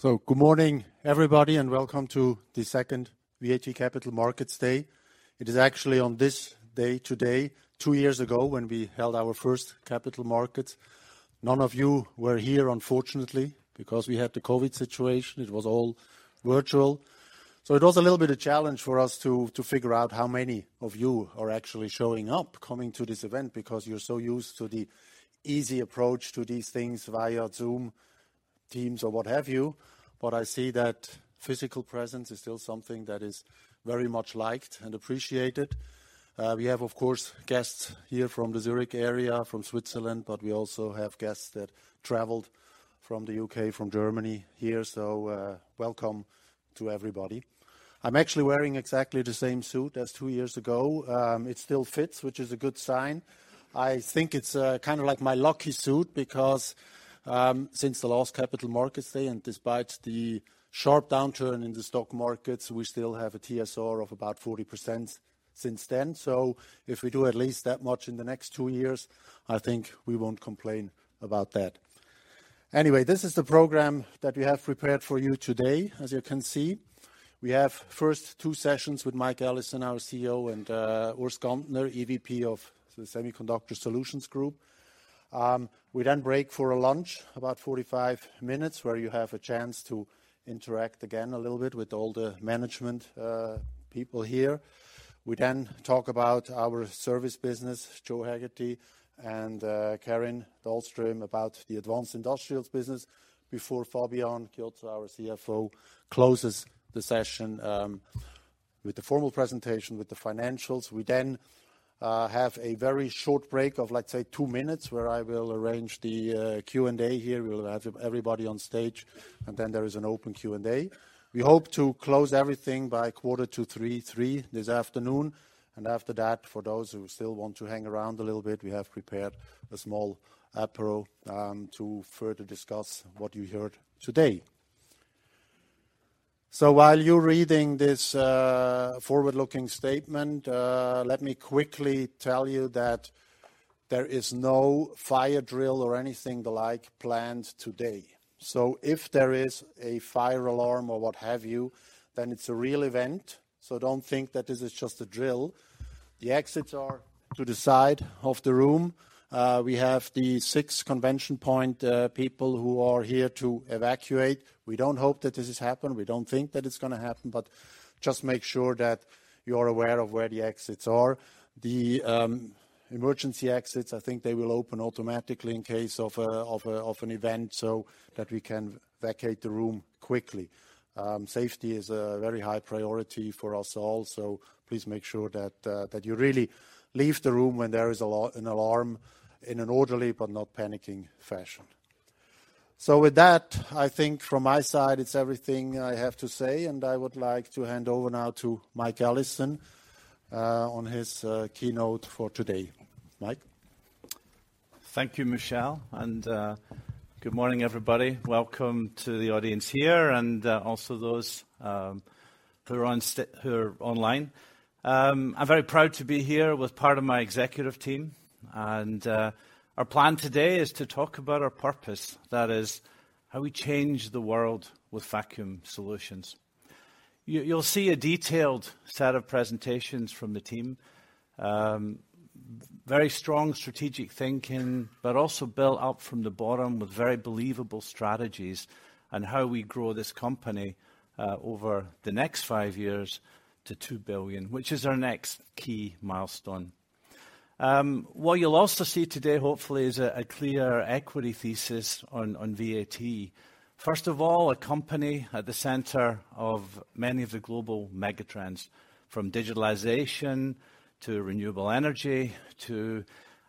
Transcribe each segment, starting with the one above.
Good morning, everybody, and welcome to the second VAT Capital Markets Day. It is actually on this day today, two years ago, when we held our first capital markets. None of you were here, unfortunately, because we had the COVID situation. It was all virtual. It was a little bit of challenge for us to figure out how many of you are actually showing up coming to this event, because you're so used to the easy approach to these things via Zoom, Teams or what have you. I see that physical presence is still something that is very much liked and appreciated. We have, of course, guests here from the Zurich area, from Switzerland, but we also have guests that traveled from the U.K., from Germany here. Welcome to everybody. I'm actually wearing exactly the same suit as two years ago. It still fits, which is a good sign. I think it's kind of like my lucky suit because since the last Capital Markets Day, and despite the sharp downturn in the stock markets, we still have a TSR of about 40% since then. If we do at least that much in the next two years, I think we won't complain about that. This is the program that we have prepared for you today, as you can see. We have first two sessions with Mike Allison, our CEO, and Urs Gantner, EVP of the Semiconductor Solutions Group. We then break for a lunch, about 45 minutes, where you have a chance to interact again a little bit with all the management people here. We talk about our service business, Joe Haggerty and Karin Dahlström about the Advanced Industrials business before Fabian Chiozza, our CFO, closes the session with the formal presentation with the financials. We have a very short break of, let's say, two minutes where I will arrange the Q&A here. We'll have everybody on stage, then there is an open Q&A. We hope to close everything by quarter to three this afternoon. After that, for those who still want to hang around a little bit, we have prepared a small apéro to further discuss what you heard today. While you're reading this forward-looking statement, let me quickly tell you that there is no fire drill or anything the like planned today. If there is a fire alarm or what have you, then it's a real event. Don't think that this is just a drill. The exits are to the side of the room. We have the six convention point people who are here to evacuate. We don't hope that this has happened. We don't think that it's gonna happen, but just make sure that you're aware of where the exits are. The emergency exits, I think they will open automatically in case of an event, so that we can vacate the room quickly. Safety is a very high priority for us all. Please make sure that you really leave the room when there is an alarm in an orderly but not panicking fashion. With that, I think from my side, it's everything I have to say, and I would like to hand over now to Mike Allison, on his keynote for today. Mike. Thank you, Michel. Good morning, everybody. Welcome to the audience here and also those who are online. I'm very proud to be here with part of my executive team. Our plan today is to talk about our purpose. That is, how we change the world with vacuum solutions. You'll see a detailed set of presentations from the team. Very strong strategic thinking, but also built up from the bottom with very believable strategies on how we grow this company over the next five years to 2 billion, which is our next key milestone. What you'll also see today, hopefully, is a clear equity thesis on VAT. First of all, a company at the center of many of the global megatrends, from digitalization to renewable energy, to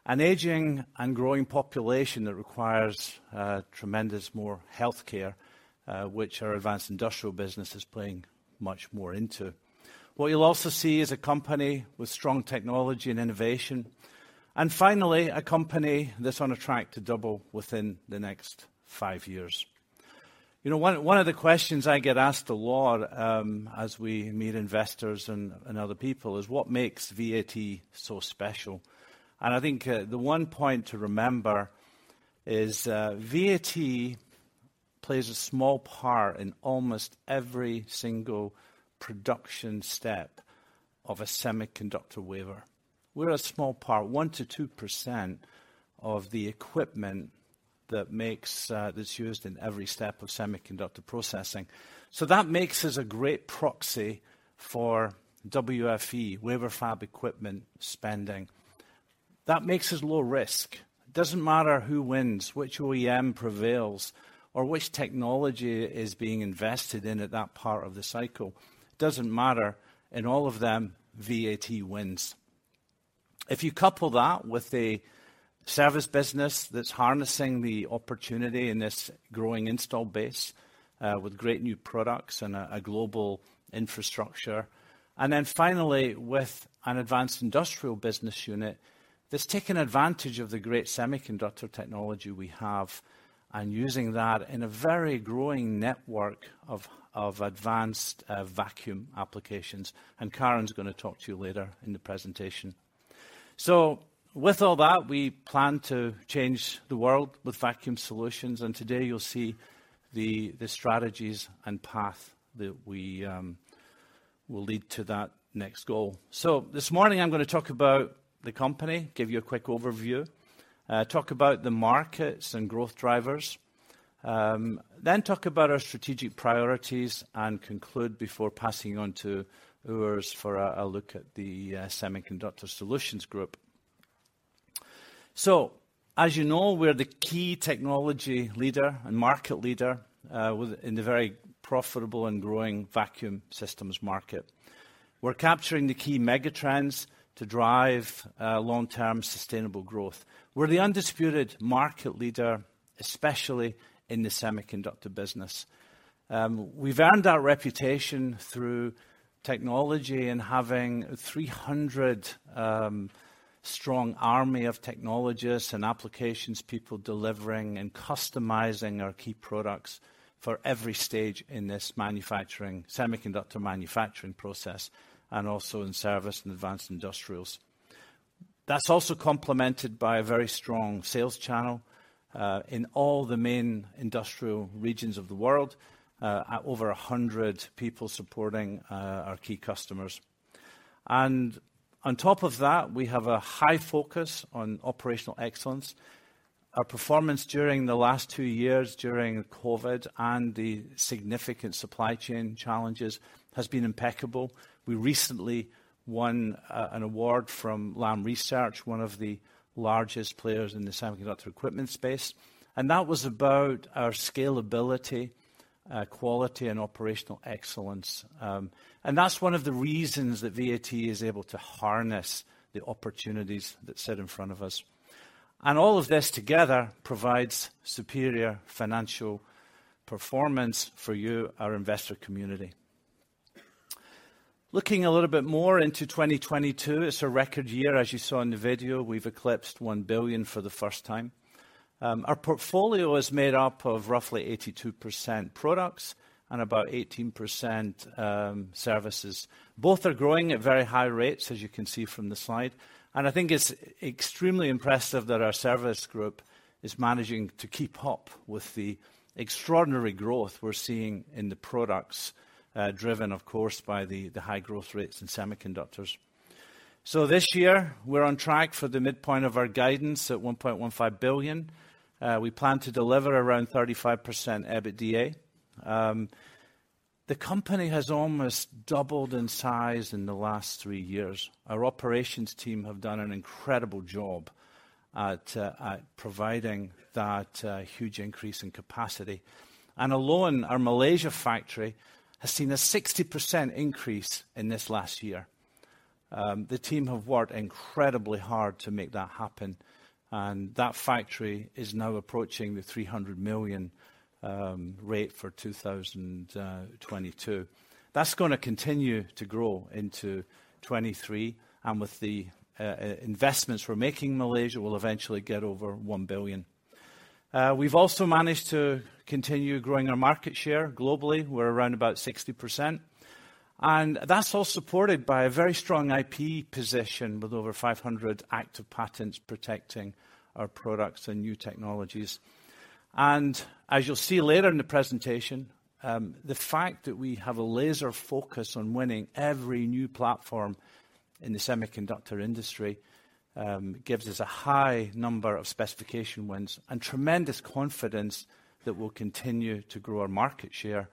an aging and growing population that requires tremendous more healthcare, which our Advanced Industrials business is playing much more into. What you'll also see is a company with strong technology and innovation. Finally, a company that's on a track to double within the next five years. You know, one of the questions I get asked a lot, as we meet investors and other people is what makes VAT so special? I think the one point to remember is VAT plays a small part in almost every single production step of a semiconductor wafer. We're a small part, 1%-2% of the equipment that makes, that's used in every step of semiconductor processing. That makes us a great proxy for WFE, wafer fab equipment spending. That makes us low risk. It doesn't matter who wins, which OEM prevails, or which technology is being invested in at that part of the cycle. It doesn't matter. In all of them, VAT wins. If you couple that with a service business that's harnessing the opportunity in this growing install base, with great new products and a global infrastructure, and then finally with an Advanced Industrials business unit that's taken advantage of the great semiconductor technology we have and using that in a very growing network of advanced vacuum applications. Karin's gonna talk to you later in the presentation. With all that, we plan to change the world with vacuum solutions, and today you'll see the strategies and path that we will lead to that next goal. This morning I'm gonna talk about the company, give you a quick overview, talk about the markets and growth drivers, then talk about our strategic priorities and conclude before passing on to Urs for a look at the Semiconductor Solutions Group. As you know, we're the key technology leader and market leader, in the very profitable and growing vacuum systems market. We're capturing the key mega trends to drive long-term sustainable growth. We're the undisputed market leader, especially in the semiconductor business. We've earned our reputation through technology and having 300 strong army of technologists and applications people delivering and customizing our key products for every stage in this manufacturing, semiconductor manufacturing process, and also in service and Advanced Industrials. That's also complemented by a very strong sales channel, in all the main industrial regions of the world, at over 100 people supporting our key customers. On top of that, we have a high focus on operational excellence. Our performance during the last two years during COVID and the significant supply chain challenges has been impeccable. We recently won an award from Lam Research, one of the largest players in the semiconductor equipment space, and that was about our scalability, quality, and operational excellence. That's one of the reasons that VAT is able to harness the opportunities that sit in front of us. All of this together provides superior financial performance for you, our investor community. Looking a little bit more into 2022, it's a record year, as you saw in the video. We've eclipsed 1 billion for the first time. Our portfolio is made up of roughly 82% products and about 18% services. Both are growing at very high rates, as you can see from the slide, and I think it's extremely impressive that our service group is managing to keep up with the extraordinary growth we're seeing in the products, driven of course by the high growth rates in semiconductors. This year we're on track for the midpoint of our guidance at 1.15 billion. We plan to deliver around 35% EBITDA. The company has almost doubled in size in the last three years. Our operations team have done an incredible job at providing that huge increase in capacity. Alone, our Malaysia factory has seen a 60% increase in this last year. The team have worked incredibly hard to make that happen, and that factory is now approaching the 300 million rate for 2022. That's gonna continue to grow into 2023, and with the investments we're making in Malaysia, we'll eventually get over 1 billion. We've also managed to continue growing our market share globally. We're around about 60%, and that's all supported by a very strong IP position with over 500 active patents protecting our products and new technologies. As you'll see later in the presentation, the fact that we have a laser focus on winning every new platform in the semiconductor industry, gives us a high number of specification wins and tremendous confidence that we'll continue to grow our market share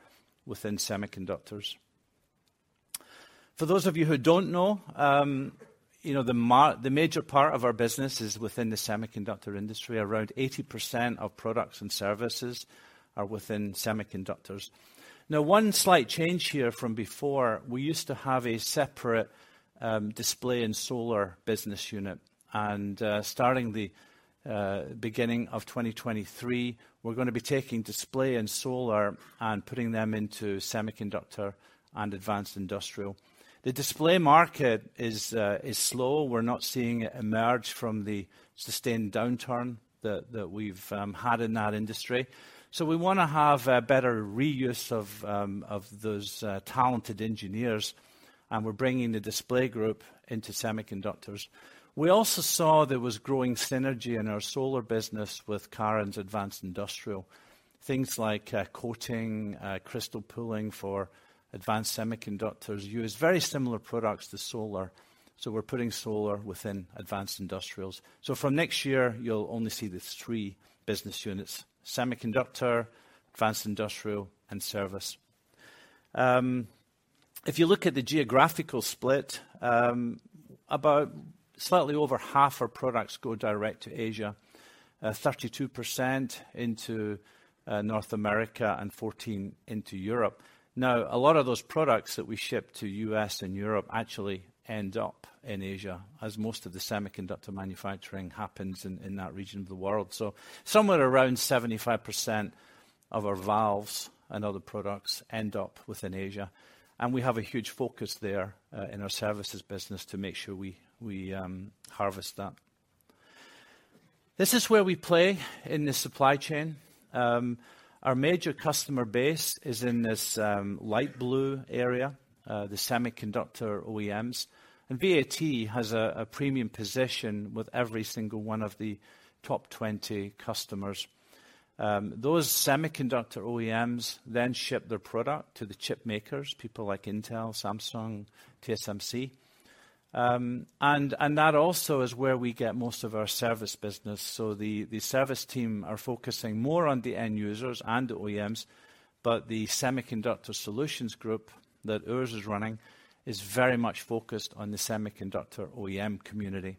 within semiconductors. For those of you who don't know, you know, the major part of our business is within the semiconductor industry. Around 80% of products and services are within semiconductors. One slight change here from before, we used to have a separate display and solar business unit, and starting the beginning of 2023, we're gonna be taking display and solar and putting them into Semiconductor and Advanced Industrials. The display market is slow. We're not seeing it emerge from the sustained downturn that we've had in that industry. We wanna have a better reuse of those talented engineers, and we're bringing the display group into Semiconductors. We also saw there was growing synergy in our solar business with Karin's Advanced Industrials. Things like coating, crystal pulling for advanced semiconductors use very similar products to solar, so we're putting solar within Advanced Industrials. From next year you'll only see the three business units: Semiconductor, Advanced Industrial, and Service. If you look at the geographical split, about slightly over half our products go direct to Asia, 32% into North America, and 14% into Europe. A lot of those products that we ship to U.S. and Europe actually end up in Asia as most of the semiconductor manufacturing happens in that region of the world. Somewhere around 75% of our valves and other products end up within Asia, and we have a huge focus there in our services business to make sure we harvest that. This is where we play in the supply chain. Our major customer base is in this light blue area, the semiconductor OEMs. VAT has a premium position with every single one of the top 20 customers. Those semiconductor OEMs then ship their product to the chip makers, people like Intel, Samsung, TSMC. That also is where we get most of our service business. The service team are focusing more on the end users and the OEMs, but the Semiconductor Solutions Group that Urs is running is very much focused on the semiconductor OEM community.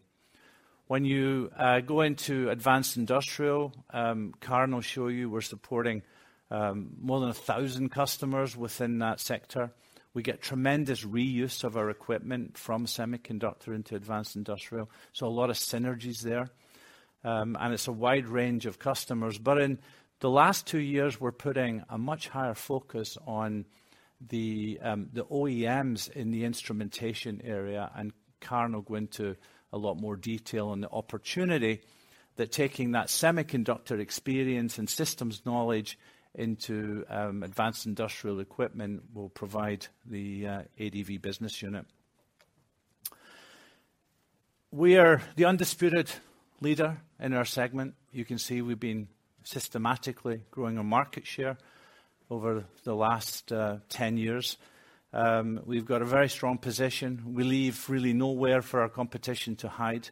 When you go into Advanced Industrials, Karin will show you we're supporting more than 1,000 customers within that sector. We get tremendous reuse of our equipment from semiconductor into Advanced Industrials, a lot of synergies there. It's a wide range of customers. In the last two years, we're putting a much higher focus on the OEMs in the instrumentation area, and Karin will go into a lot more detail on the opportunity that taking that semiconductor experience and systems knowledge into advanced industrial equipment will provide the ADV business unit. We are the undisputed leader in our segment. You can see we've been systematically growing our market share over the last 10 years. We've got a very strong position. We leave really nowhere for our competition to hide.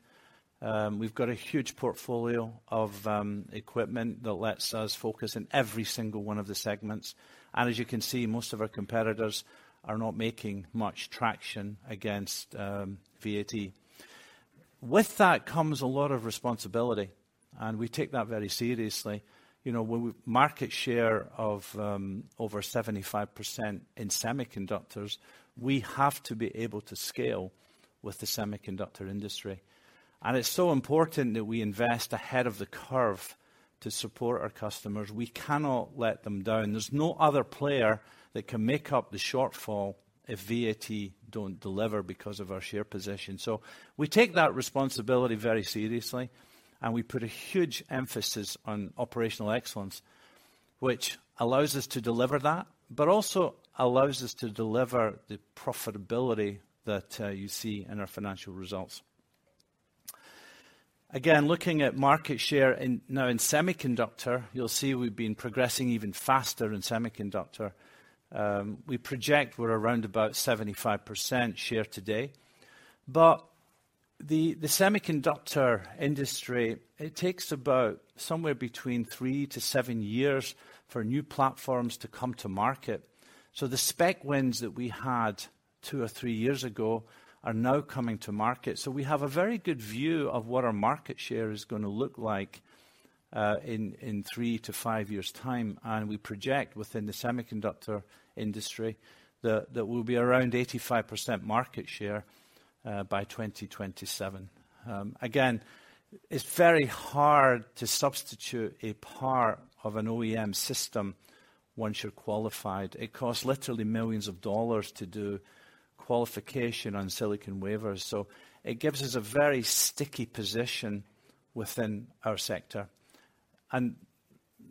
We've got a huge portfolio of equipment that lets us focus in every single one of the segments. As you can see, most of our competitors are not making much traction against VAT. With that comes a lot of responsibility, and we take that very seriously. You know, with market share of over 75% in semiconductors, we have to be able to scale with the semiconductor industry. It's so important that we invest ahead of the curve to support our customers. We cannot let them down. There's no other player that can make up the shortfall if VAT don't deliver because of our share position. We take that responsibility very seriously, and we put a huge emphasis on operational excellence, which allows us to deliver that, but also allows us to deliver the profitability that you see in our financial results. Again, looking at market share in, now in semiconductor, you'll see we've been progressing even faster in semiconductor. We project we're around about 75% share today. The semiconductor industry, it takes about somewhere between three to seven years for new platforms to come to market. The spec wins that we had two or three years ago are now coming to market. We have a very good view of what our market share is gonna look like in three to five years' time. We project within the semiconductor industry that we'll be around 85% market share by 2027. Again, it's very hard to substitute a part of an OEM system once you're qualified. It costs literally millions of dollars to do qualification on silicon wafers. It gives us a very sticky position within our sector.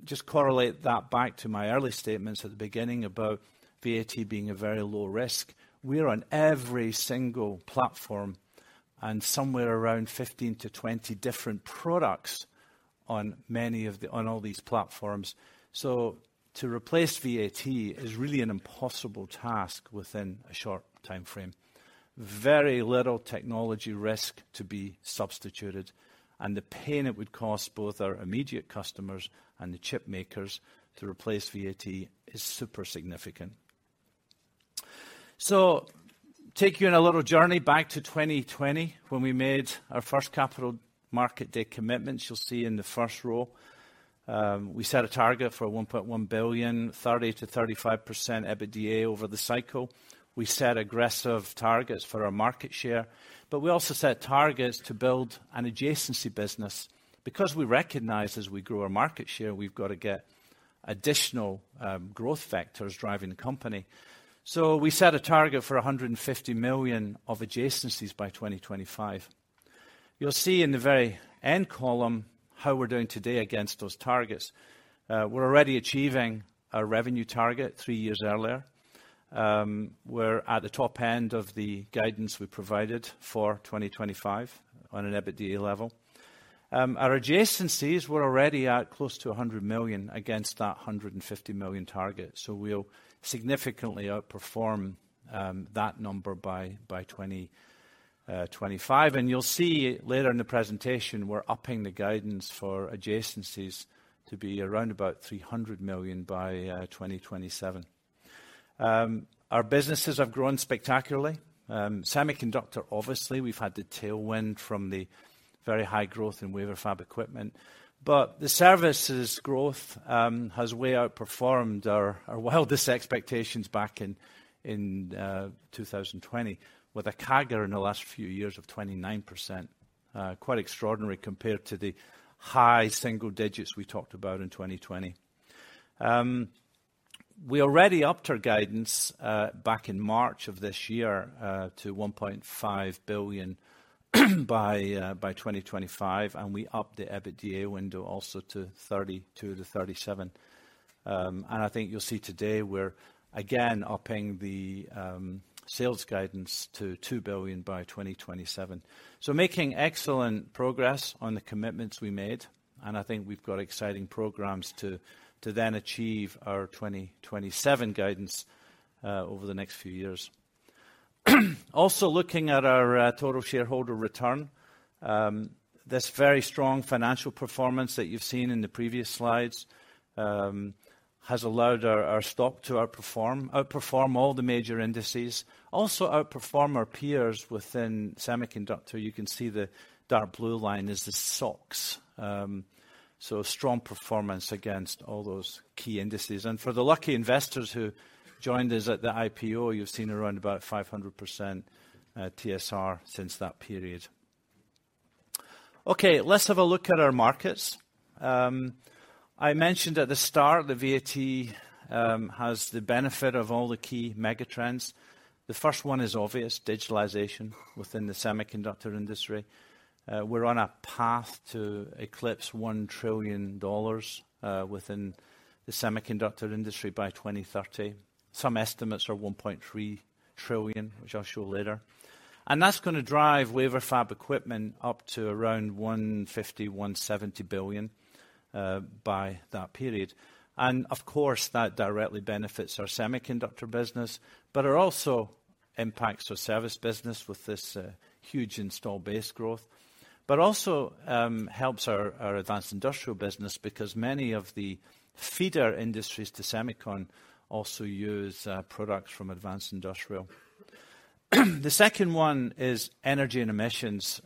Just correlate that back to my early statements at the beginning about VAT being a very low risk. We're on every single platform and somewhere around 15-20 different products on all these platforms. To replace VAT is really an impossible task within a short timeframe. Very little technology risk to be substituted, and the pain it would cost both our immediate customers and the chip makers to replace VAT is super significant. Take you on a little journey back to 2020 when we made our first Capital Market Day commitments. You'll see in the first row, we set a target for $1.1 billion, 30%-35% EBITDA over the cycle. We set aggressive targets for our market share, but we also set targets to build an adjacency business. We recognize as we grow our market share, we've got to get additional growth vectors driving the company. We set a target for $150 million of adjacencies by 2025. You'll see in the very end column how we're doing today against those targets. We're already achieving our revenue target three years earlier. We're at the top end of the guidance we provided for 2025 on an EBITDA level. Our adjacencies, we're already at close to 100 million against that 150 million target. We'll significantly outperform that number by 2025. You'll see later in the presentation, we're upping the guidance for adjacencies to be around about 300 million by 2027. Our businesses have grown spectacularly. Semiconductor, obviously, we've had the tailwind from the very high growth in wafer fab equipment. The services growth has way outperformed our wildest expectations back in 2020, with a CAGR in the last few years of 29%. Quite extraordinary compared to the high single digits we talked about in 2020. We already upped our guidance back in March of this year to 1.5 billion by 2025, and we upped the EBITDA window also to 32%-37%. I think you'll see today we're again upping the sales guidance to 2 billion by 2027. Making excellent progress on the commitments we made, and I think we've got exciting programs to then achieve our 2027 guidance over the next few years. Also, looking at our total shareholder return, this very strong financial performance that you've seen in the previous slides has allowed our stock to outperform all the major indices. Also outperform our peers within semiconductor. You can see the dark blue line is the SOX. A strong performance against all those key indices. For the lucky investors who joined us at the IPO, you've seen around about 500% TSR since that period. Okay, let's have a look at our markets. I mentioned at the start that VAT has the benefit of all the key megatrends. The first one is obvious, digitalization within the semiconductor industry. We're on a path to eclipse $1 trillion within the semiconductor industry by 2030. Some estimates are $1.3 trillion, which I'll show later. That's gonna drive wafer fab equipment up to around $150 billion-$170 billion by that period. Of course, that directly benefits our semiconductor business, but it also impacts our service business with this huge install base growth. Also, helps our Advanced Industrials business because many of the feeder industries to semicon also use products from Advanced Industrials. The second one is energy and emissions.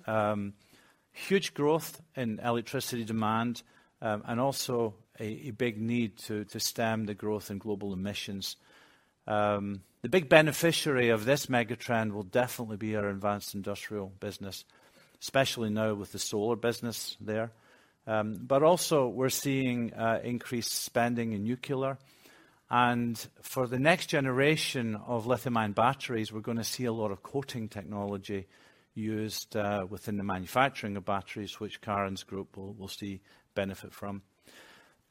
Huge growth in electricity demand, and also a big need to stem the growth in global emissions. The big beneficiary of this megatrend will definitely be our Advanced Industrials business, especially now with the solar business there. Also, we're seeing increased spending in nuclear. For the next generation of lithium-ion batteries, we're gonna see a lot of coating technology used within the manufacturing of batteries, which Karin's group will see benefit from.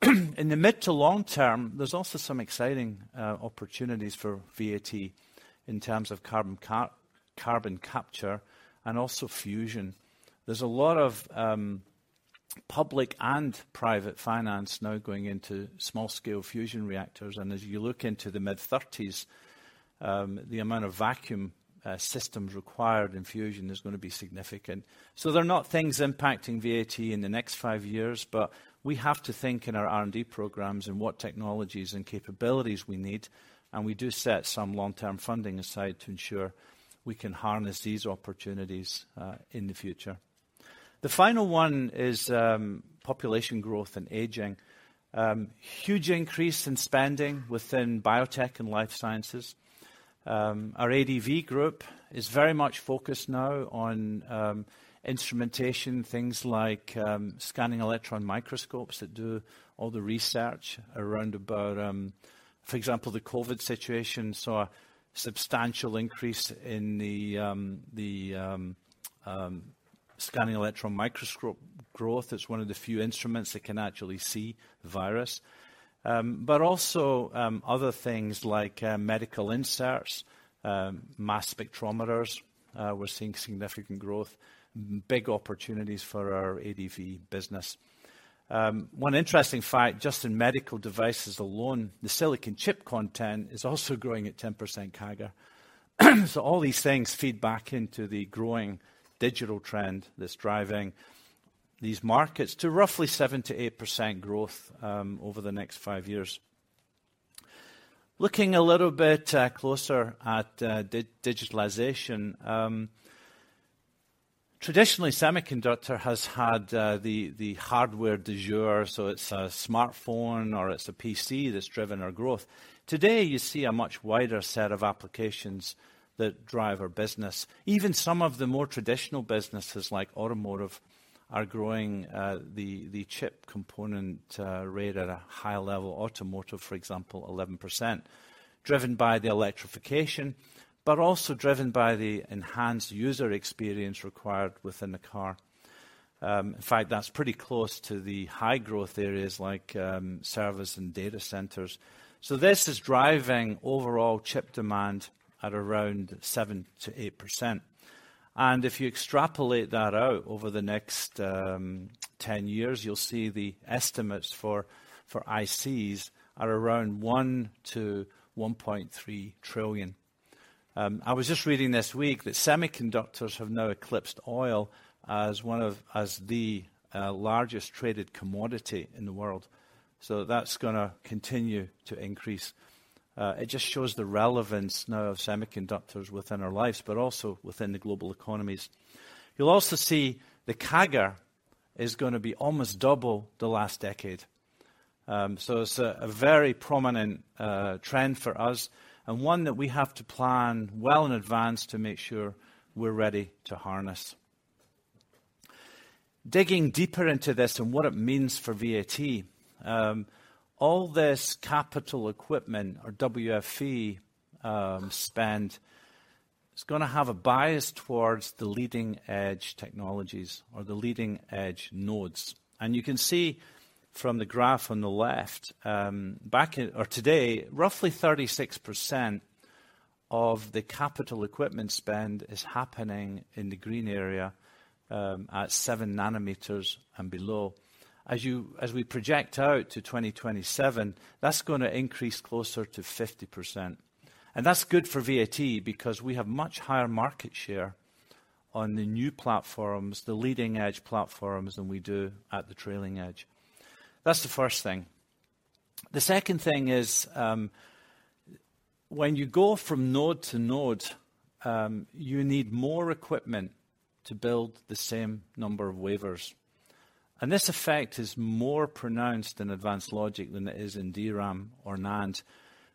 In the mid to long term, there's also some exciting opportunities for VAT in terms of carbon capture and also fusion. There's a lot of public and private finance now going into small-scale fusion reactors. As you look into the mid-30s, the amount of vacuum systems required in fusion is gonna be significant. They're not things impacting VAT in the next five years, but we have to think in our R&D programs and what technologies and capabilities we need. We do set some long-term funding aside to ensure we can harness these opportunities in the future. The final one is population growth and aging. Huge increase in spending within biotech and life sciences. Our ADV group is very much focused now on instrumentation, things like scanning electron microscopes that do all the research around about, for example, the COVID situation, saw a substantial increase in the scanning electron microscope growth. It's one of the few instruments that can actually see the virus. Also, other things like medical inserts, mass spectrometers, we're seeing significant growth. Big opportunities for our ADV business. One interesting fact, just in medical devices alone, the silicon chip content is also growing at 10% CAGR. All these things feed back into the growing digital trend that's driving these markets to roughly 7%-8% growth over the next five years. Looking a little bit closer at digitalization, traditionally, semiconductor has had the hardware du jour, so it's a smartphone or it's a PC that's driven our growth. Today, you see a much wider set of applications that drive our business. Even some of the more traditional businesses like automotive are growing, the chip component, rate at a high level. Automotive, for example, 11%, driven by the electrification, but also driven by the enhanced user experience required within the car. In fact, that's pretty close to the high growth areas like, servers and data centers. This is driving overall chip demand at around 7%-8%. If you extrapolate that out over the next, 10 years, you'll see the estimates for ICs are around $1 trillion-$1.3 trillion. I was just reading this week that semiconductors have now eclipsed oil as one of, as the, largest traded commodity in the world. That's gonna continue to increase. It just shows the relevance now of semiconductors within our lives, but also within the global economies. You'll also see the CAGR is gonna be almost double the last decade. So it's a very prominent trend for us and one that we have to plan well in advance to make sure we're ready to harness. Digging deeper into this and what it means for VAT, all this capital equipment or WFE spend is gonna have a bias towards the leading-edge technologies or the leading-edge nodes. You can see from the graph on the left, or today, roughly 36% of the capital equipment spend is happening in the green area, at 7 nm and below. As we project out to 2027, that's gonna increase closer to 50%. That's good for VAT because we have much higher market share on the new platforms, the leading-edge platforms than we do at the trailing edge. That's the first thing. The second thing is, when you go from node to node, you need more equipment to build the same number of wafers. This effect is more pronounced in advanced logic than it is in DRAM or NAND.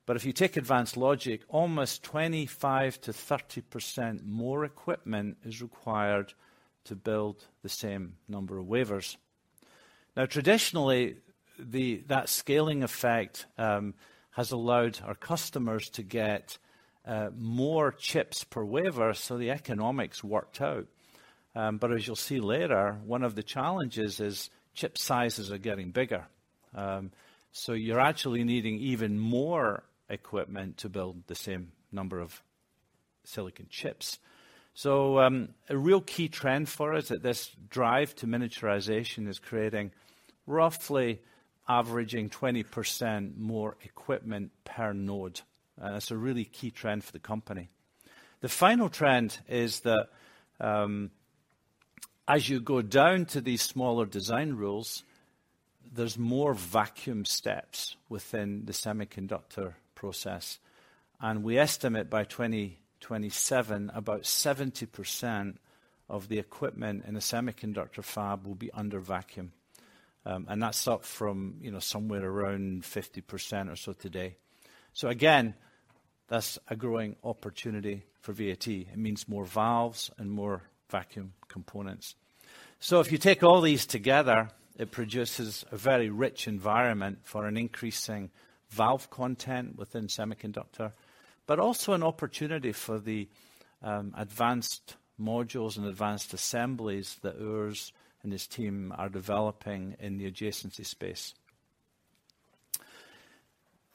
If you take advanced logic, almost 25%-30% more equipment is required to build the same number of wafers. Traditionally, that scaling effect has allowed our customers to get more chips per wafer, so the economics worked out. As you'll see later, one of the challenges is chip sizes are getting bigger. You're actually needing even more equipment to build the same number of silicon chips. A real key trend for us at this drive to miniaturization is creating roughly averaging 20% more equipment per node. It's a really key trend for the company. The final trend is that, as you go down to these smaller design rules, there's more vacuum steps within the semiconductor process, and we estimate by 2027, about 70% of the equipment in a semiconductor fab will be under vacuum. That's up from, you know, somewhere around 50% or so today. Again, that's a growing opportunity for VAT. It means more valves and more vacuum components. If you take all these together, it produces a very rich environment for an increasing valve content within semiconductor, but also an opportunity for the advanced modules and advanced assemblies that Urs and his team are developing in the adjacency space.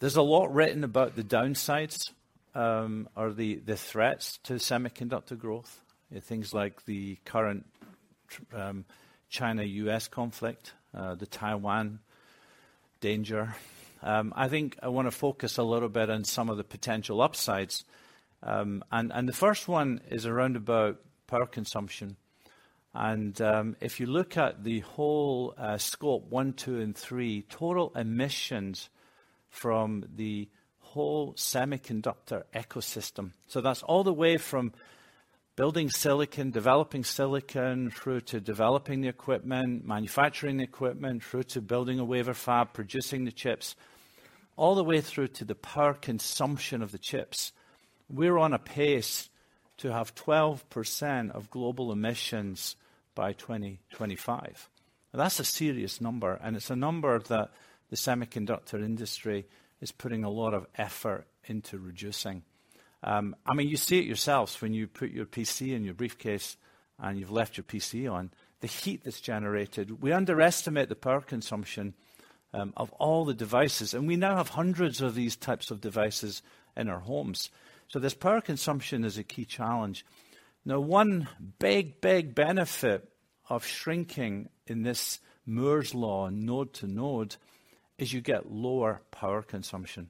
There's a lot written about the downsides, or the threats to semiconductor growth, things like the current China-U.S. conflict, the Taiwan danger. I think I wanna focus a little bit on some of the potential upsides. The first one is around about power consumption, and, if you look at the whole Scope 1, 2, and 3, total emissions from the whole semiconductor ecosystem. That's all the way from building silicon, developing silicon, through to developing the equipment, manufacturing the equipment, through to building a wafer fab, producing the chips, all the way through to the power consumption of the chips. We're on a pace to have 12% of global emissions by 2025. That's a serious number, and it's a number that the semiconductor industry is putting a lot of effort into reducing. You see it yourselves when you put your PC in your briefcase and you've left your PC on, the heat that's generated. We underestimate the power consumption of all the devices, and we now have hundreds of these types of devices in our homes. This power consumption is a key challenge. One big, big benefit of shrinking in this Moore's Law node to node is you get lower power consumption.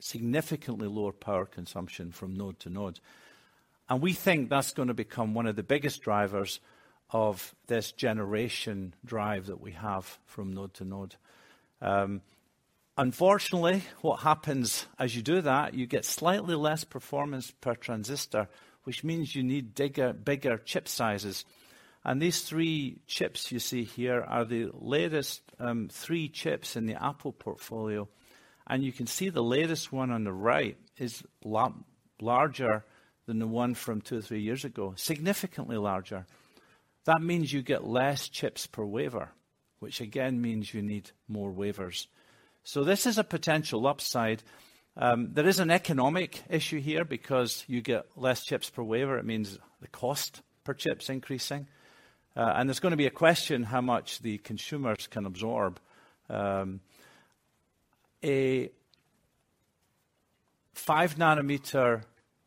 Significantly lower power consumption from node to node. We think that's gonna become one of the biggest drivers of this generation drive that we have from node to node. Unfortunately, what happens as you do that, you get slightly less performance per transistor, which means you need bigger chip sizes. These three chips you see here are the latest, three chips in the Apple portfolio, and you can see the latest one on the right is larger than the one from two, three years ago, significantly larger. That means you get less chips per wafer, which again, means you need more wafers. This is a potential upside. There is an economic issue here because you get less chips per wafer, it means the cost per chip's increasing. There's gonna be a question how much the consumers can absorb. A 5 nm,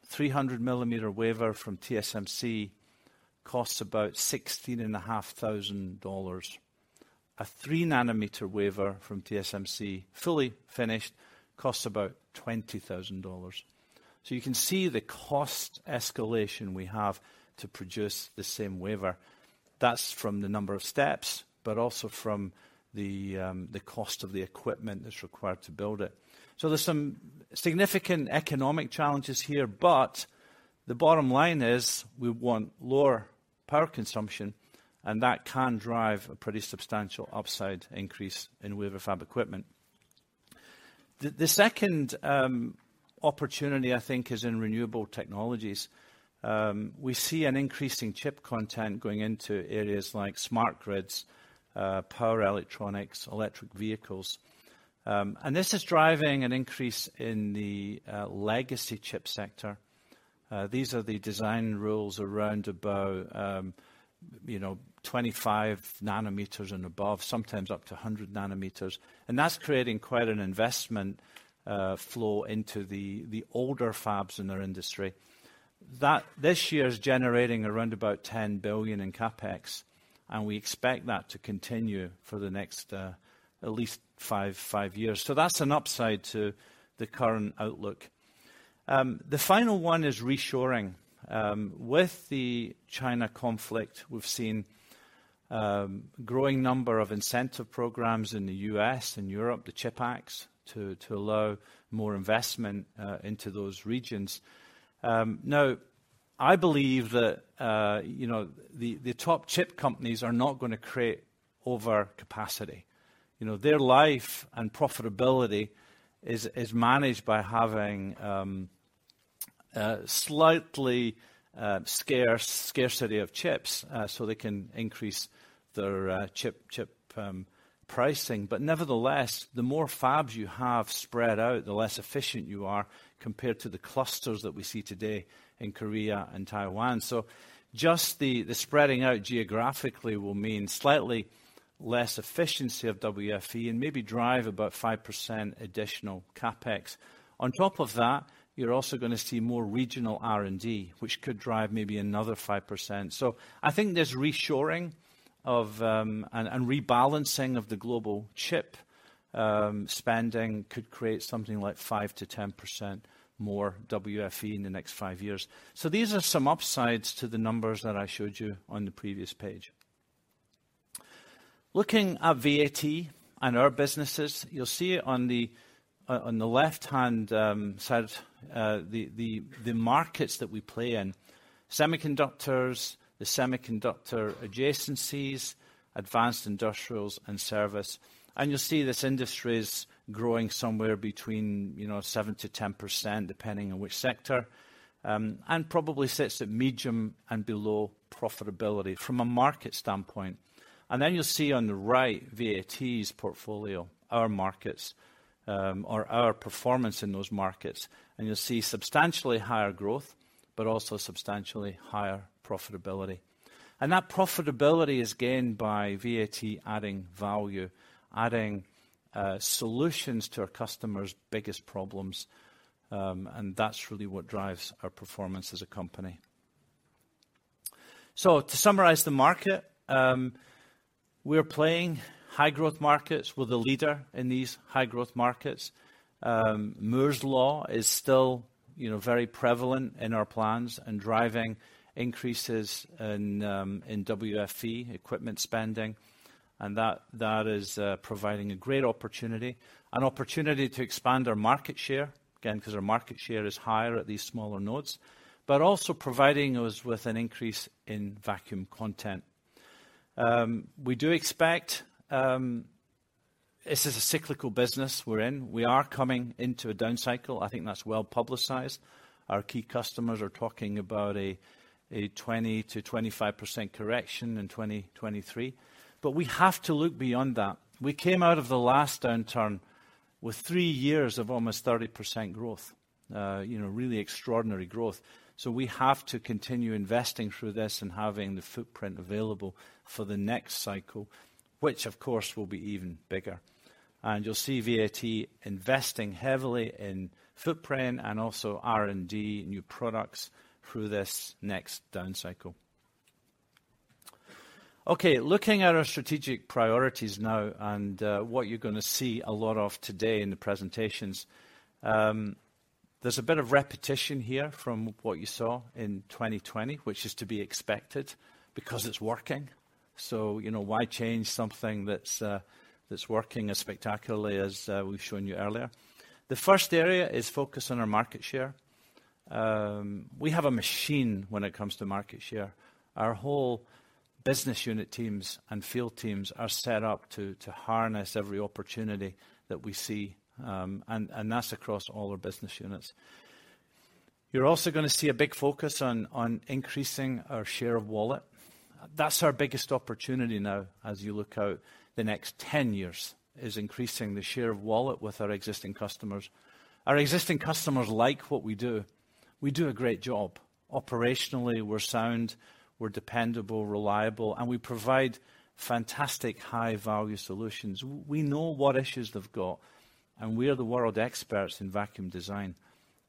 300 mm wafer from TSMC costs about $16,500. A 3 nm wafer from TSMC, fully finished, costs about $20,000. You can see the cost escalation we have to produce the same wafer. That's from the number of steps, but also from the cost of the equipment that's required to build it. There's some significant economic challenges here, but the bottom line is we want lower power consumption, and that can drive a pretty substantial upside increase in wafer fab equipment. The second opportunity I think is in renewable technologies. We see an increasing chip content going into areas like smart grids, power electronics, electric vehicles. This is driving an increase in the legacy chip sector. These are the design rules around about, you know, 25 nm and above, sometimes up to 100 nm, and that's creating quite an investment flow into the older fabs in our industry. This year is generating around about $10 billion in CapEx, and we expect that to continue for the next at least five years. That's an upside to the current outlook. The final one is reshoring. With the China conflict, we've seen growing number of incentive programs in the U.S. and Europe, the CHIPS Acts, to allow more investment into those regions. Now, I believe that, you know, the top chip companies are not gonna create over capacity. You know, their life and profitability is managed by having a slightly scarcity of chips, so they can increase their chip pricing. Nevertheless, the more fabs you have spread out, the less efficient you are compared to the clusters that we see today in Korea and Taiwan. Just the spreading out geographically will mean slightly less efficiency of WFE and maybe drive about 5% additional CapEx. On top of that, you're also gonna see more regional R&D, which could drive maybe another 5%. I think this reshoring of and rebalancing of the global chip spending could create something like 5%-10% more WFE in the next five years. These are some upsides to the numbers that I showed you on the previous page. Looking at VAT and our businesses, you'll see on the left-hand side the markets that we play in. Semiconductors, the semiconductor adjacencies, Advanced Industrials, and service, you'll see this industry is growing somewhere between, you know, 7%-10%, depending on which sector, and probably sits at medium and below profitability from a market standpoint. You'll see on the right, VAT's portfolio, our markets, or our performance in those markets, you'll see substantially higher growth, but also substantially higher profitability. That profitability is gained by VAT adding value, adding solutions to our customers' biggest problems, that's really what drives our performance as a company. To summarize the market, we're playing high growth markets. We're the leader in these high growth markets. Moore's Law is still, you know, very prevalent in our plans and driving increases in WFE, equipment spending, and that is providing a great opportunity, an opportunity to expand our market share, again, because our market share is higher at these smaller nodes, but also providing us with an increase in vacuum content. We do expect. This is a cyclical business we're in. We are coming into a down cycle. I think that's well-publicized. Our key customers are talking about a 20%-25% correction in 2023. We have to look beyond that. We came out of the last downturn with three years of almost 30% growth, you know, really extraordinary growth. We have to continue investing through this and having the footprint available for the next cycle, which of course will be even bigger. You'll see VAT investing heavily in footprint and also R&D, new products through this next down cycle. Okay, looking at our strategic priorities now and what you're gonna see a lot of today in the presentations. There's a bit of repetition here from what you saw in 2020, which is to be expected because it's working. You know, why change something that's that's working as spectacularly as we've shown you earlier? The first area is focus on our market share. We have a machine when it comes to market share. Our whole business unit teams and field teams are set up to harness every opportunity that we see, and that's across all our business units. You're also gonna see a big focus on increasing our share of wallet. That's our biggest opportunity now as you look out the next 10 years, is increasing the share of wallet with our existing customers. Our existing customers like what we do. We do a great job. Operationally, we're sound, we're dependable, reliable, and we provide fantastic high-value solutions. We know what issues they've got, and we're the world experts in vacuum design,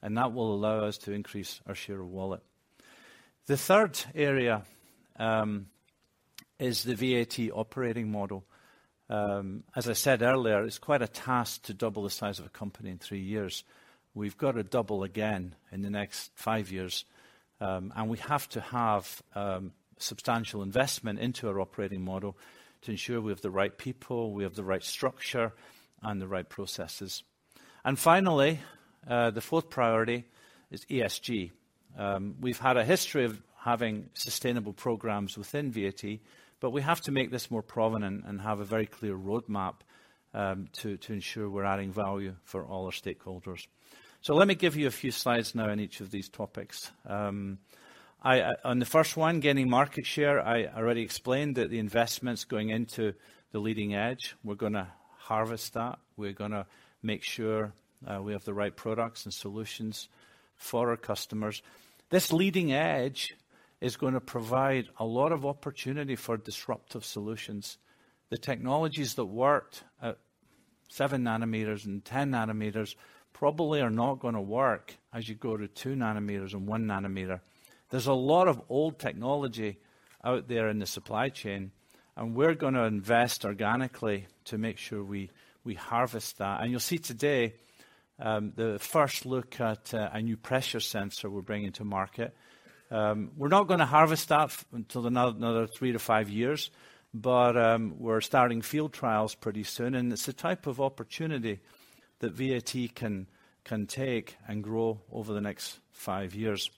and that will allow us to increase our share of wallet. The third area is the VAT operating model. As I said earlier, it's quite a task to double the size of a company in three years. We've got to double again in the next five years, and we have to have substantial investment into our operating model to ensure we have the right people, we have the right structure, and the right processes. Finally, the fourth priority is ESG. We've had a history of having sustainable programs within VAT, but we have to make this more prominent and have a very clear roadmap to ensure we're adding value for all our stakeholders. Let me give you a few slides now on each of these topics. On the first one, gaining market share, I already explained that the investment's going into the leading edge. We're gonna harvest that. We're gonna make sure we have the right products and solutions for our customers. This leading edge is gonna provide a lot of opportunity for disruptive solutions. The technologies that worked at 7 nm and 10 nm probably are not gonna work as you go to 2 nm and 1 nm. There's a lot of old technology out there in the supply chain, and we're gonna invest organically to make sure we harvest that. You'll see today, the first look at a new pressure sensor we're bringing to market. We're not gonna harvest that until another three to five years, but we're starting field trials pretty soon, and it's the type of opportunity that VAT can take and grow over the next five years.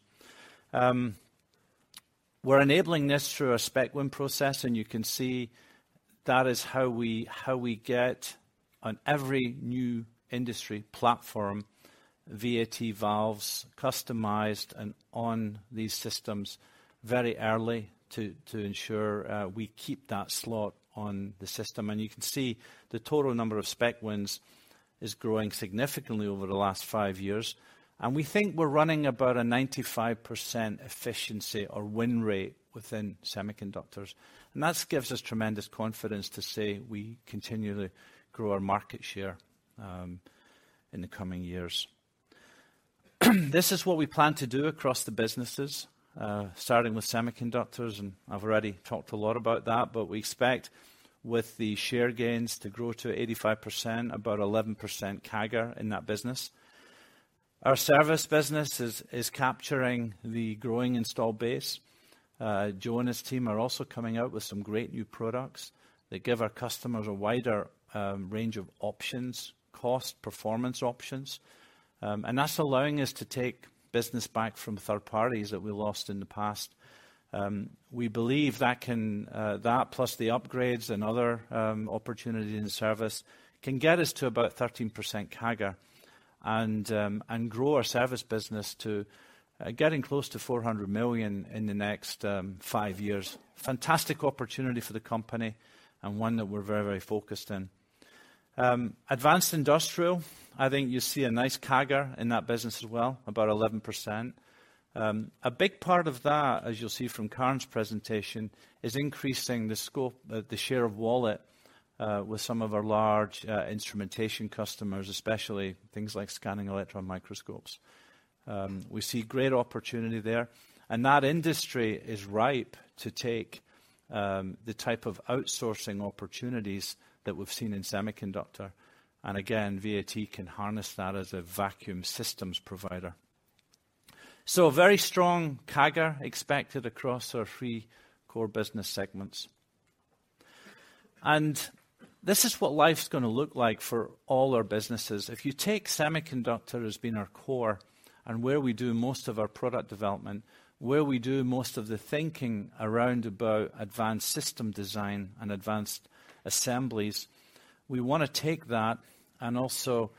We're enabling this through our spec win process, you can see that is how we get on every new industry platform, VAT valves customized and on these systems very early to ensure we keep that slot on the system. You can see the total number of spec wins is growing significantly over the last five years. We think we're running about a 95% efficiency or win rate within semiconductors. That gives us tremendous confidence to say we continually grow our market share in the coming years. This is what we plan to do across the businesses, starting with semiconductors, and I've already talked a lot about that. We expect with the share gains to grow to 85%, about 11% CAGR in that business. Our service business is capturing the growing installed base. Joe and his team are also coming out with some great new products that give our customers a wider range of options, cost, performance options. That's allowing us to take business back from third parties that we lost in the past. We believe that can, that plus the upgrades and other opportunities in service can get us to about 13% CAGR and grow our service business to getting close to 400 million in the next five years. Fantastic opportunity for the company and one that we're very, very focused in. Advanced Industrials, I think you see a nice CAGR in that business as well, about 11%. A big part of that, as you'll see from Karin's presentation, is increasing the scope, the share of wallet, with some of our large instrumentation customers, especially things like scanning electron microscopes. We see great opportunity there, and that industry is ripe to take the type of outsourcing opportunities that we've seen in semiconductor. VAT can harness that as a vacuum systems provider. A very strong CAGR expected across our three core business segments. This is what life's going to look like for all our businesses. If you take Semiconductor as being our core and where we do most of our product development, where we do most of the thinking around about advanced system design and advanced assemblies, we want to take that and also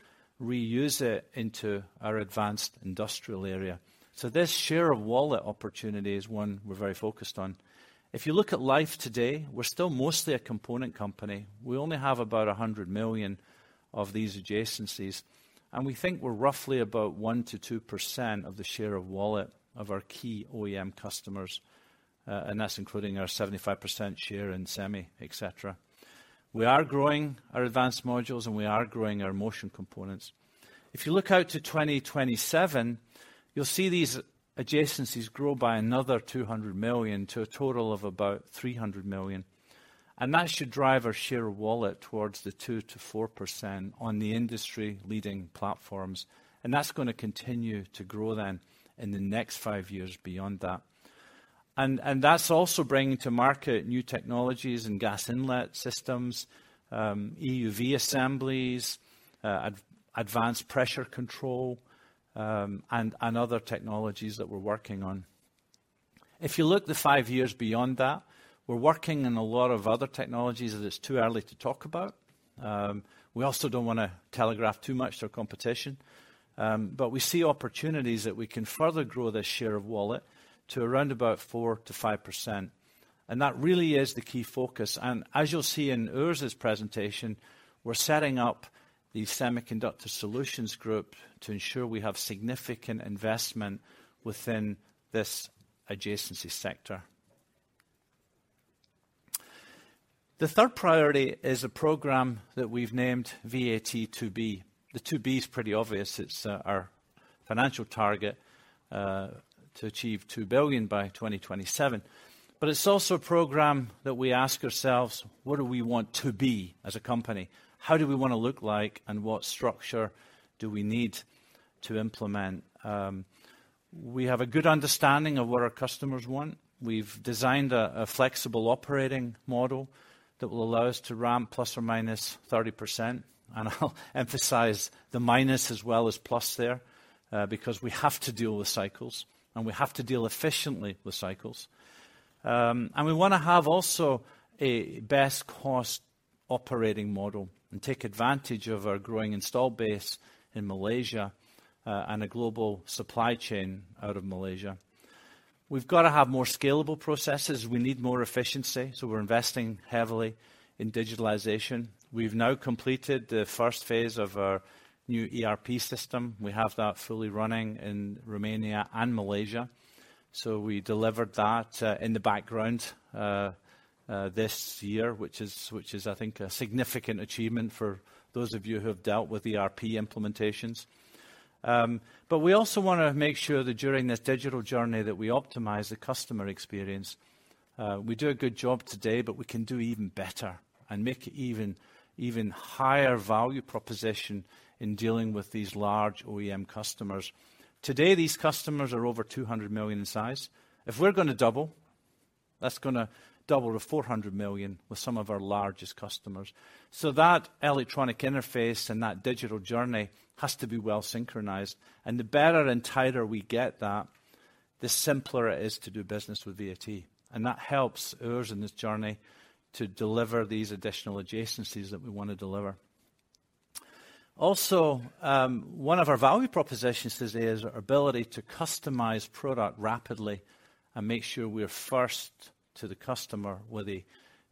reuse it into our Advanced Industrials area. This share of wallet opportunity is one we're very focused on. If you look at life today, we're still mostly a component company. We only have about 100 million of these adjacencies, and we think we're roughly about 1%-2% of the share of wallet of our key OEM customers, and that's including our 75% share in semi, et cetera. We are growing our advanced modules, and we are growing our motion components. If you look out to 2027, you'll see these adjacencies grow by another 200 million to a total of about 300 million, that should drive our share of wallet towards the 2%-4% on the industry leading platforms. That's gonna continue to grow then in the next five years beyond that. That's also bringing to market new technologies and gas inlet systems, EUV assemblies, advanced pressure control, and other technologies that we're working on. If you look the five years beyond that, we're working on a lot of other technologies that it's too early to talk about. We also don't wanna telegraph too much to our competition. We see opportunities that we can further grow the share of wallet to around about 4%-5%. That really is the key focus. As you'll see in Urs' presentation, we're setting up the Semiconductor Solutions Group to ensure we have significant investment within this adjacency sector. The third priority is a program that we've named VAT2B. The 2B is pretty obvious. It's our financial target to achieve 2 billion by 2027. It's also a program that we ask ourselves, "What do we want to be as a company? How do we wanna look like, and what structure do we need to implement?" We have a good understanding of what our customers want. We've designed a flexible operating model that will allow us to ramp ±30%. I'll emphasize the minus as well as plus there. Because we have to deal with cycles, and we have to deal efficiently with cycles. We wanna have also a best cost operating model and take advantage of our growing installed base in Malaysia, and a global supply chain out of Malaysia. We've gotta have more scalable processes. We need more efficiency, so we're investing heavily in digitalization. We've now completed the first phase of our new ERP system. We have that fully running in Romania and Malaysia, so we delivered that in the background this year, which is, I think a significant achievement for those of you who have dealt with ERP implementations. But we also wanna make sure that during this digital journey, that we optimize the customer experience. We do a good job today, but we can do even better and make it even higher value proposition in dealing with these large OEM customers. Today, these customers are over 200 million in size. If we're gonna double, that's gonna double to 400 million with some of our largest customers. That electronic interface and that digital journey has to be well synchronized, and the better and tighter we get that, the simpler it is to do business with VAT. That helps us in this journey to deliver these additional adjacencies that we wanna deliver. Also, one of our value propositions today is our ability to customize product rapidly and make sure we're first to the customer with a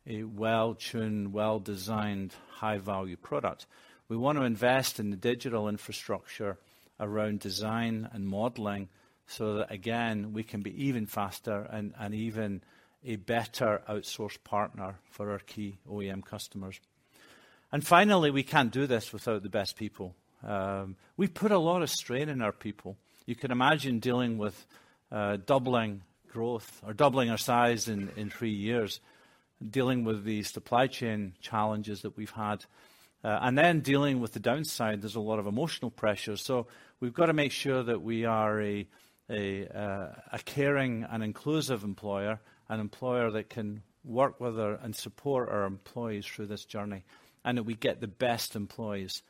well-tuned, well-designed high-value product. We want to invest in the digital infrastructure around design and modeling, so that, again, we can be even faster and even a better outsource partner for our key OEM customers. Finally, we can't do this without the best people. We've put a lot of strain on our people. You can imagine dealing with doubling growth or doubling our size in three years, and dealing with the supply chain challenges that we've had, and then dealing with the downside, there's a lot of emotional pressure. We've gotta make sure that we are a caring and inclusive employer, an employer that can work with our and support our employees through this journey, and that we get the best employees,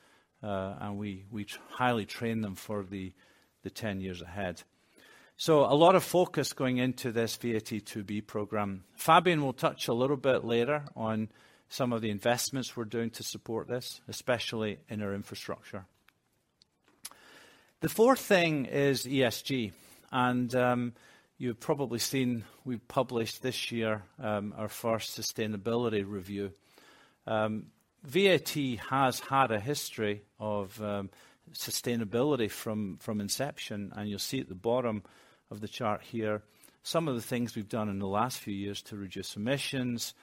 and we highly train them for the 10 years ahead. A lot of focus going into this VAT2B program. Fabian will touch a little bit later on some of the investments we're doing to support this, especially in our infrastructure. The fourth thing is ESG. You've probably seen we've published this year our first sustainability review. VAT has had a history of sustainability from inception, and you'll see at the bottom of the chart here, some of the things we've done in the last few years to reduce emissions,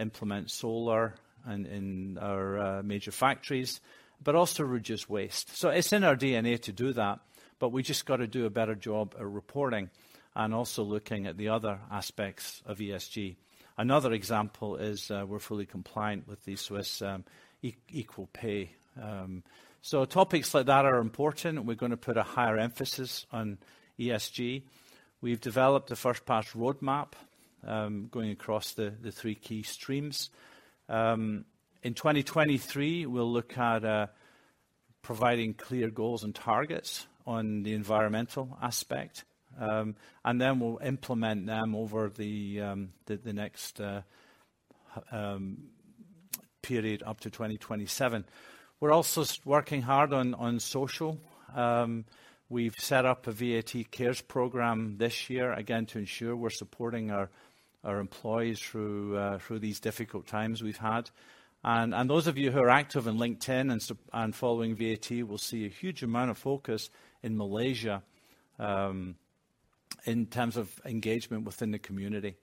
implement solar in our major factories, but also reduce waste. It's in our DNA to do that, but we just gotta do a better job at reporting and also looking at the other aspects of ESG. Another example is, we're fully compliant with the Swiss equal pay. Topics like that are important. We're gonna put a higher emphasis on ESG. We've developed a first pass roadmap, going across the three key streams. In 2023, we'll look at providing clear goals and targets on the environmental aspect. We'll implement them over the next period up to 2027. We're also working hard on social. We've set up a VAT Cares program this year, again, to ensure we're supporting our employees through these difficult times we've had. Those of you who are active on LinkedIn and following VAT will see a huge amount of focus in Malaysia in terms of engagement within the community.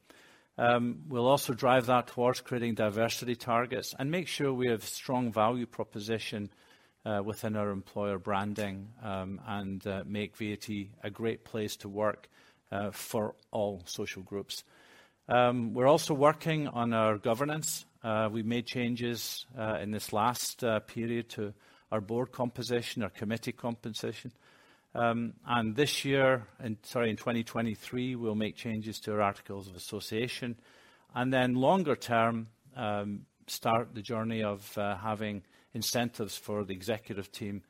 We'll also drive that towards creating diversity targets and make sure we have strong value proposition within our employer branding and make VAT a great place to work for all social groups. We're also working on our governance. We made changes in this last period to our board composition, our committee composition. This year, in 2023, we'll make changes to our articles of association, then longer term, start the journey of having incentives for the executive team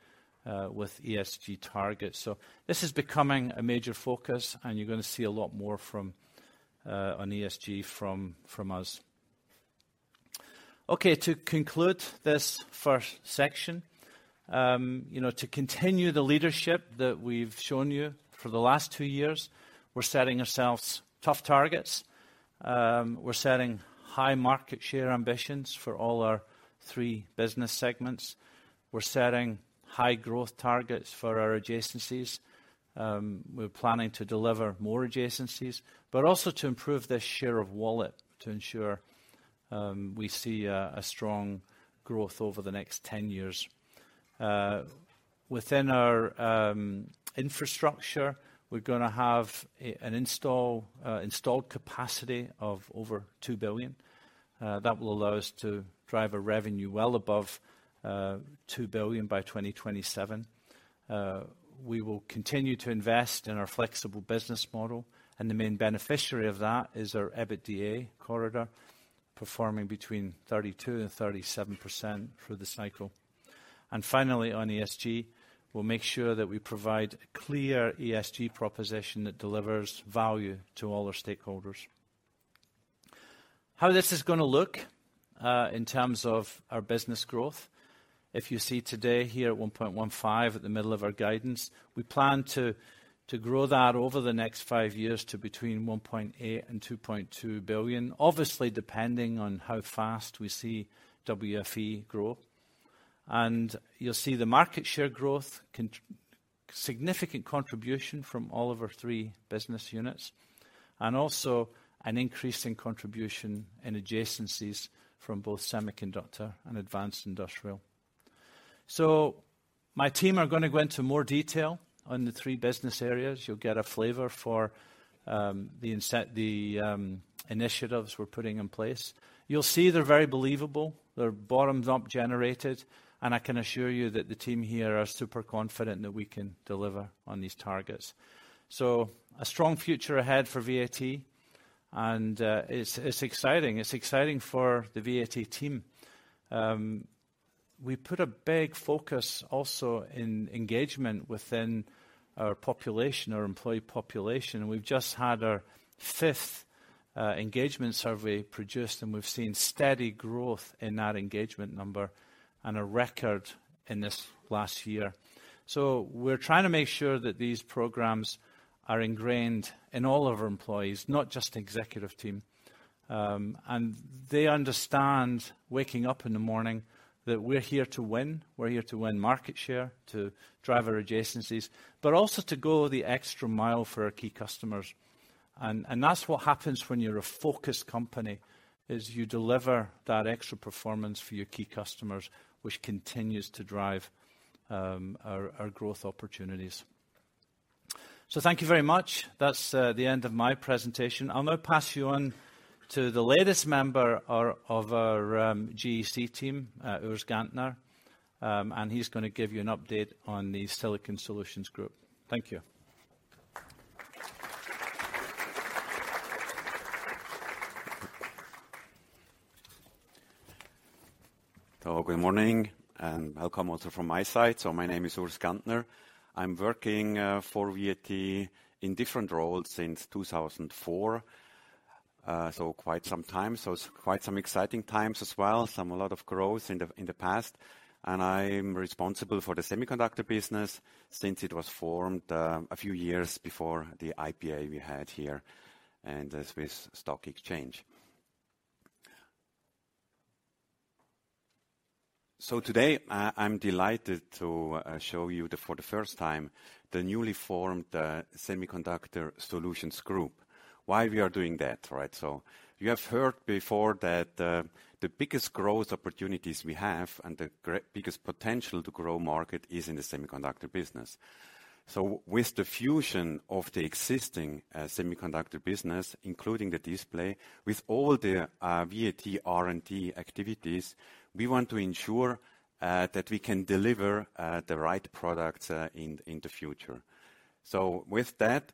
with ESG targets. This is becoming a major focus, and you're gonna see a lot more on ESG from us. To conclude this first section, you know, to continue the leadership that we've shown you for the last two years, we're setting ourselves tough targets. We're setting high market share ambitions for all our three business segments. We're setting high growth targets for our adjacencies. We're planning to deliver more adjacencies, but also to improve the share of wallet to ensure we see a strong growth over the next 10 years. Within our infrastructure, we're gonna have an installed capacity of over 2 billion. That will allow us to drive a revenue well above 2 billion by 2027. We will continue to invest in our flexible business model. The main beneficiary of that is our EBITDA corridor, performing between 32%-37% through the cycle. Finally, on ESG, we'll make sure that we provide clear ESG proposition that delivers value to all our stakeholders. How this is gonna look in terms of our business growth. If you see today here at 1.15, at the middle of our guidance, we plan to grow that over the next five years to between 1.8 billion and 2.2 billion. Obviously, depending on how fast we see WFE grow. You'll see the market share growth significant contribution from all of our three business units, and also an increase in contribution and adjacencies from both semiconductor and Advanced Industrial. My team are gonna go into more detail on the three business areas. You'll get a flavor for the initiatives we're putting in place. You'll see they're very believable. They're bottoms-up generated, and I can assure you that the team here are super confident that we can deliver on these targets. A strong future ahead for VAT, and it's exciting. It's exciting for the VAT team. We put a big focus also in engagement within our population, our employee population. We've just had our fifth engagement survey produced, and we've seen steady growth in that engagement number and a record in this last year. We're trying to make sure that these programs are ingrained in all of our employees, not just executive team. They understand waking up in the morning that we're here to win. We're here to win market share, to drive our adjacencies, but also to go the extra mile for our key customers. That's what happens when you're a focused company, is you deliver that extra performance for your key customers, which continues to drive our growth opportunities. Thank you very much. That's the end of my presentation. I'll now pass you on to the latest member of our GEC team, Urs Gantner. He's gonna give you an update on the Semiconductor Solutions Group. Thank you. Good morning. Welcome also from my side. My name is Urs Gantner. I'm working for VAT in different roles since 2004, so quite some time. It's quite some exciting times as well, a lot of growth in the past. I'm responsible for the semiconductor business since it was formed a few years before the IPO we had here in the SIX Swiss Exchange. Today, I'm delighted to show you the, for the first time, the newly formed Semiconductor Solutions Group. Why we are doing that, right? You have heard before that the biggest growth opportunities we have and the biggest potential to grow market is in the semiconductor business. With the fusion of the existing semiconductor business, including the display, with all the VAT R&D activities, we want to ensure that we can deliver the right products in the future. With that,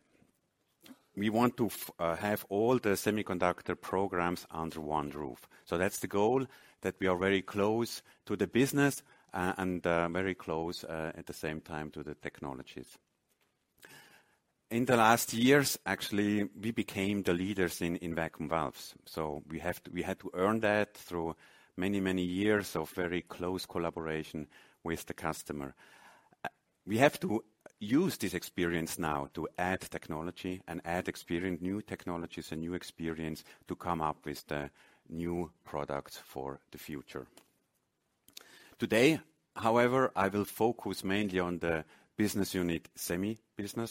we want to have all the semiconductor programs under one roof. That's the goal, that we are very close to the business and very close at the same time to the technologies. In the last years, actually, we became the leaders in vacuum valves. We had to earn that through many, many years of very close collaboration with the customer. We have to use this experience now to add technology and add experience, new technologies and new experience to come up with the new products for the future. Today, however, I will focus mainly on the business unit Semi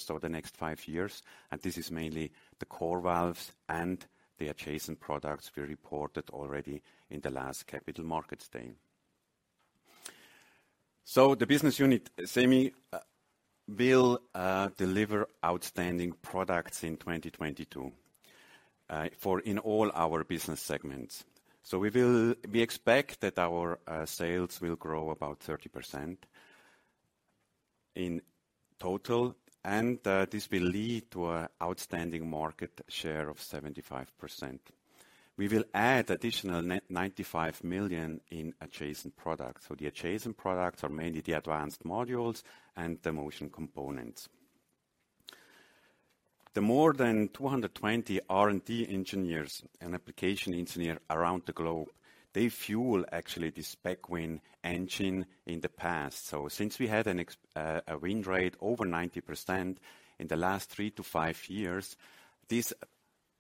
for the next five years. This is mainly the core valves and the adjacent products we reported already in the last Capital Markets Day. The business unit Semi will deliver outstanding products in 2022 for all our business segments. We expect that our sales will grow about 30% in total. This will lead to an outstanding market share of 75%. We will add additional net 95 million in adjacent products. The adjacent products are mainly the advanced modules and the motion components. The more than 220 R&D engineers and application engineers around the globe, they fuel actually this spec win engine in the past. Since we had a win rate over 90% in the last three to five years, this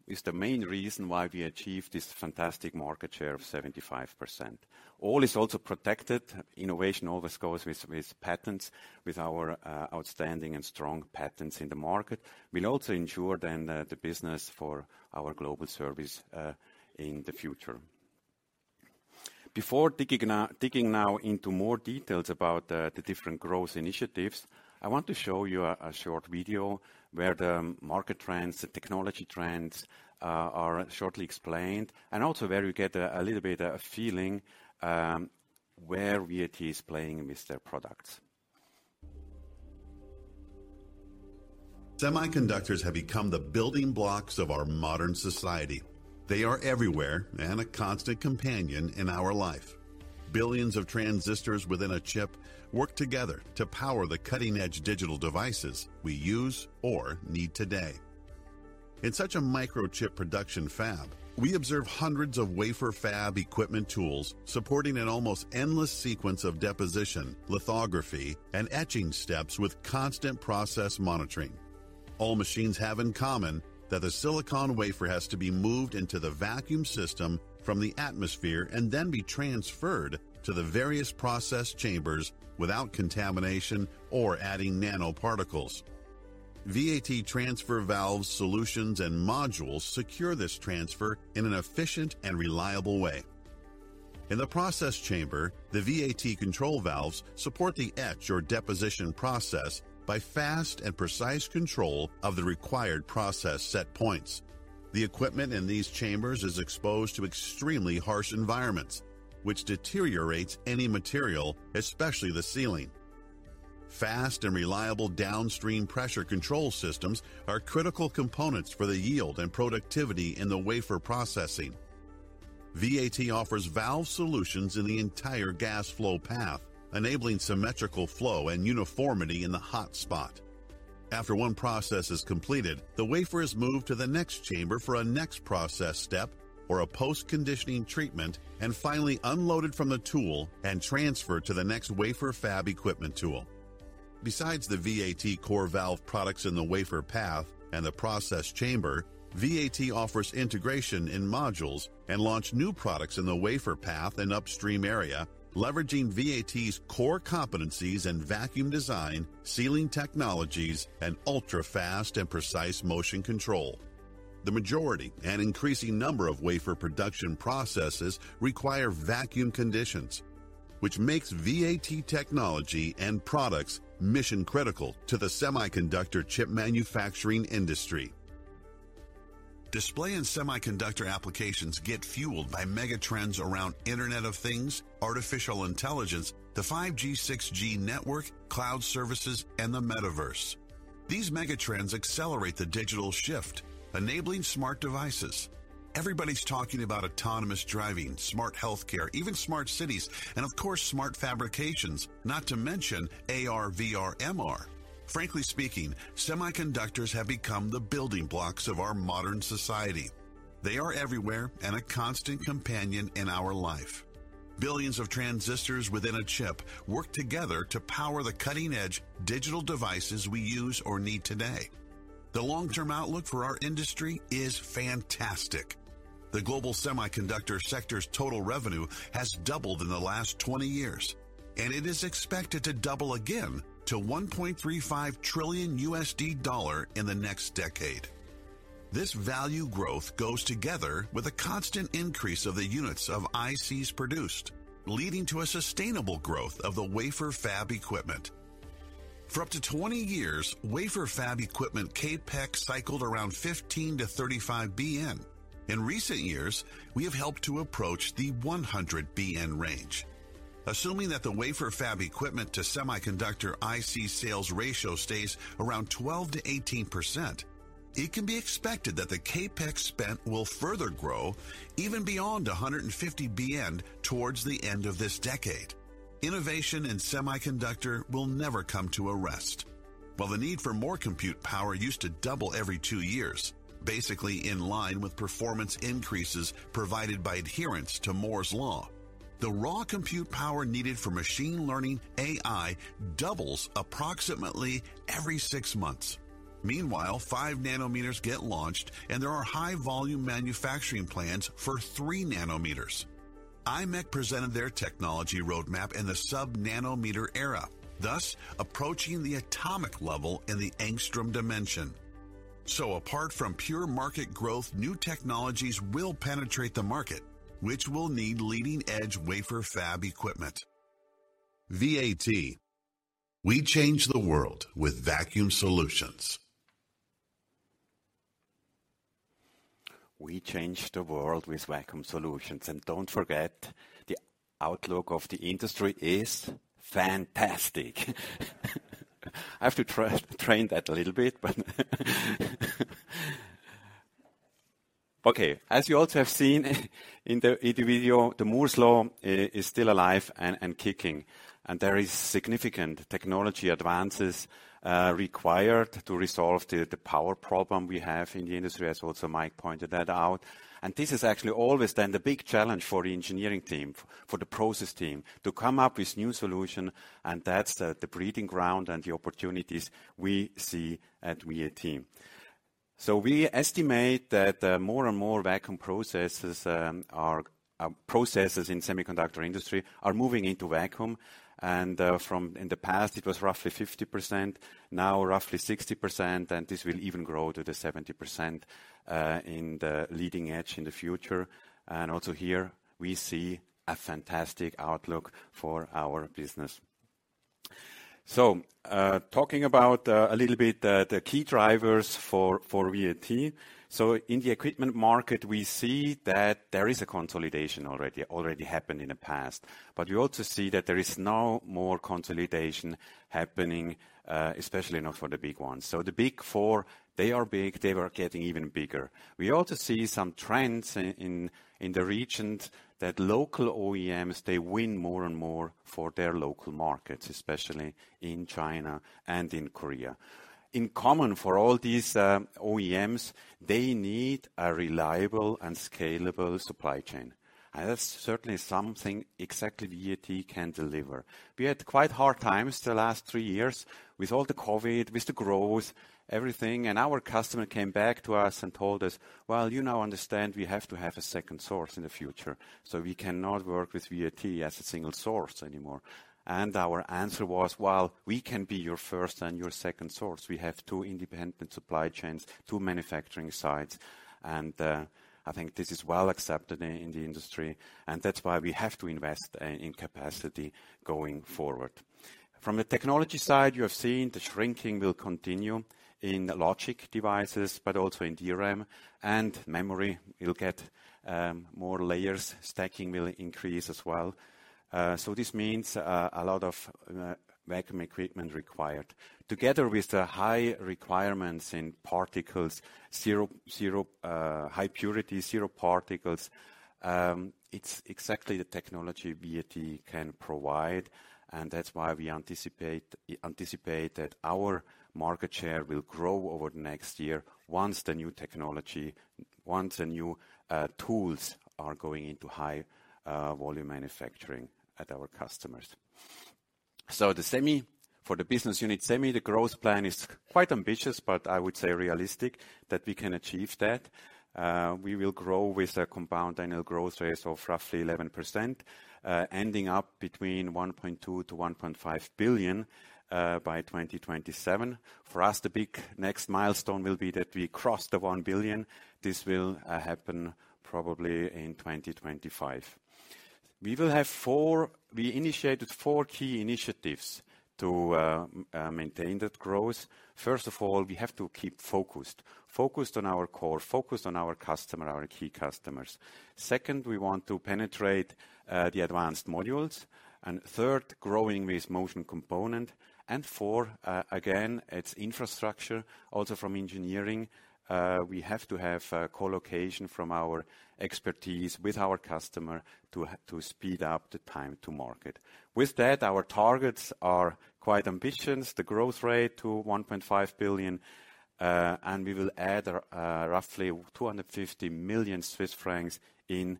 is the main reason why we achieved this fantastic market share of 75%. All is also protected. Innovation always goes with patents, with our outstanding and strong patents in the market. We'll also ensure then the business for our Global Service in the future. Before digging now into more details about the different growth initiatives, I want to show you a short video where the market trends, the technology trends are shortly explained, and also where you get a little bit a feeling where VAT is playing with their products. Semiconductors have become the building blocks of our modern society. They are everywhere and a constant companion in our life. Billions of transistors within a chip work together to power the cutting-edge digital devices we use or need today. In such a microchip production fab, we observe hundreds of wafer fab equipment tools supporting an almost endless sequence of deposition, lithography, and etching steps with constant process monitoring. All machines have in common that the silicon wafer has to be moved into the vacuum system from the atmosphere and then be transferred to the various process chambers without contamination or adding nanoparticles. VAT transfer valves solutions and modules secure this transfer in an efficient and reliable way. In the process chamber, the VAT control valves support the etch or deposition process by fast and precise control of the required process set points. The equipment in these chambers is exposed to extremely harsh environments, which deteriorates any material, especially the sealing. Fast and reliable downstream pressure control systems are critical components for the yield and productivity in the wafer processing. VAT offers valve solutions in the entire gas flow path, enabling symmetrical flow and uniformity in the hot spot. After one process is completed, the wafer is moved to the next chamber for a next process step or a post-conditioning treatment, finally unloaded from the tool and transferred to the next wafer fab equipment tool. Besides the VAT core valve products in the wafer path and the process chamber, VAT offers integration in modules and launched new products in the wafer path and upstream area, leveraging VAT's core competencies in vacuum design, sealing technologies, and ultra-fast and precise motion control. The majority and increasing number of wafer production processes require vacuum conditions, which makes VAT technology and products mission-critical to the semiconductor chip manufacturing industry. Display and semiconductor applications get fueled by megatrends around Internet of Things, artificial intelligence, the 5G/6G network, cloud services, and the metaverse. These megatrends accelerate the digital shift, enabling smart devices. Everybody's talking about autonomous driving, smart healthcare, even smart cities, and of course, smart fabrications. Not to mention AR, VR, MR. Frankly speaking, semiconductors have become the building blocks of our modern society. They are everywhere and a constant companion in our life. Billions of transistors within a chip work together to power the cutting-edge digital devices we use or need today. The long-term outlook for our industry is fantastic. The global semiconductor sector's total revenue has doubled in the last 20 years, and it is expected to double again to $1.35 trillion in the next decade. This value growth goes together with a constant increase of the units of ICs produced, leading to a sustainable growth of the wafer fab equipment. For up to 20 years, wafer fab equipment CapEx cycled around $15 billion-$35 billion. In recent years, we have helped to approach the $100 billion range. Assuming that the wafer fab equipment to semiconductor IC sales ratio stays around 12%-18%, it can be expected that the CapEx spent will further grow even beyond $150 billion towards the end of this decade. Innovation in semiconductor will never come to a rest. While the need for more compute power used to double every two years, basically in line with performance increases provided by adherence to Moore's Law, the raw compute power needed for machine learning AI doubles approximately every six months. Meanwhile, 5 nm get launched, and there are high volume manufacturing plans for 3 nm. Imec presented their technology roadmap in the sub-nanometer era, thus approaching the atomic level in the angstrom dimension. Apart from pure market growth, new technologies will penetrate the market, which will need leading-edge wafer fab equipment. VAT, we change the world with vacuum solutions. We change the world with vacuum solutions. Don't forget the outlook of the industry is fantastic. I have to train that a little bit. Okay. As you also have seen in the video, the Moore's Law is still alive and kicking, and there is significant technology advances required to resolve the power problem we have in the industry, as also Mike pointed that out. This is actually always then the big challenge for the engineering team, for the process team to come up with new solution, and that's the breeding ground and the opportunities we see at VAT. We estimate that more and more vacuum processes are processes in semiconductor industry are moving into vacuum. From in the past, it was roughly 50%, now roughly 60%, and this will even grow to the 70% in the leading edge in the future. Also here we see a fantastic outlook for our business. Talking about a little bit the key drivers for VAT. In the equipment market, we see that there is a consolidation already happened in the past. You also see that there is now more consolidation happening, especially now for the big ones. The big four, they are big, they are getting even bigger. We also see some trends in the regions that local OEMs, they win more and more for their local markets, especially in China and in Korea. In common for all these OEMs, they need a reliable and scalable supply chain. That's certainly something exactly VAT can deliver. We had quite hard times the last three years with all the COVID, with the growth, everything, and our customer came back to us and told us, "Well, you now understand we have to have a second source in the future. We cannot work with VAT as a single source anymore." Our answer was, "Well, we can be your first and your second source. We have two independent supply chains, two manufacturing sites," and I think this is well accepted in the industry, and that's why we have to invest in capacity going forward. From a technology side, you have seen the shrinking will continue in logic devices, but also in DRAM and memory. It'll get more layers. Stacking will increase as well. This means a lot of vacuum equipment required. Together with the high requirements in particles, zero, high purity, zero particles, it's exactly the technology VAT can provide, and that's why we anticipate that our market share will grow over the next year once the new technology, once the new tools are going into high volume manufacturing at our customers. The Semi, for the business unit Semi, the growth plan is quite ambitious, but I would say realistic that we can achieve that. We will grow with a compound annual growth rate of roughly 11%, ending up between $1.2 billion-$1.5 billion by 2027. For us, the big next milestone will be that we cross the $1 billion. This will happen probably in 2025. We initiated four key initiatives to maintain that growth. First of all, we have to keep focused. Focused on our core, focused on our customer, our key customers. Second, we want to penetrate the advanced modules. Third, growing with motion component. Four, again, it's infrastructure, also from engineering. We have to have co-location from our expertise with our customer to speed up the time to market. With that, our targets are quite ambitious. The growth rate to 1.5 billion, and we will add roughly 250 million Swiss francs in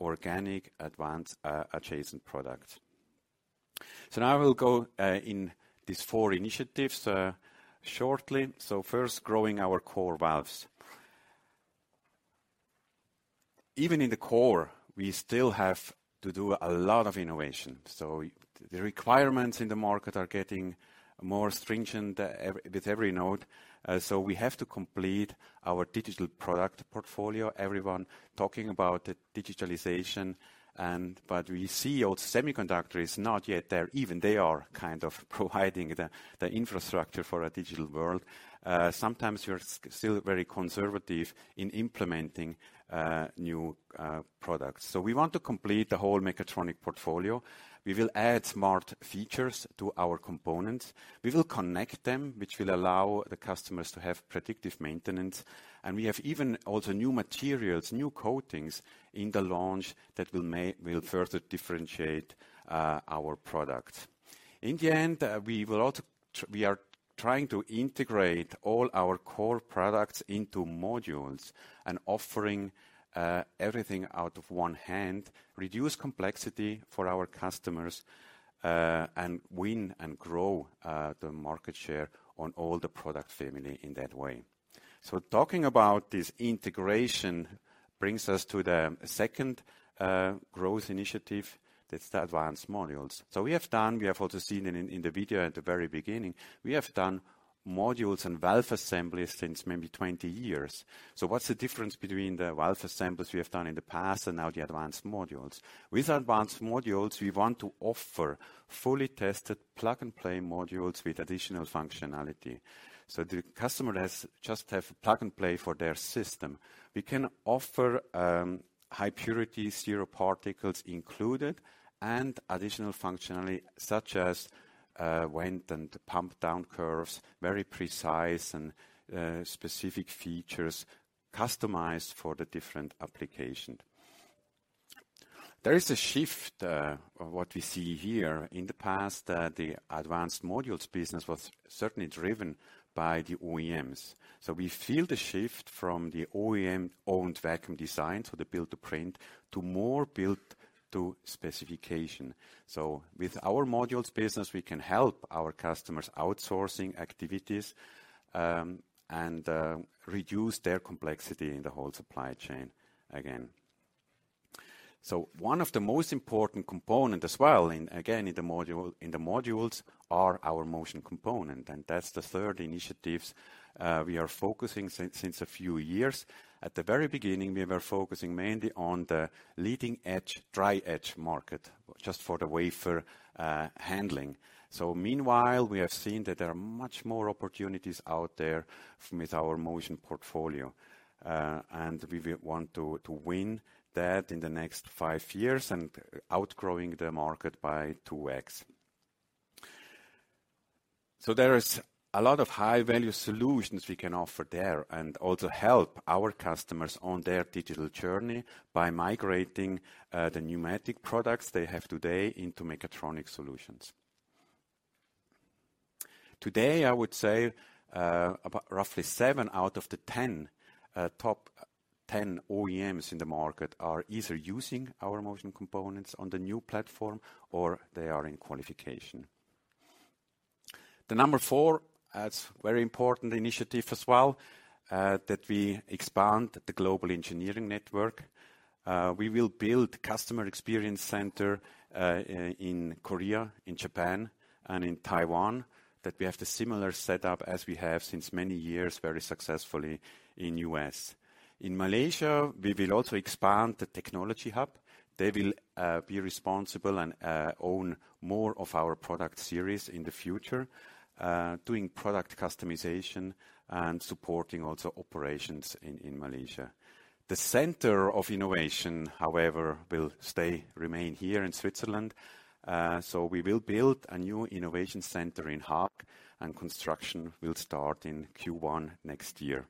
organic advanced adjacent products. Now we'll go in these four initiatives shortly. First, growing our core valves. Even in the core, we still have to do a lot of innovation. The requirements in the market are getting more stringent with every node, so we have to complete our digital product portfolio. Everyone talking about the digitalization, but we see all the semiconductors not yet there. Even they are kind of providing the infrastructure for a digital world. Sometimes you're still very conservative in implementing new products. We want to complete the whole mechatronic portfolio. We will add smart features to our components. We will connect them, which will allow the customers to have predictive maintenance. We have even also new materials, new coatings in the launch that will further differentiate our product. In the end, we are trying to integrate all our core products into modules and offering everything out of one hand, reduce complexity for our customers, and win and grow the market share on all the product family in that way. Talking about this integration brings us to the second growth initiative. That's the advanced modules. We have done, we have also seen in the video at the very beginning, we have done modules and valve assemblies since maybe 20 years. What's the difference between the valve assemblies we have done in the past and now the advanced modules? With advanced modules, we want to offer fully tested plug-and-play modules with additional functionality. The customer has, just have plug and play for their system. We can offer high purity, zero particles included, and additional functionality such as vent and pump down curves, very precise and specific features customized for the different application. There is a shift of what we see here. In the past, the advanced modules business was certainly driven by the OEMs. We feel the shift from the OEM-owned vacuum design, so the build to print, to more build to specification. With our modules business, we can help our customers outsourcing activities and reduce their complexity in the whole supply chain again. One of the most important component as well in the modules are our motion component, and that's the third initiatives we are focusing since a few years. At the very beginning, we were focusing mainly on the leading edge, dry edge market, just for the wafer handling. Meanwhile, we have seen that there are much more opportunities out there with our motion portfolio, and we will want to win that in the next five years and outgrowing the market by 2x. There is a lot of high-value solutions we can offer there and also help our customers on their digital journey by migrating the pneumatic products they have today into mechatronic solutions. Today, I would say, about roughly seven out of the 10 top 10 OEMs in the market are either using our motion components on the new platform or they are in qualification. The number four, it's very important initiative as well, that we expand the global engineering network. We will build customer experience center in Korea, in Japan, and in Taiwan, that we have the similar setup as we have since many years, very successfully in U.S. In Malaysia, we will also expand the technology hub. They will be responsible and own more of our product series in the future, doing product customization and supporting also operations in Malaysia. The center of innovation, however, will stay, remain here in Switzerland. We will build a new innovation center in Haag, and construction will start in Q1 next year.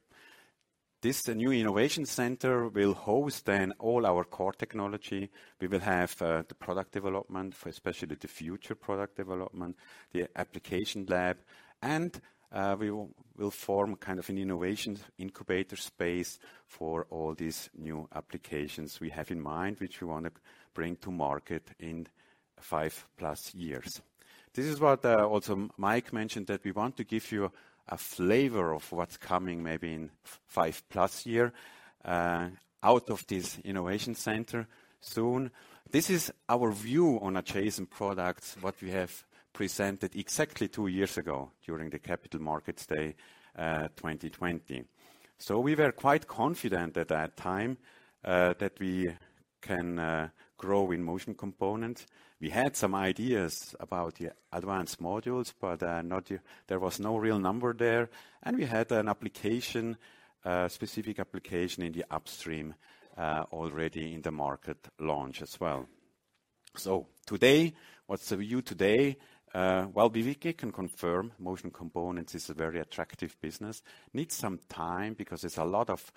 This new innovation center will host then all our core technology. We will have the product development for especially the future product development, the application lab, and we'll form kind of an innovation incubator space for all these new applications we have in mind, which we wanna bring to market in 5+ years. This is what also Mike mentioned, that we want to give you a flavor of what's coming maybe in 5+ year out of this innovation center soon. This is our view on adjacent products, what we have presented exactly two years ago during the Capital Markets Day, 2020. We were quite confident at that time that we can grow in motion components. We had some ideas about the advanced modules, but there was no real number there. We had an application, specific application in the upstream, already in the market launch as well. Today, what's the view today? Well, we can confirm motion components is a very attractive business. Needs some time because there's a lot of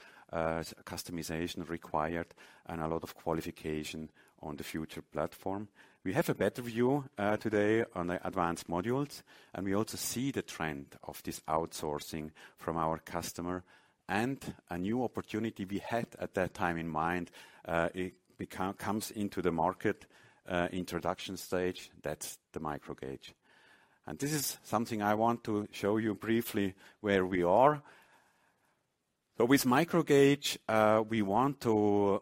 customization required and a lot of qualification on the future platform. We have a better view today on the advanced modules, and we also see the trend of this outsourcing from our customer and a new opportunity we had at that time in mind, it comes into the market introduction stage. That's the microGauge. This is something I want to show you briefly where we are. With microGauge, we want to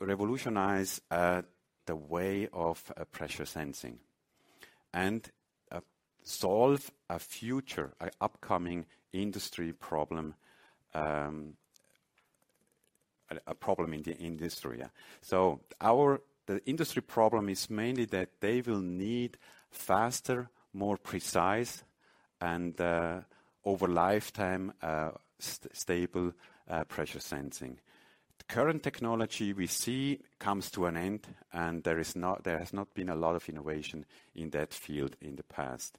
revolutionize the way of pressure sensing and solve a future, a upcoming industry problem, a problem in the industry. The industry problem is mainly that they will need faster, more precise, and over lifetime stable pressure sensing. The current technology we see comes to an end, and there has not been a lot of innovation in that field in the past.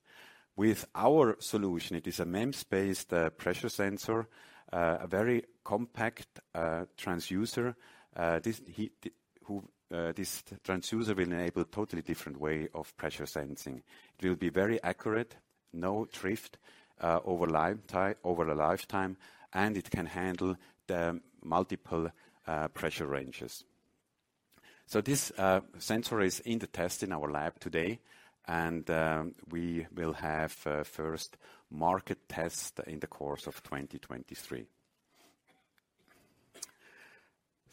With our solution, it is a MEMS-based pressure sensor, a very compact transducer. This transducer will enable totally different way of pressure sensing. It will be very accurate, no drift over a lifetime, and it can handle the multiple pressure ranges. This sensor is in the test in our lab today, and we will have a first market test in the course of 2023.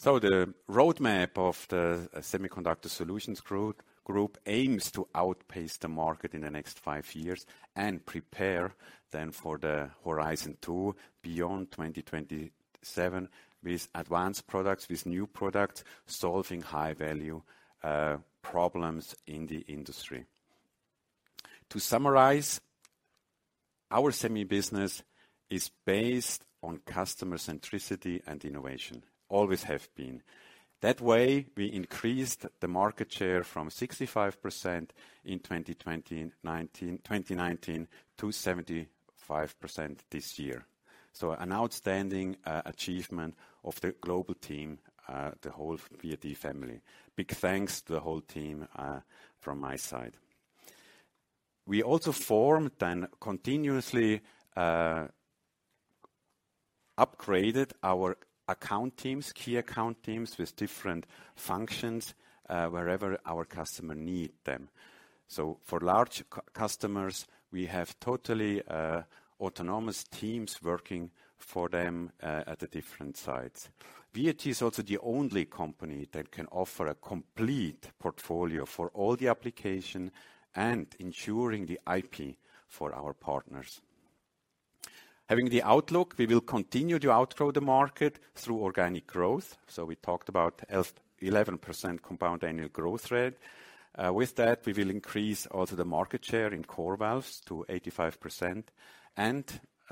The roadmap of the Semiconductor Solutions group aims to outpace the market in the next five years and prepare then for the Horizon Two beyond 2027 with advanced products, with new products, solving high-value problems in the industry. To summarize, our Semi business is based on customer centricity and innovation, always have been. That way, we increased the market share from 65% in 2019 to 75% this year. An outstanding achievement of the global team, the whole VAT family. Big thanks to the whole team from my side. We also formed and continuously upgraded our account teams, key account teams with different functions, wherever our customer need them. For large customers, we have totally autonomous teams working for them at the different sites. VAT is also the only company that can offer a complete portfolio for all the application and ensuring the IP for our partners. Having the outlook, we will continue to outgrow the market through organic growth. We talked about 11% compound annual growth rate. With that, we will increase also the market share in core valves to 85%.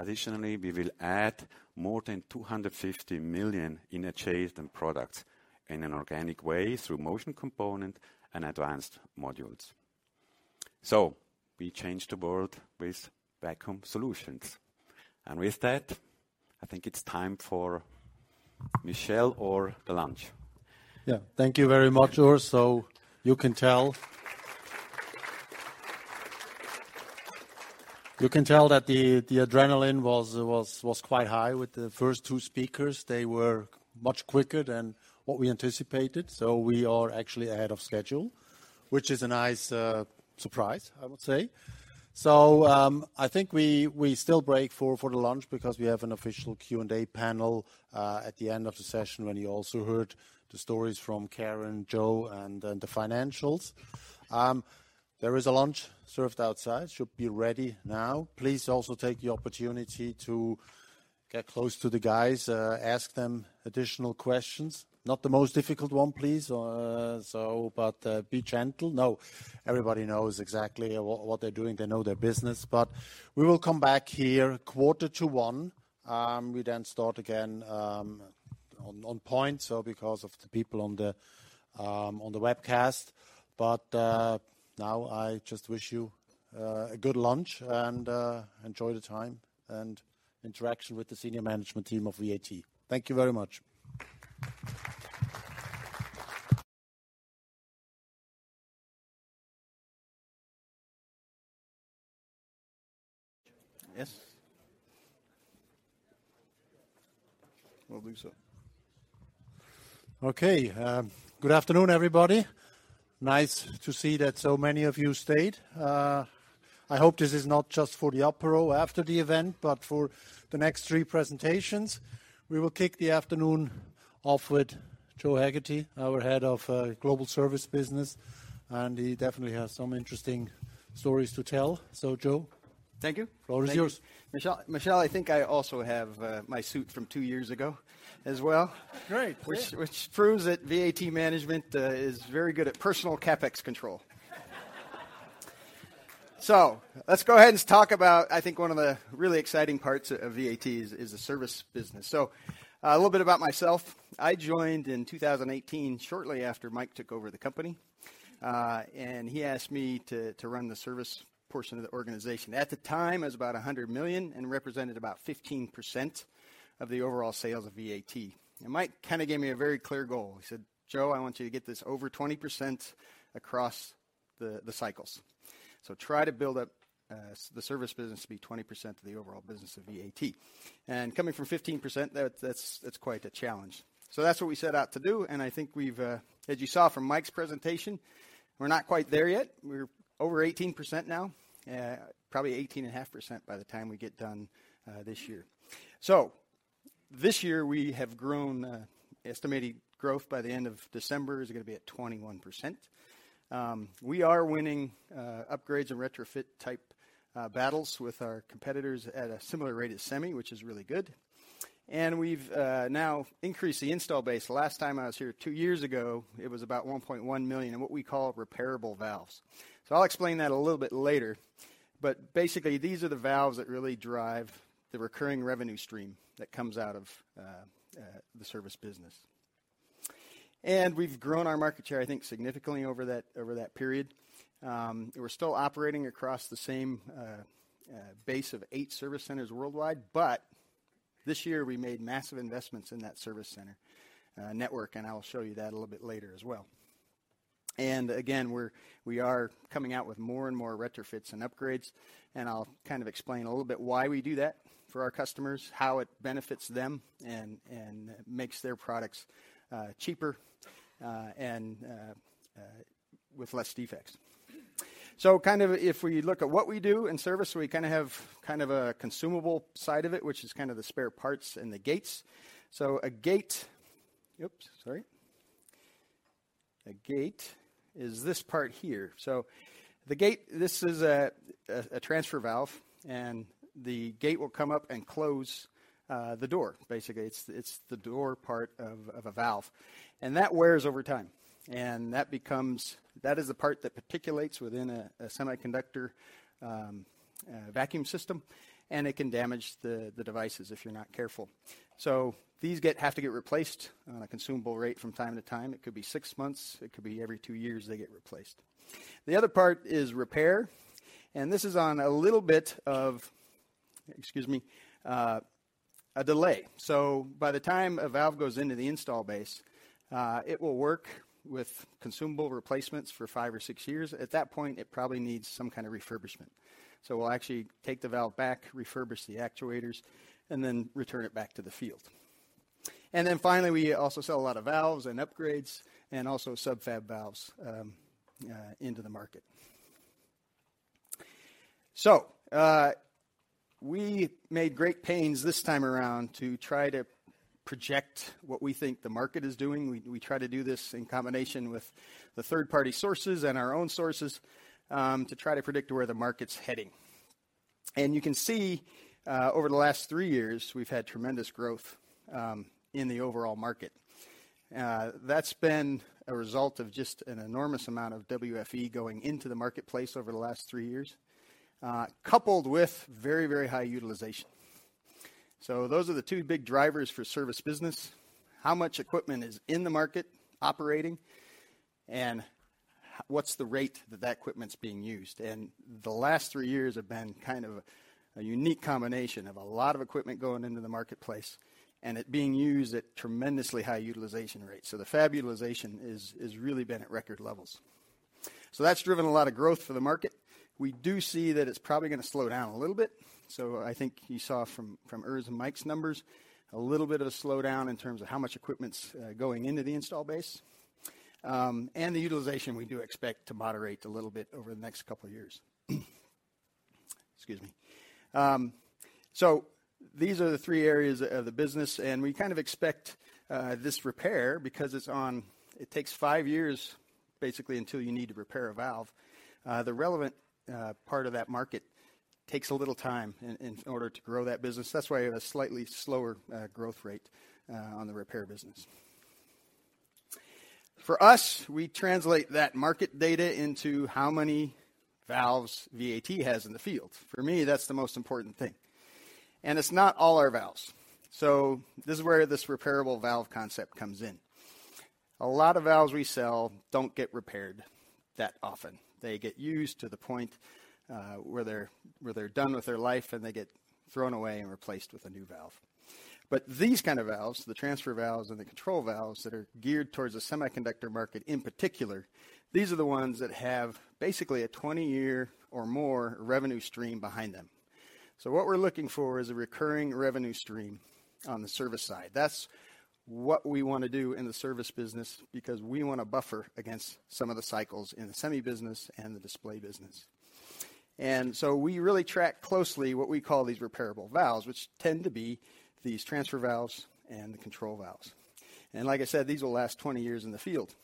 Additionally, we will add more than 250 million in achieved and products in an organic way through motion component and advanced modules. We change the world with vacuum solutions. With that, I think it's time for Michel or the lunch. Yeah. Thank you very much, Urs. You can tell that the adrenaline was quite high with the first two speakers. They were much quicker than what we anticipated, so we are actually ahead of schedule, which is a nice surprise, I would say. I think we still break for the lunch because we have an official Q&A panel at the end of the session when you also heard the stories from Karin, Joe, and then the financials. There is a lunch served outside. Should be ready now. Please also take the opportunity to get close to the guys, ask them additional questions. Not the most difficult one, please. Be gentle. No, everybody knows exactly what they're doing. They know their business. We will come back here quarter to one. We start again on point, so because of the people on the webcast. Now I just wish you a good lunch and enjoy the time and interaction with the senior management team of VAT. Thank you very much. Yes. I don't think so. Okay. Good afternoon, everybody. Nice to see that so many of you stayed. I hope this is not just for the apéro after the event, but for the next three presentations. We will kick the afternoon off with Joe Haggerty, our head of Global Service business, and he definitely has some interesting stories to tell. Joe. Thank you. The floor is yours. Michel, I think I also have my suit from two years ago as well. Great. Great. Which proves that VAT management is very good at personal CapEx control. Let's go ahead and talk about, I think one of the really exciting parts of VAT is the service business. A little bit about myself. I joined in 2018, shortly after Mike Allison took over the company. He asked me to run the service portion of the organization. At the time, it was about $100 million and represented about 15% of the overall sales of VAT. Mike Allison kinda gave me a very clear goal. He said, "Joe Haggerty, I want you to get this over 20% across the cycles. Try to build up the service business to be 20% of the overall business of VAT." Coming from 15%, that's quite a challenge. That's what we set out to do, and I think we've, as you saw from Mike's presentation, we're not quite there yet. We're over 18% now. Probably 18.5% by the time we get done this year. This year, we have grown, estimated growth by the end of December is gonna be at 21%. We are winning, upgrades and retrofit type, battles with our competitors at a similar rate as semi, which is really good. We've now increased the install base. The last time I was here two years ago, it was about 1.1 million, in what we call repairable valves. I'll explain that a little bit later, but basically, these are the valves that really drive the recurring revenue stream that comes out of the service business. We've grown our market share, I think, significantly over that, over that period. We're still operating across the same base of eight service centers worldwide, this year we made massive investments in that service center network, and I'll show you that a little bit later as well. Again, we are coming out with more and more retrofits and upgrades, and I'll kind of explain a little bit why we do that for our customers, how it benefits them and makes their products cheaper and with less defects. Kind of if we look at what we do in service, we kind of have kind of a consumable side of it, which is kind of the spare parts and the gates. A gate... Oops, sorry. A gate is this part here. The gate, this is a transfer valve, and the gate will come up and close the door. Basically, it's the door part of a valve. That wears over time. That is the part that particulates within a semiconductor vacuum system, and it can damage the devices if you're not careful. These have to get replaced on a consumable rate from time to time. It could be six months, it could be every two years, they get replaced. The other part is repair, and this is on a little bit of, excuse me, a delay. By the time a valve goes into the install base, it will work with consumable replacements for five or six years. At that point, it probably needs some kind of refurbishment. We'll actually take the valve back, refurbish the actuators, and then return it back to the field. Finally, we also sell a lot of valves and upgrades and also sub-fab valves into the market. We made great pains this time around to try to project what we think the market is doing. We try to do this in combination with the third-party sources and our own sources to try to predict where the market's heading. You can see, over the last three years, we've had tremendous growth in the overall market. That's been a result of just an enormous amount of WFE going into the marketplace over the last three years, coupled with very, very high utilization. Those are the two big drivers for service business, how much equipment is in the market operating, and what's the rate that that equipment's being used. The last three years have been kind of a unique combination of a lot of equipment going into the marketplace and it being used at tremendously high utilization rates. The fab utilization is really been at record levels. That's driven a lot of growth for the market. We do see that it's probably gonna slow down a little bit. I think you saw from Urs and Mike's numbers, a little bit of a slowdown in terms of how much equipment's going into the install base. And the utilization we do expect to moderate a little bit over the next couple of years. Excuse me. These are the three areas of the business, and we kind of expect this repair because It takes five years basically until you need to repair a valve. The relevant part of that market takes a little time in order to grow that business. That's why you have a slightly slower growth rate on the repair business. For us, we translate that market data into how many valves VAT has in the field. For me, that's the most important thing. It's not all our valves. This is where this repairable valve concept comes in. A lot of valves we sell don't get repaired that often. They get used to the point where they're done with their life, and they get thrown away and replaced with a new valve. These kind of valves, the transfer valves and the control valves that are geared towards the semiconductor market in particular, these are the ones that have basically a 20-year or more revenue stream behind them. What we're looking for is a recurring revenue stream on the service side. That's what we wanna do in the service business because we wanna buffer against some of the cycles in the semi business and the display business. We really track closely what we call these repairable valves, which tend to be these transfer valves and the control valves. Like I said, these will last 20 years in the field.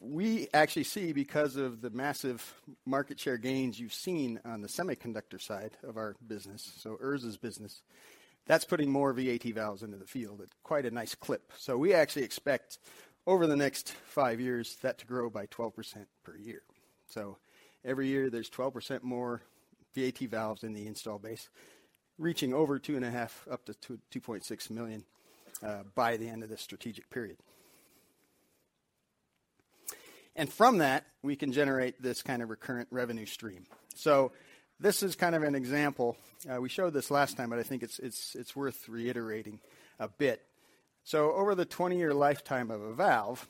We actually see because of the massive market share gains you've seen on the semiconductor side of our business, so Urs' business, that's putting more VAT valves into the field at quite a nice clip. We actually expect over the next five years that to grow by 12% per year. Every year there's 12% more VAT valves in the install base, reaching over 2.5 up to 2.6 million by the end of this strategic period. From that, we can generate this kind of recurrent revenue stream. This is kind of an example. We showed this last time, but I think it's worth reiterating a bit. Over the 20-year lifetime of a valve,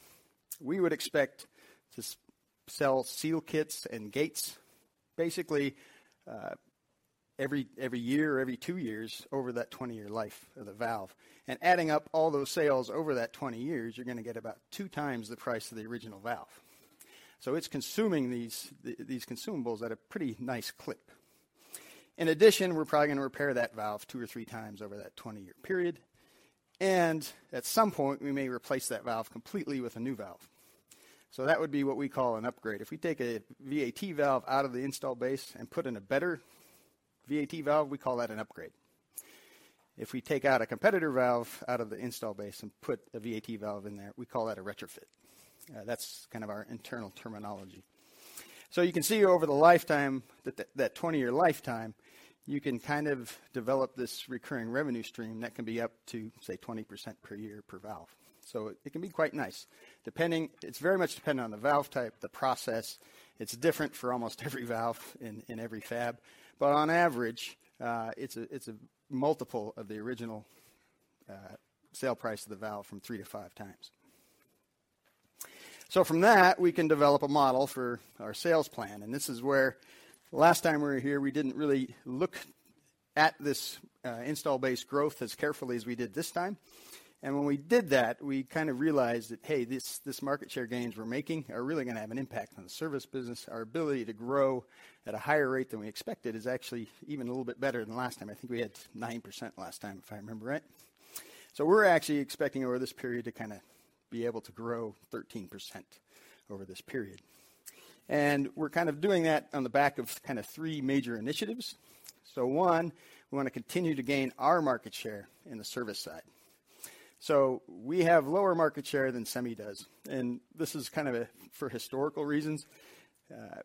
we would expect to sell seal kits and gates basically every year or every two years over that 20-year life of the valve. Adding up all those sales over that 20 years, you're gonna get about 2x the price of the original valve. It's consuming these consumables at a pretty nice clip. In addition, we're probably gonna repair that valve two or three times over that 20-year period. At some point, we may replace that valve completely with a new valve. That would be what we call an upgrade. If we take a VAT valve out of the install base and put in a better VAT valve, we call that an upgrade. If we take out a competitor valve out of the install base and put a VAT valve in there, we call that a retrofit. That's kind of our internal terminology. You can see over the lifetime, that 20-year lifetime, you can kind of develop this recurring revenue stream that can be up to, say, 20% per year per valve. It can be quite nice. It's very much dependent on the valve type, the process. It's different for almost every valve in every fab. On average, it's a multiple of the original sale price of the valve from 3x-5x. From that, we can develop a model for our sales plan, and this is where last time we were here, we didn't really look at this install base growth as carefully as we did this time. When we did that, we kind of realized that, hey, this market share gains we're making are really gonna have an impact on the service business. Our ability to grow at a higher rate than we expected is actually even a little bit better than last time. I think we had 9% last time, if I remember right. We're actually expecting over this period to kinda be able to grow 13% over this period. We're kind of doing that on the back of kind of three major initiatives. One, we wanna continue to gain our market share in the service side. We have lower market share than Semi does, and this is kind of for historical reasons.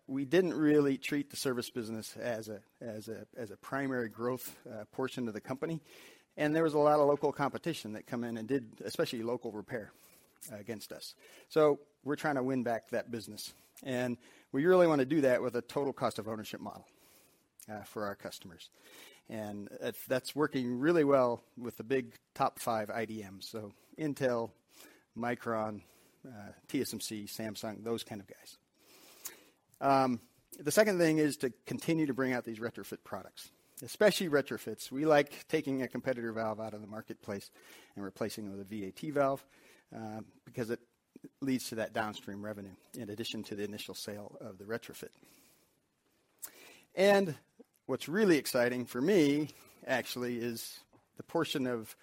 We didn't really treat the service business as a primary growth portion of the company. There was a lot of local competition that come in and did, especially local repair, against us. We're trying to win back that business. We really wanna do that with a total cost of ownership model for our customers. That's working really well with the big top five IDMs. Intel, Micron, TSMC, Samsung, those kind of guys. The second thing is to continue to bring out these retrofit products, especially retrofits. We like taking a competitor valve out of the marketplace and replacing it with a VAT valve, because it leads to that downstream revenue in addition to the initial sale of the retrofit. What's really exciting for me, actually, is the portion of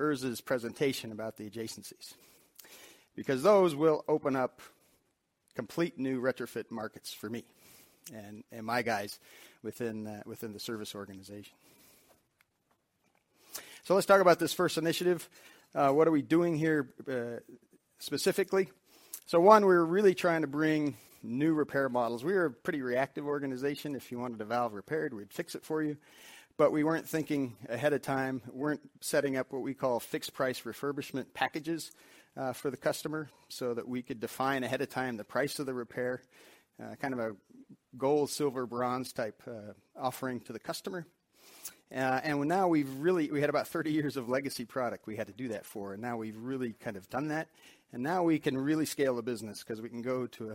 Urs' presentation about the adjacencies, because those will open up complete new retrofit markets for me and my guys within the service organization. Let's talk about this first initiative. What are we doing here, specifically? One, we're really trying to bring new repair models. We are a pretty reactive organization. If you wanted a valve repaired, we'd fix it for you. We weren't thinking ahead of time, weren't setting up what we call fixed price refurbishment packages for the customer, so that we could define ahead of time the price of the repair, kind of a gold, silver, bronze type offering to the customer. Now we had about 30 years of legacy product we had to do that for, and now we've really kind of done that. Now we can really scale the business because we can go to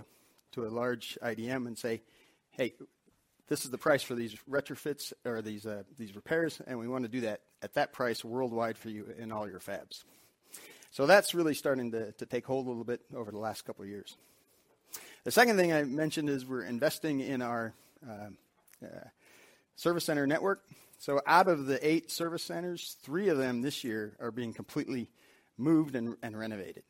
a large IDM and say, "Hey, this is the price for these retrofits or these repairs, and we want to do that at that price worldwide for you in all your fabs." That's really starting to take hold a little bit over the last couple years. The second thing I mentioned is we're investing in our service center network. Out of the eight service centers, three of them this year are being completely moved and renovated.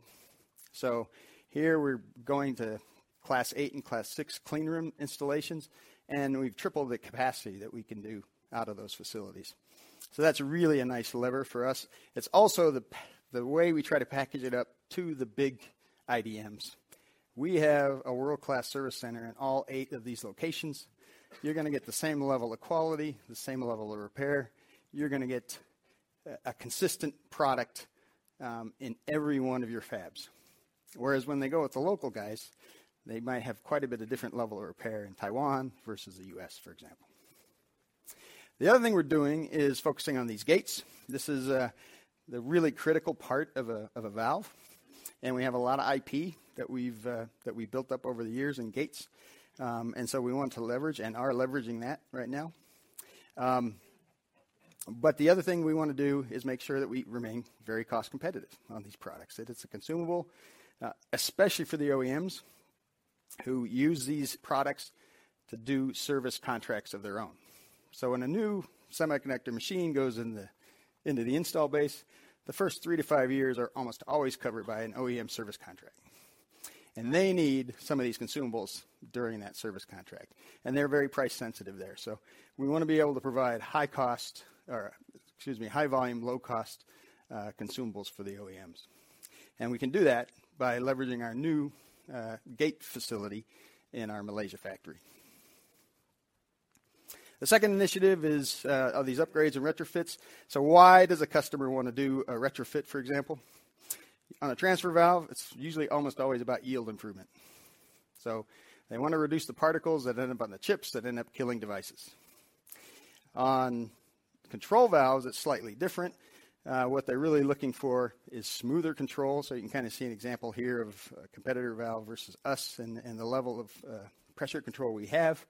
Here we're going to Class 8 and Class 6 clean room installations, and we've tripled the capacity that we can do out of those facilities. That's really a nice lever for us. It's also the way we try to package it up to the big IDMs. We have a world-class service center in all eight of these locations. You're gonna get the same level of quality, the same level of repair. You're gonna get a consistent product in every one of your fabs. Whereas when they go with the local guys, they might have quite a bit of different level of repair in Taiwan versus the U.S., for example. The other thing we're doing is focusing on these gates. This is the really critical part of a valve, and we have a lot of IP that we've that we built up over the years in gates. We want to leverage and are leveraging that right now. The other thing we wanna do is make sure that we remain very cost competitive on these products. It is a consumable, especially for the OEMs who use these products to do service contracts of their own. When a new semiconductor machine goes into the install base, the first three to five years are almost always covered by an OEM service contract. They need some of these consumables during that service contract, and they're very price sensitive there. We wanna be able to provide high cost or, excuse me, high volume, low cost, consumables for the OEMs. We can do that by leveraging our new gate facility in our Malaysia factory. The second initiative is these upgrades and retrofits. Why does a customer wanna do a retrofit, for example? On a transfer valve, it's usually almost always about yield improvement. They wanna reduce the particles that end up on the chips that end up killing devices. On control valves, it's slightly different. What they're really looking for is smoother control. You can kind of see an example here of a competitor valve versus us and the level of pressure control we have.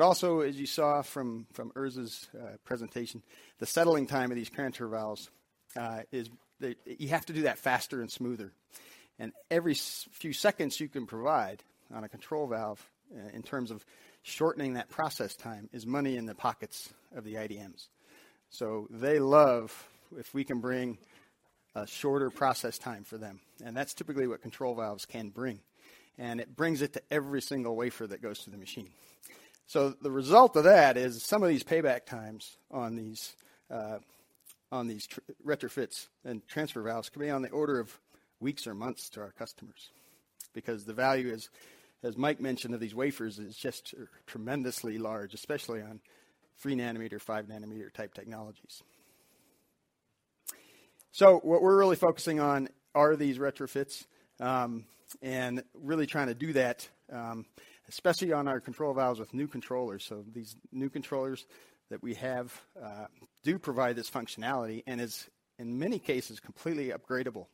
Also, as you saw from Urs' presentation, the settling time of these transfer valves is the You have to do that faster and smoother. Every few seconds you can provide on a control valve in terms of shortening that process time is money in the pockets of the IDMs. They love if we can bring a shorter process time for them, and that's typically what control valves can bring. It brings it to every single wafer that goes through the machine. The result of that is some of these payback times on these retrofits and transfer valves can be on the order of weeks or months to our customers because the value is, as Mike mentioned, of these wafers is just tremendously large, especially on 3 nm, 5 nm type technologies. What we're really focusing on are these retrofits, and really trying to do that, especially on our control valves with new controllers. These new controllers that we have do provide this functionality and is in many cases, completely upgradable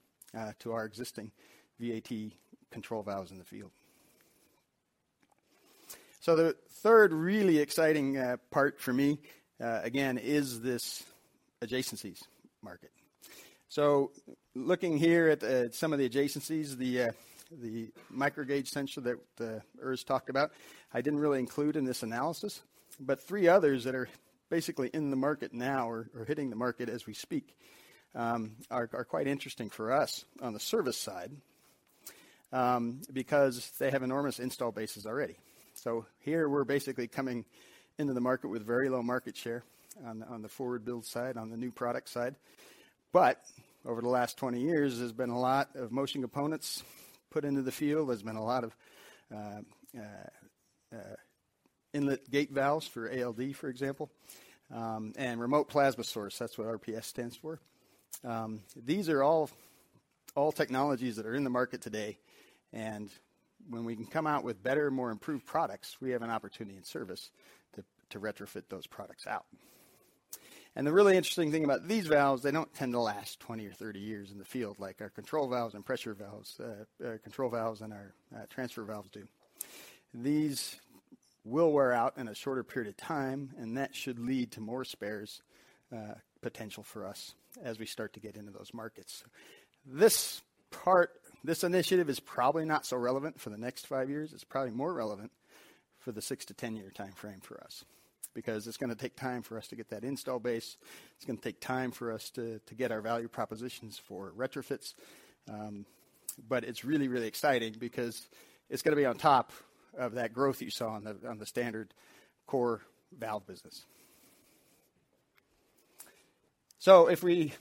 to our existing VAT control valves in the field. The third really exciting part for me again, is this adjacencies market. Looking here at some of the adjacencies, the microGauge sensor that Urs talked about, I didn't really include in this analysis, but three others that are basically in the market now or hitting the market as we speak, are quite interesting for us on the service side because they have enormous install bases already. Here we're basically coming into the market with very low market share on the forward build side, on the new product side. Over the last 20 years, there's been a lot of motion components put into the field. There's been a lot of inlet gate valves for ALD, for example, and remote plasma source. That's what RPS stands for. These are all technologies that are in the market today, and when we can come out with better, more improved products, we have an opportunity in service to retrofit those products out. The really interesting thing about these valves, they don't tend to last 20 or 30 years in the field like our control valves and pressure valves, control valves and our transfer valves do. These will wear out in a shorter period of time, and that should lead to more spares, potential for us as we start to get into those markets. This initiative is probably not so relevant for the next five years. It's probably more relevant for the six to 10-year timeframe for us, because it's gonna take time for us to get that install base. It's gonna take time for us to get our value propositions for retrofits. It's really, really exciting because it's gonna be on top of that growth you saw on the standard core valve business. If we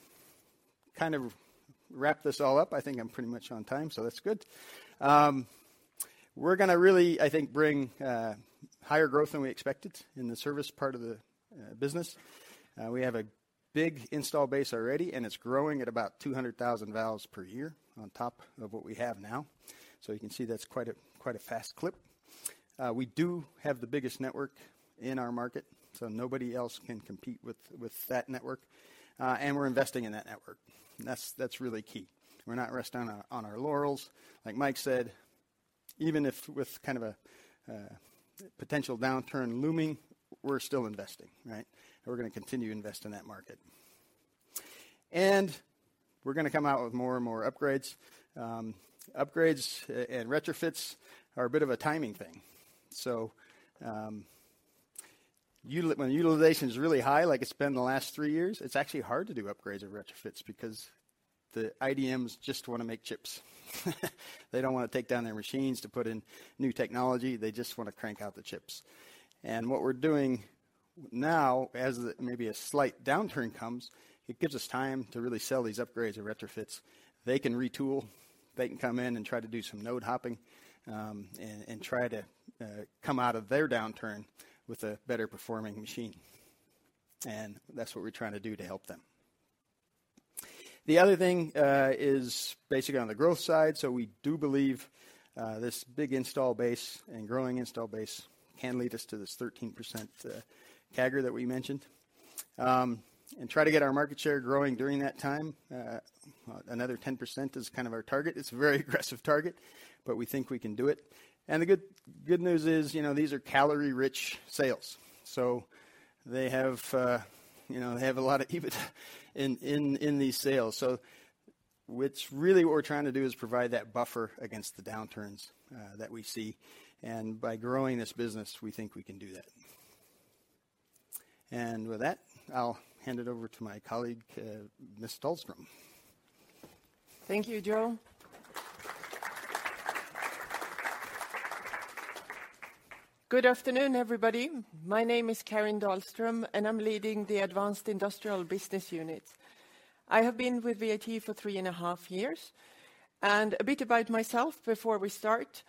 kind of wrap this all up, I think I'm pretty much on time, so that's good. We're gonna really, I think, bring higher growth than we expected in the service part of the business. We have a big install base already, and it's growing at about 200,000 valves per year on top of what we have now. You can see that's quite a fast clip. We do have the biggest network in our market, nobody else can compete with that network, and we're investing in that network, and that's really key. We're not resting on our laurels. Like Mike said, even if with kind of a potential downturn looming, we're still investing, right? We're gonna continue to invest in that market. We're gonna come out with more and more upgrades. Upgrades and retrofits are a bit of a timing thing. When utilization's really high, like it's been the last three years, it's actually hard to do upgrades or retrofits because the IDMs just wanna make chips. They don't wanna take down their machines to put in new technology. They just wanna crank out the chips. What we're doing now as the maybe a slight downturn comes, it gives us time to really sell these upgrades or retrofits. They can retool. They can come in and try to do some node hopping, and try to come out of their downturn with a better performing machine. That's what we're trying to do to help them. The other thing is basically on the growth side. We do believe this big install base and growing install base can lead us to this 13% CAGR that we mentioned. And try to get our market share growing during that time. Another 10% is kind of our target. It's a very aggressive target, but we think we can do it. The good news is, you know, these are calorie-rich sales. They have, you know, they have a lot of EBITDA in these sales. What's really what we're trying to do is provide that buffer against the downturns that we see, and by growing this business, we think we can do that. With that, I'll hand it over to my colleague, Ms. Dahlström. Thank you, Joe. Good afternoon, everybody. My name is Karin Dahlström, and I'm leading the Advanced Industrials business unit. I have been with VAT for three and a half years. A bit about myself before we start,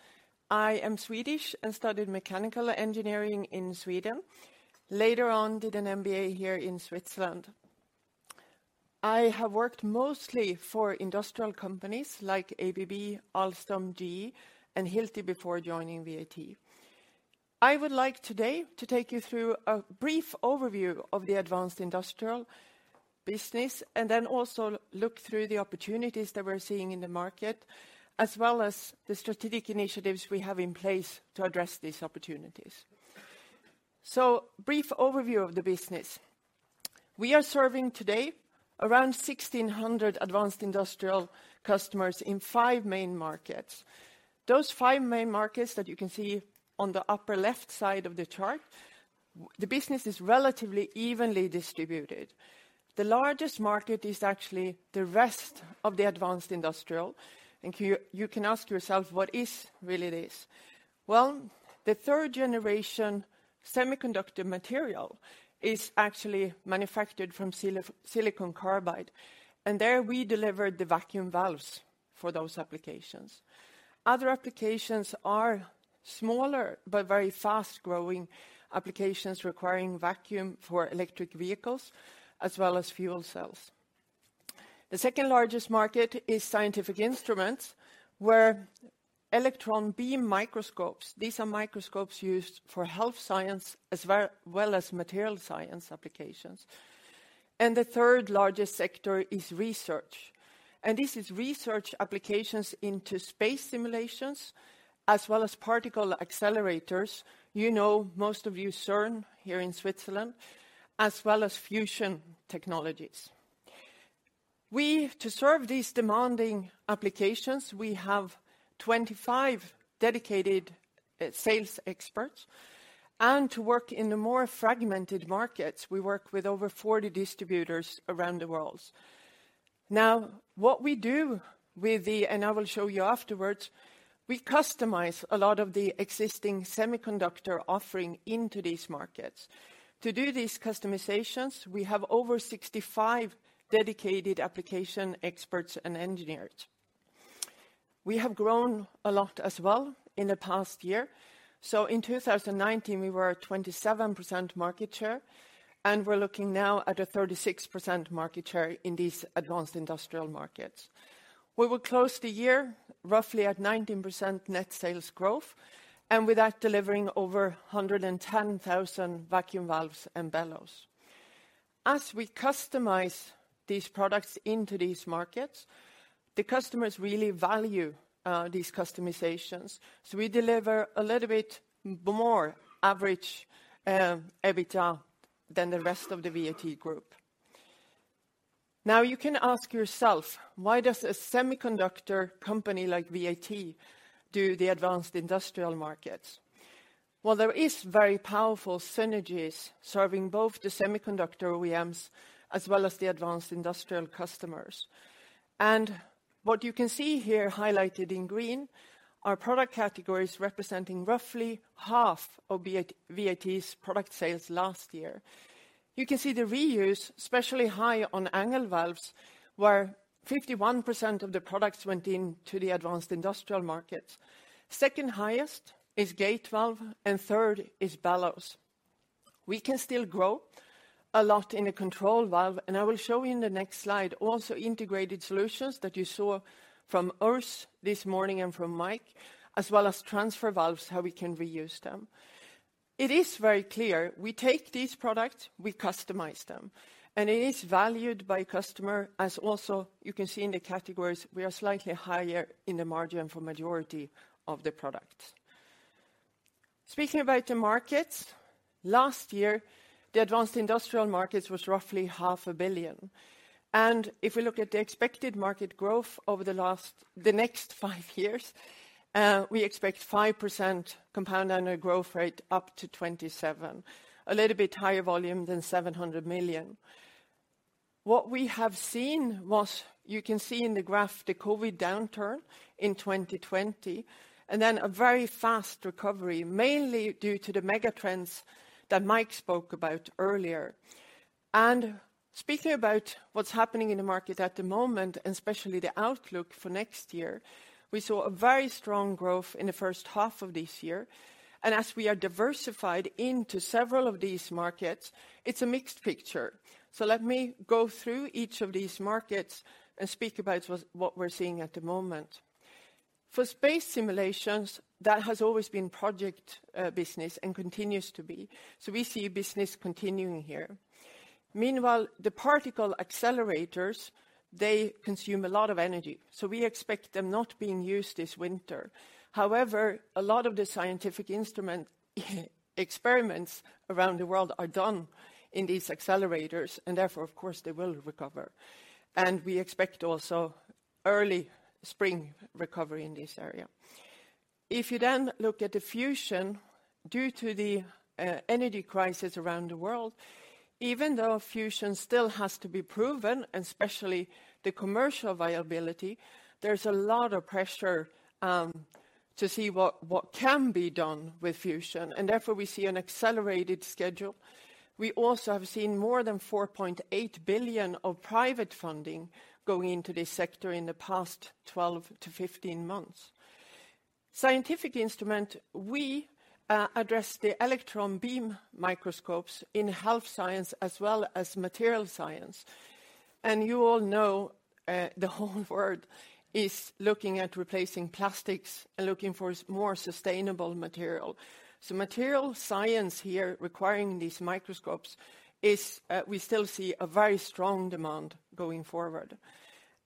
I am Swedish and studied mechanical engineering in Sweden. Later on, did an MBA here in Switzerland. I have worked mostly for industrial companies like ABB, Alstom, GE, and Hilti before joining VAT. I would like today to take you through a brief overview of the Advanced Industrials business and then also look through the opportunities that we're seeing in the market, as well as the strategic initiatives we have in place to address these opportunities. Brief overview of the business. We are serving today around 1,600 Advanced Industrials customers in five main markets. Those five main markets that you can see on the upper left side of the chart, the business is relatively evenly distributed. The largest market is actually the rest of the Advanced Industrials. You can ask yourself, what is really this? Well, the 3rd generation semiconductor material is actually manufactured from silicon carbide, and there we deliver the vacuum valves for those applications. Other applications are smaller but very fast-growing applications requiring vacuum for electric vehicles as well as fuel cells. The second-largest market is scientific instruments, where electron beam microscopes, these are microscopes used for health science as well as material science applications. The third largest sector is research. This is research applications into space simulations as well as particle accelerators. You know, most of you CERN here in Switzerland, as well as fusion technologies. To serve these demanding applications, we have 25 dedicated sales experts. To work in the more fragmented markets, we work with over 40 distributors around the world. What we do, I will show you afterwards, we customize a lot of the existing semiconductor offering into these markets. To do these customizations, we have over 65 dedicated application experts and engineers. We have grown a lot as well in the past year. In 2019, we were at 27% market share, and we're looking now at a 36% market share in these Advanced Industrials markets. We will close the year roughly at 19% net sales growth, and with that delivering over 110,000 vacuum valves and bellows. As we customize these products into these markets, the customers really value these customizations. We deliver a little bit more average EBITDA than the rest of the VAT Group. Now you can ask yourself, why does a semiconductor company like VAT do the advanced industrial markets? Well, there is very powerful synergies serving both the semiconductor OEMs as well as the advanced industrial customers. What you can see here highlighted in green are product categories representing roughly half of VAT's product sales last year. You can see the reuse, especially high on angle valves, where 51% of the products went into the advanced industrial markets. Second highest is gate valve, and third is bellows. We can still grow a lot in a control valve, and I will show you in the next slide also integrated solutions that you saw from Urs this morning and from Mike, as well as transfer valves, how we can reuse them. It is very clear, we take these products, we customize them, and it is valued by customer as also you can see in the categories, we are slightly higher in the margin for majority of the products. Speaking about the markets, last year, the advanced industrial markets was roughly half a billion. If we look at the expected market growth over the next five years, we expect 5% compound annual growth rate up to 2027, a little bit higher volume than 700 million. What we have seen was, you can see in the graph, the COVID downturn in 2020, a very fast recovery, mainly due to the mega trends that Mike spoke about earlier. Speaking about what's happening in the market at the moment, and especially the outlook for next year, we saw a very strong growth in the first half of this year. As we are diversified into several of these markets, it's a mixed picture. Let me go through each of these markets and speak about what we're seeing at the moment. For space simulations, that has always been project business and continues to be. We see business continuing here. Meanwhile, the particle accelerators, they consume a lot of energy, so we expect them not being used this winter. However, a lot of the scientific instrument experiments around the world are done in these accelerators, and therefore, of course, they will recover. We expect also early spring recovery in this area. If you look at the fusion due to the energy crisis around the world, even though fusion still has to be proven, especially the commercial viability, there's a lot of pressure to see what can be done with fusion, we see an accelerated schedule. We also have seen more than $4.8 billion of private funding going into this sector in the past 12-15 months. Scientific instrument, we address the e-beam microscopes in health science as well as material science. You all know, the whole world is looking at replacing plastics and looking for more sustainable material. Material science here requiring these microscopes is, we still see a very strong demand going forward.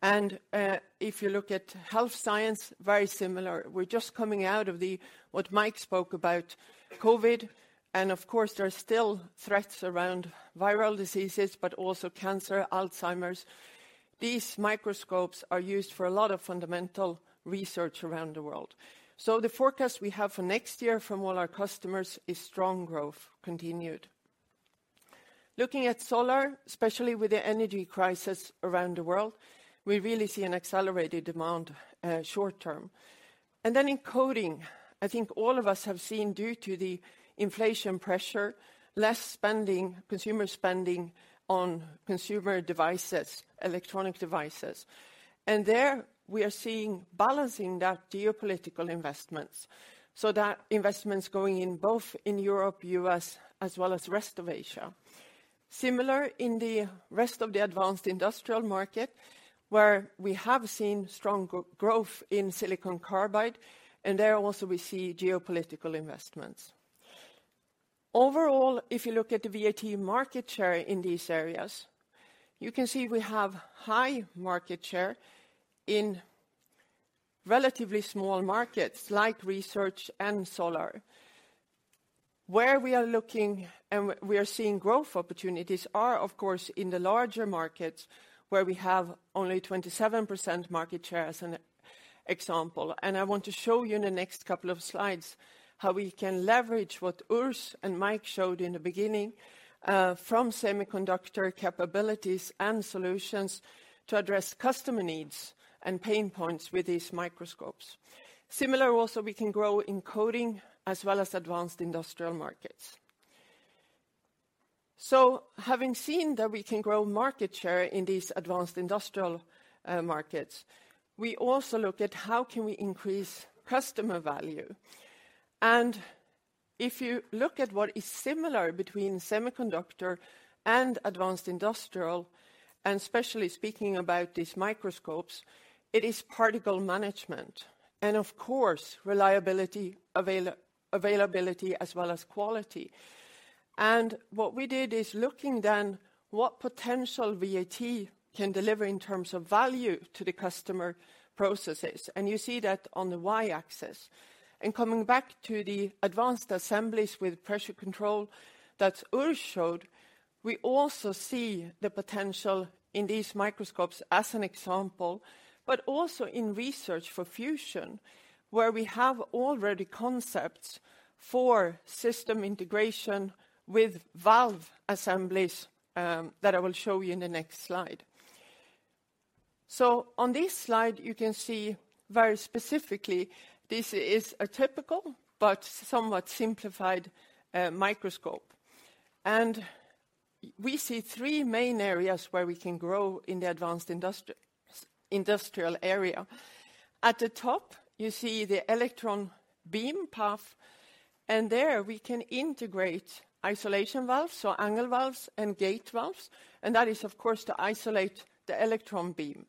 If you look at health science, very similar. We're just coming out of the, what Mike spoke about, COVID. Of course, there are still threats around viral diseases, but also cancer, Alzheimer's. These microscopes are used for a lot of fundamental research around the world. The forecast we have for next year from all our customers is strong growth continued. Looking at solar, especially with the energy crisis around the world, we really see an accelerated demand, short term. In coating, I think all of us have seen, due to the inflation pressure, less spending, consumer spending on consumer devices, electronic devices. There we are seeing balancing that geopolitical investments so that investment's going in both in Europe, U.S., as well as rest of Asia. Similar in the rest of the advanced industrial market, where we have seen strong growth in silicon carbide, and there also we see geopolitical investments. Overall, if you look at the VAT market share in these areas, you can see we have high market share in relatively small markets like research and solar. Where we are looking and we are seeing growth opportunities are, of course, in the larger markets where we have only 27% market share as an example. I want to show you in the next couple of slides how we can leverage what Urs and Mike showed in the beginning from semiconductor capabilities and solutions to address customer needs and pain points with these microscopes. Similar also, we can grow in coating as well as advanced industrial markets. Having seen that we can grow market share in these advanced industrial markets, we also look at how can we increase customer value. If you look at what is similar between semiconductor and advanced industrial, and especially speaking about these microscopes, it is particle management and, of course, reliability, availability as well as quality. What we did is looking then what potential VAT can deliver in terms of value to the customer processes, and you see that on the y-axis. Coming back to the advanced assemblies with pressure control that Urs showed, we also see the potential in these microscopes as an example, but also in research for fusion, where we have already concepts for system integration with valve assemblies that I will show you in the next slide. On this slide, you can see very specifically this is a typical but somewhat simplified microscope. We see three main areas where we can grow in the advanced industrial area. At the top, you see the electron beam path, and there we can integrate isolation valves, so angle valves and gate valves, and that is of course to isolate the electron beam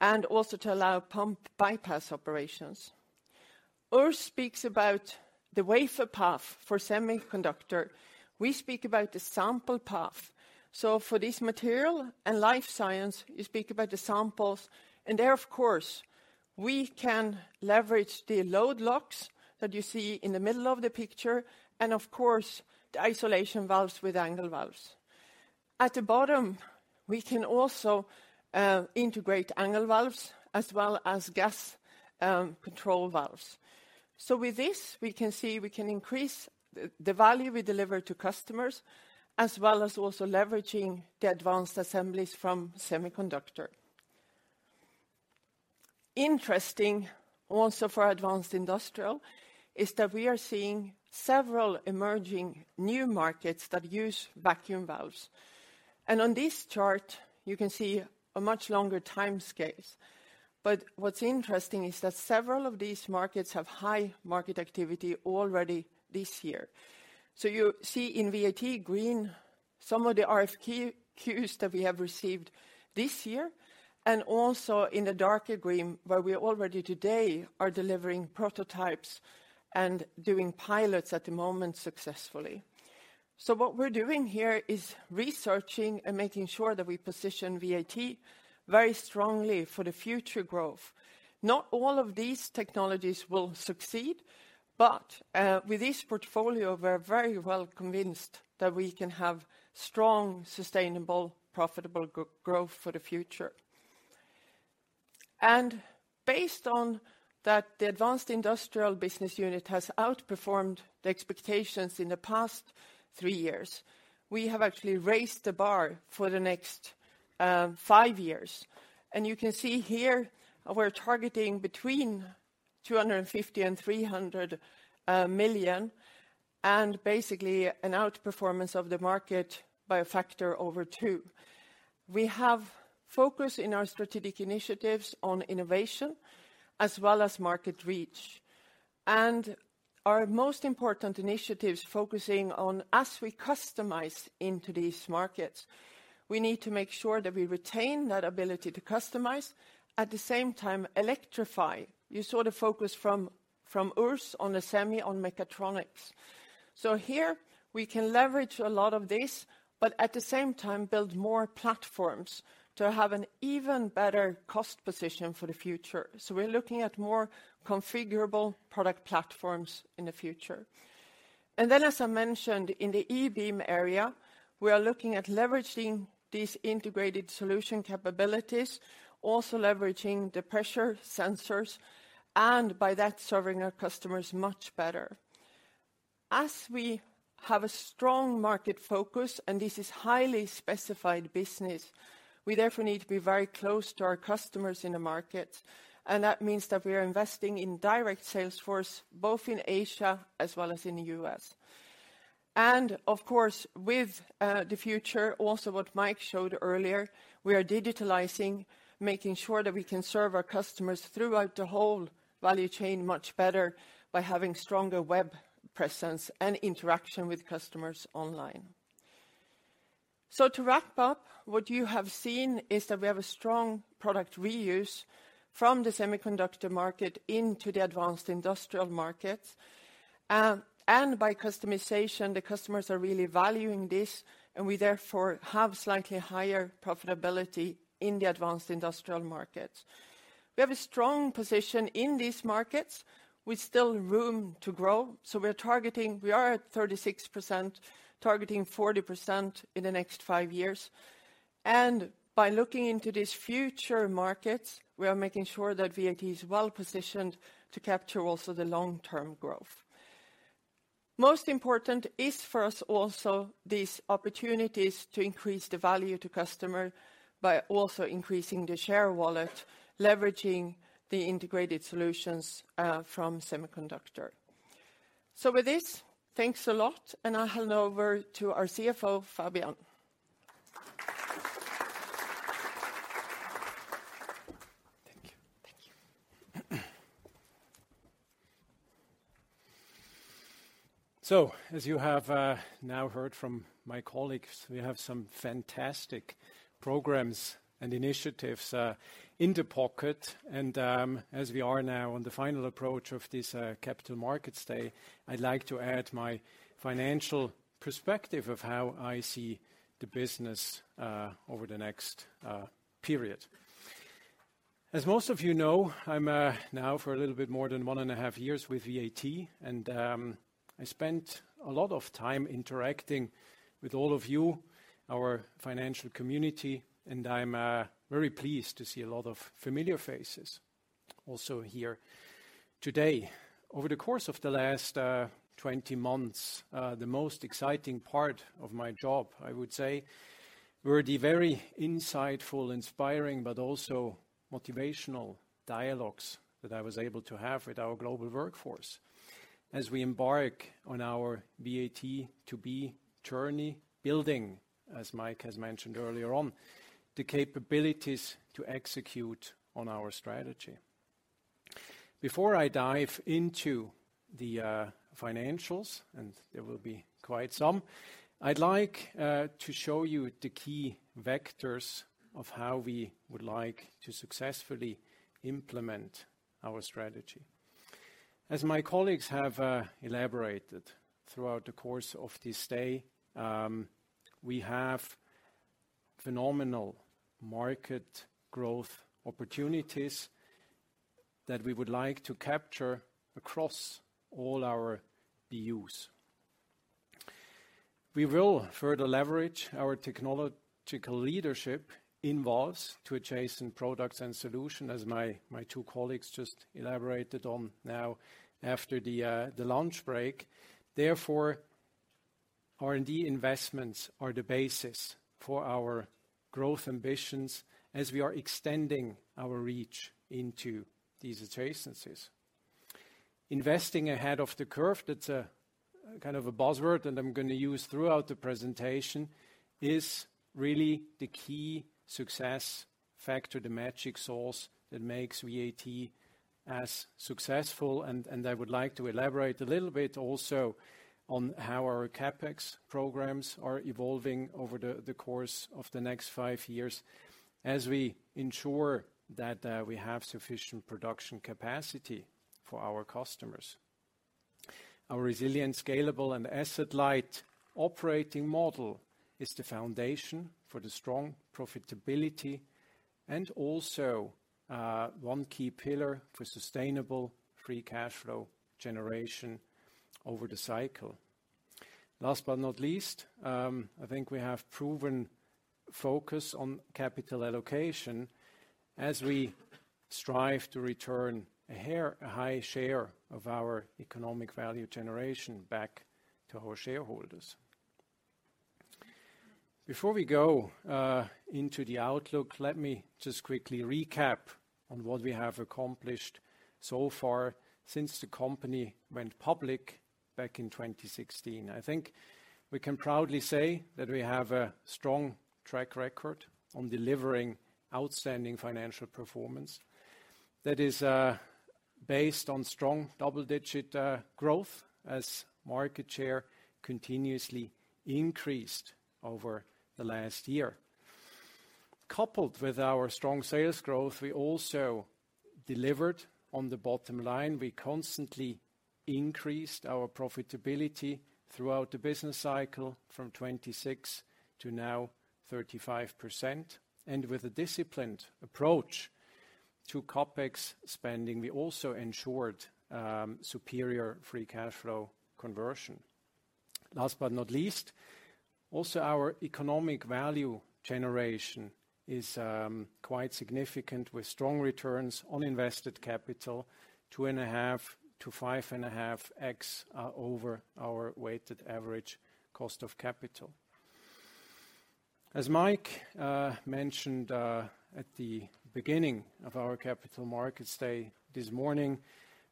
and also to allow pump bypass operations. Urs speaks about the wafer path for semiconductor. We speak about the sample path. For this material and life science, you speak about the samples. There, of course, we can leverage the load locks that you see in the middle of the picture and of course the isolation valves with angle valves. At the bottom, we can also integrate angle valves as well as gas control valves. With this, we can see we can increase the value we deliver to customers, as well as also leveraging the advanced assemblies from semiconductor. Interesting also for Advanced Industrials is that we are seeing several emerging new markets that use vacuum valves. On this chart, you can see a much longer timescales. What's interesting is that several of these markets have high market activity already this year. You see in VAT green some of the RFQ queues that we have received this year, and also in the darker green where we already today are delivering prototypes and doing pilots at the moment successfully. What we're doing here is researching and making sure that we position VAT very strongly for the future growth. Not all of these technologies will succeed, but with this portfolio, we're very well convinced that we can have strong, sustainable, profitable growth for the future. Based on that, the Advanced Industrials business unit has outperformed the expectations in the past three years. We have actually raised the bar for the next five years. You can see here we're targeting between 250 million and 300 million, and basically an outperformance of the market by a factor over two. We have focus in our strategic initiatives on innovation as well as market reach. Our most important initiatives focusing on as we customize into these markets, we need to make sure that we retain that ability to customize, at the same time electrify. You saw the focus from Urs on the semi, on mechatronics. Here we can leverage a lot of this, but at the same time build more platforms to have an even better cost position for the future. We're looking at more configurable product platforms in the future. As I mentioned, in the e-beam area, we are looking at leveraging these integrated solution capabilities, also leveraging the pressure sensors, and by that, serving our customers much better. As we have a strong market focus, and this is highly specified business, we therefore need to be very close to our customers in the market, and that means that we are investing in direct sales force, both in Asia as well as in the U.S. With the future, also what Mike showed earlier, we are digitalizing, making sure that we can serve our customers throughout the whole value chain much better by having stronger web presence and interaction with customers online. To wrap up, what you have seen is that we have a strong product reuse from the semiconductor market into the advanced industrial markets, and by customization, the customers are really valuing this, and we therefore have slightly higher profitability in the advanced industrial markets. We have a strong position in these markets with still room to grow, so we are at 36%, targeting 40% in the next five years. By looking into these future markets, we are making sure that VAT is well-positioned to capture also the long-term growth. Most important is for us also these opportunities to increase the value to customer by also increasing the share wallet, leveraging the integrated solutions from semiconductor. With this, thanks a lot, and I hand over to our CFO, Fabian. As you have now heard from my colleagues, we have some fantastic programs and initiatives in the pocket. As we are now on the final approach of this capital markets day, I'd like to add my financial perspective of how I see the business over the next period. As most of you know, I'm now for a little bit more than one and a half years with VAT, and I spent a lot of time interacting with all of you, our financial community, and I'm very pleased to see a lot of familiar faces also here today. Over the course of the last 20 months, the most exciting part of my job, I would say, were the very insightful, inspiring, but also motivational dialogues that I was able to have with our global workforce as we embark on our VAT2B journey building, as Mike has mentioned earlier on, the capabilities to execute on our strategy. Before I dive into the financials, and there will be quite some, I'd like to show you the key vectors of how we would like to successfully implement our strategy. As my colleagues have elaborated throughout the course of this day, we have phenomenal market growth opportunities that we would like to capture across all our BUs. We will further leverage our technological leadership valves to adjacent products and solutions as my two colleagues just elaborated on now after the lunch break. Therefore, R&D investments are the basis for our growth ambitions as we are extending our reach into these adjacencies. Investing ahead of the curve, that's a kind of a buzzword that I'm gonna use throughout the presentation, is really the key success factor, the magic source that makes VAT as successful. I would like to elaborate a little bit also on how our CapEx programs are evolving over the course of the next five years as we ensure that we have sufficient production capacity for our customers. Our resilient, scalable and asset-light operating model is the foundation for the strong profitability and also one key pillar for sustainable free cash flow generation over the cycle. Last but not least, I think we have proven focus on capital allocation as we strive to return a high share of our economic value generation back to our shareholders. Before we go into the outlook, let me just quickly recap on what we have accomplished so far since the company went public back in 2016. I think we can proudly say that we have a strong track record on delivering outstanding financial performance that is based on strong double-digit growth as market share continuously increased over the last year. Coupled with our strong sales growth, we also delivered on the bottom line. We constantly increased our profitability throughout the business cycle from 26% to now 35%. With a disciplined approach to CapEx spending, we also ensured superior free cash flow conversion. Last but not least, also our economic value generation is quite significant with strong returns on invested capital 2.5x-5.5x over our weighted average cost of capital. As Mike mentioned at the beginning of our Capital Markets Day this morning,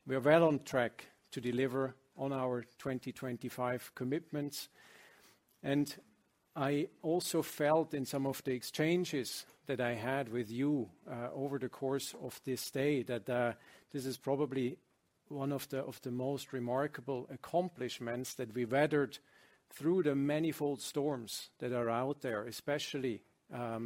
we are well on track to deliver on our 2025 commitments. I also felt in some of the exchanges that I had with you over the course of this day that this is probably one of the most remarkable accomplishments that we weathered through the manifold storms that are out there, especially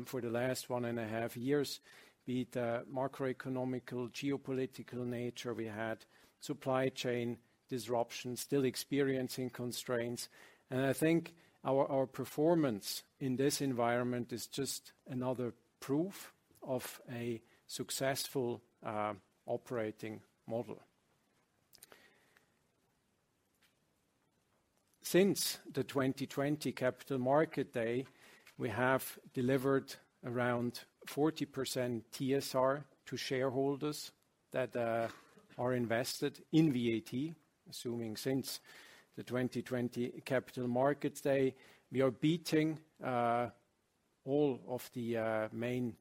for the last one and a half years, be it macroeconomical, geopolitical nature. We had supply chain disruptions, still experiencing constraints. I think our performance in this environment is just another proof of a successful operating model. Since the 2020 Capital Market Day, we have delivered around 40% TSR to shareholders that are invested in VAT, assuming since the 2020 Capital Markets Day. We are beating all of the main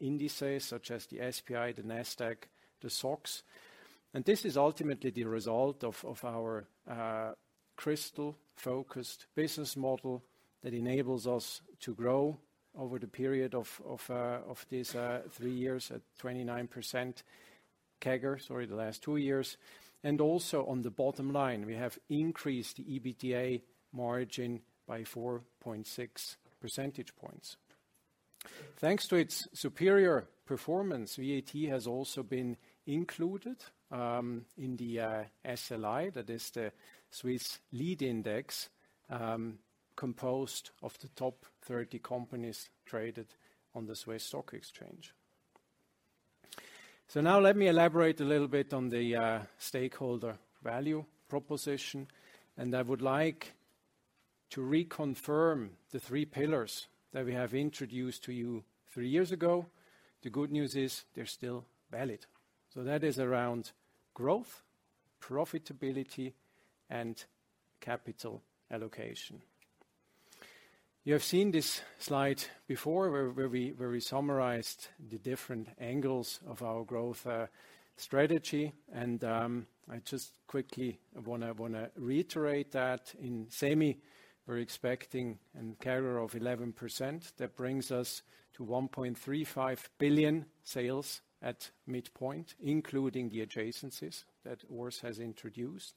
indices such as the SPI, the Nasdaq, the SOX. This is ultimately the result of our crystal-focused business model that enables us to grow over the period of these three years at 29% CAGR, sorry, the last two years. Also on the bottom line, we have increased the EBITDA margin by 4.6 percentage points. Thanks to its superior performance, VAT has also been included in the SLI, that is the Swiss Leader Index, composed of the top 30 companies traded on the Swiss Stock Exchange. Now let me elaborate a little bit on the stakeholder value proposition, and I would like to reconfirm the three pillars that we have introduced to you three years ago. The good news is they're still valid. That is around growth, profitability, and capital allocation. You have seen this slide before where we summarized the different angles of our growth strategy. I just quickly wanna reiterate that. In Semi, we're expecting a CAGR of 11%. That brings us to 1.35 billion sales at midpoint, including the adjacencies that Urs has introduced.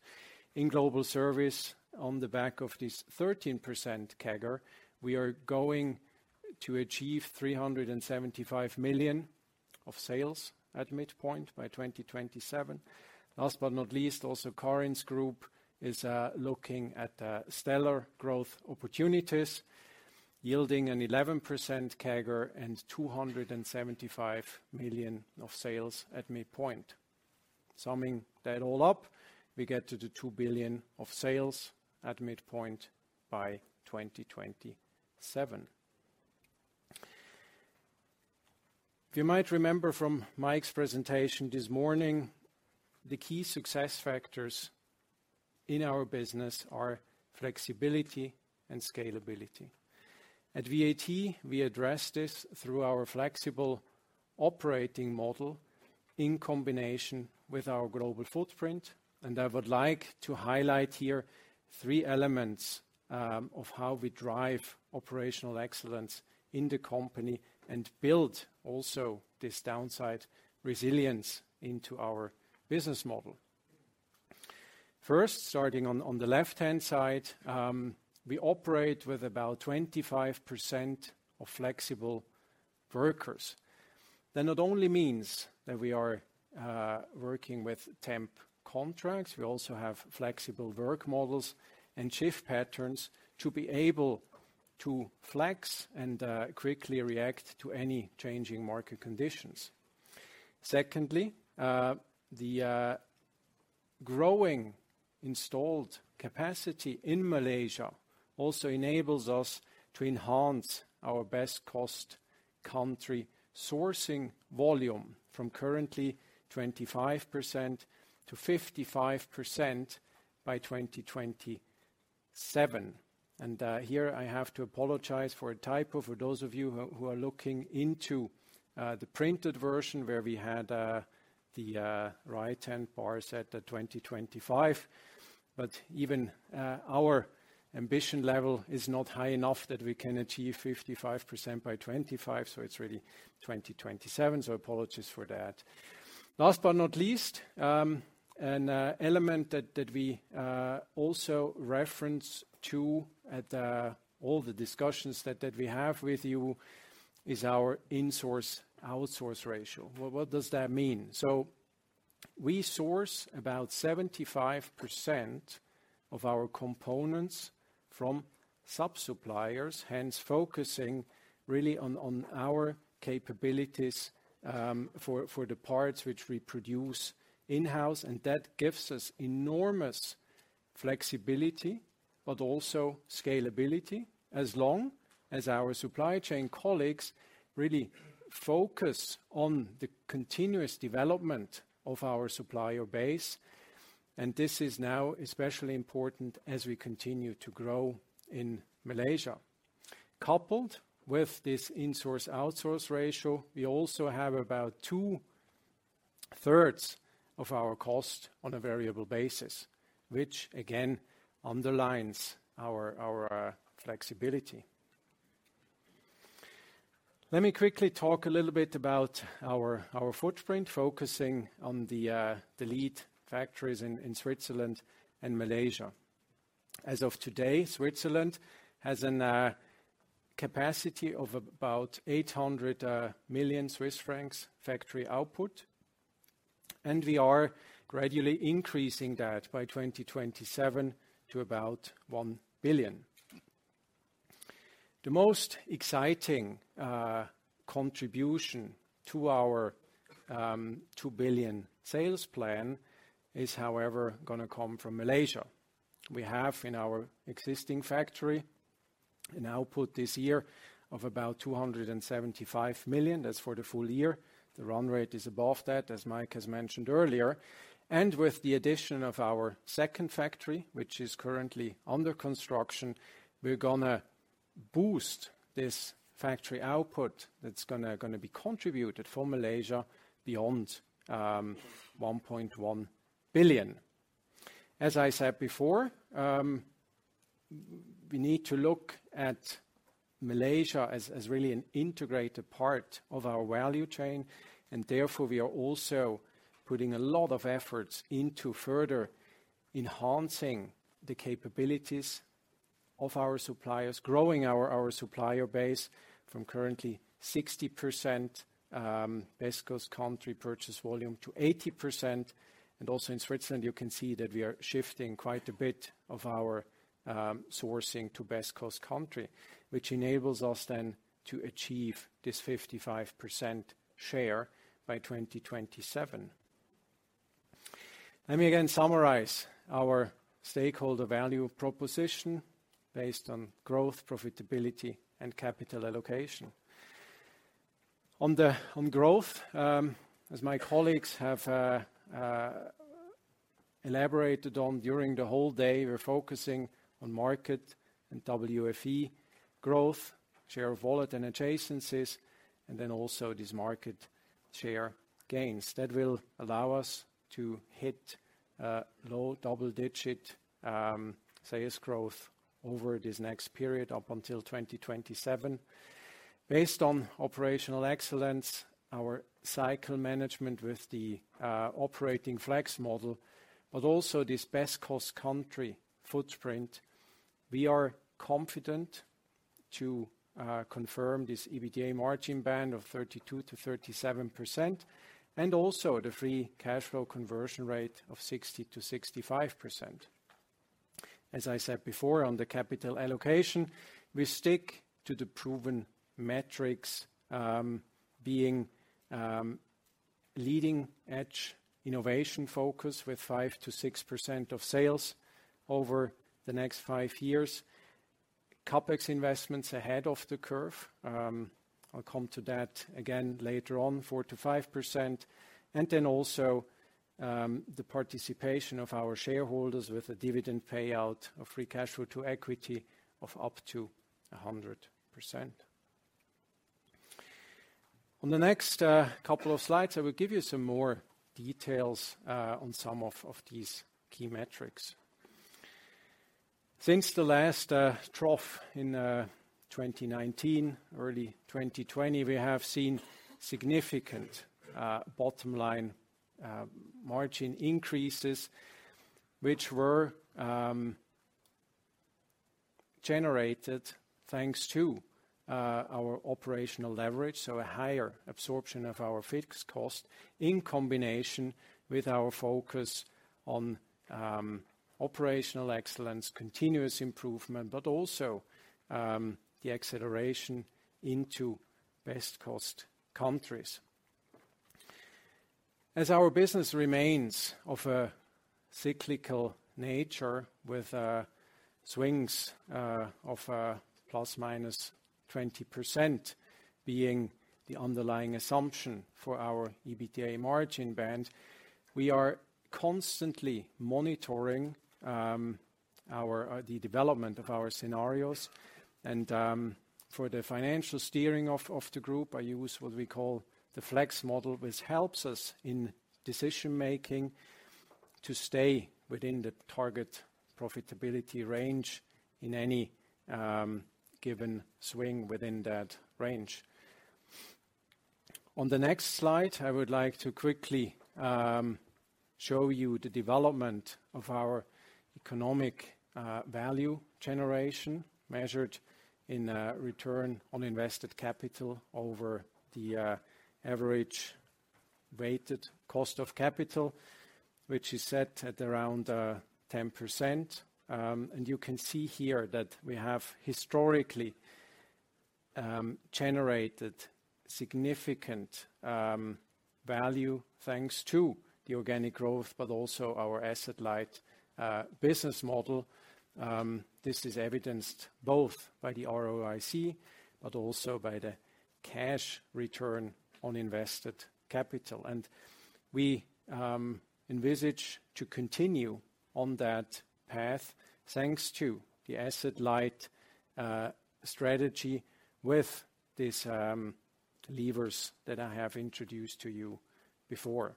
In Global Service, on the back of this 13% CAGR, we are going to achieve 375 million of sales at midpoint by 2027. Last but not least, also Corinne's group is looking at stellar growth opportunities, yielding an 11% CAGR and 275 million of sales at midpoint. Summing that all up, we get to the 2 billion of sales at midpoint by 2027. You might remember from Mike's presentation this morning, the key success factors in our business are flexibility and scalability. At VAT, we address this through our flexible operating model in combination with our global footprint, and I would like to highlight here three elements of how we drive operational excellence in the company and build also this downside resilience into our business model. First, starting on the left-hand side, we operate with about 25% of flexible workers. That not only means that we are working with temp contracts, we also have flexible work models and shift patterns to be able to flex and quickly react to any changing market conditions. Secondly, the growing installed capacity in Malaysia also enables us to enhance our best cost country sourcing volume from currently 25%-55% by 2027. Here I have to apologize for a typo for those of you who are looking into the printed version where we had the right-hand bar set to 2025. But even our ambition level is not high enough that we can achieve 55% by 2025, so it's really 2027. Apologies for that. Last but not least, and element that we also reference to at all the discussions that we have with you is our insource-outsource ratio. Well, what does that mean? We source about 75% of our components from sub-suppliers, hence focusing really on our capabilities for the parts which we produce in-house, and that gives us enormous flexibility but also scalability as long as our supply chain colleagues really focus on the continuous development of our supplier base, and this is now especially important as we continue to grow in Malaysia. Coupled with this insource-outsource ratio, we also have about 2/3 of our cost on a variable basis, which again underlines our flexibility. Let me quickly talk a little bit about our footprint, focusing on the lead factories in Switzerland and Malaysia. As of today, Switzerland has an capacity of about 800 million Swiss francs factory output, and we are gradually increasing that by 2027 to about 1 billion. The most exciting contribution to our 2 billion sales plan is, however, gonna come from Malaysia. We have in our existing factory an output this year of about 275 million. That's for the full year. The run rate is above that, as Mike has mentioned earlier. With the addition of our second factory, which is currently under construction, we're gonna boost this factory output that's gonna be contributed for Malaysia beyond $1.1 billion. As I said before, we need to look at Malaysia as really an integrated part of our value chain, and therefore, we are also putting a lot of efforts into further enhancing the capabilities of our suppliers, growing our supplier base from currently 60% best cost country purchase volume to 80%. Also in Switzerland, you can see that we are shifting quite a bit of our sourcing to best cost country, which enables us then to achieve this 55% share by 2027. Let me again summarize our stakeholder value proposition based on growth, profitability, and capital allocation. On growth, as my colleagues have elaborated on during the whole day, we're focusing on market and WFE growth, share of wallet and adjacencies, and then also these market share gains. That will allow us to hit low double-digit sales growth over this next period up until 2027. Based on operational excellence, our cycle management with the operating flex model, but also this best cost country footprint, we are confident to confirm this EBITDA margin band of 32%-37% and also the free cash flow conversion rate of 60%-65%. As I said before on the capital allocation, we stick to the proven metrics, being leading-edge innovation focus with 5%-6% of sales over the next five years. CapEx investments ahead of the curve. I'll come to that again later on, 4%-5%. Also, the participation of our shareholders with a dividend payout of free cash flow to equity of up to 100%. On the next couple of slides, I will give you some more details on some of these key metrics. Since the last trough in 2019, early 2020, we have seen significant bottom line margin increases, which were generated thanks to our operational leverage, so a higher absorption of our fixed cost in combination with our focus on operational excellence, continuous improvement, but also, the acceleration into best cost countries. As our business remains of a cyclical nature with swings of ±20% being the underlying assumption for our EBITDA margin band, we are constantly monitoring the development of our scenarios. For the financial steering of the group, I use what we call the flex model, which helps us in decision-making to stay within the target profitability range in any given swing within that range. On the next slide, I would like to quickly show you the development of our economic value generation measured in return on invested capital over the average weighted cost of capital, which is set at around 10%. You can see here that we have historically generated significant value thanks to the organic growth, but also our asset-light business model. This is evidenced both by the ROIC, but also by the cash return on invested capital. We envisage to continue on that path, thanks to the asset-light strategy with these levers that I have introduced to you before.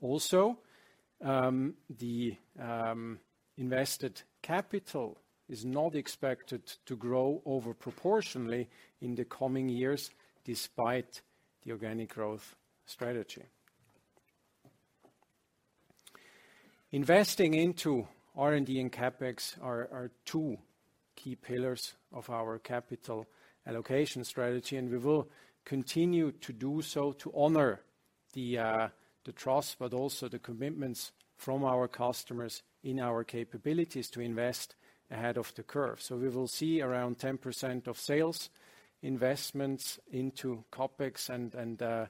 Also, the invested capital is not expected to grow over proportionally in the coming years despite the organic growth strategy. Investing into R&D and CapEx are two key pillars of our capital allocation strategy, and we will continue to do so to honor the trust, but also the commitments from our customers in our capabilities to invest ahead of the curve. We will see around 10% of sales investments into CapEx and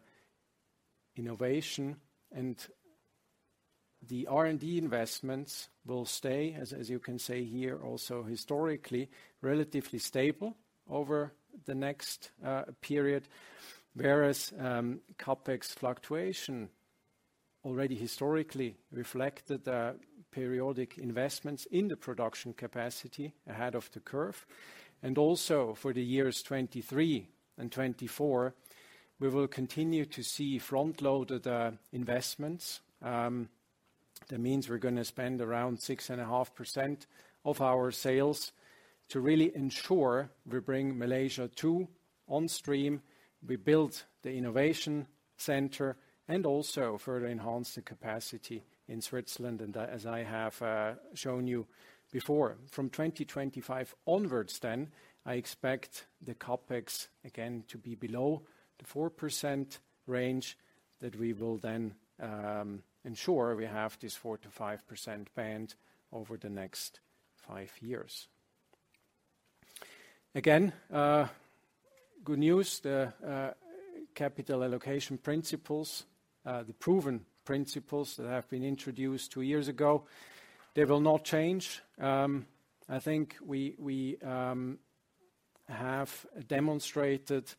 innovation. The R&D investments will stay as you can see here also historically, relatively stable over the next period. Whereas, CapEx fluctuation already historically reflected the periodic investments in the production capacity ahead of the curve. Also for the years 2023 and 2024, we will continue to see front-loaded investments. That means we're gonna spend around 6.5% of our sales to really ensure we bring Malaysia Two on stream, we build the innovation center, and also further enhance the capacity in Switzerland. As I have shown you before, from 2025 onwards then, I expect the CapEx again to be below the 4% range, that we will then ensure we have this 4%-5% band over the next five years. Again, good news. The capital allocation principles, the proven principles that have been introduced two years ago, they will not change. I think we have demonstrated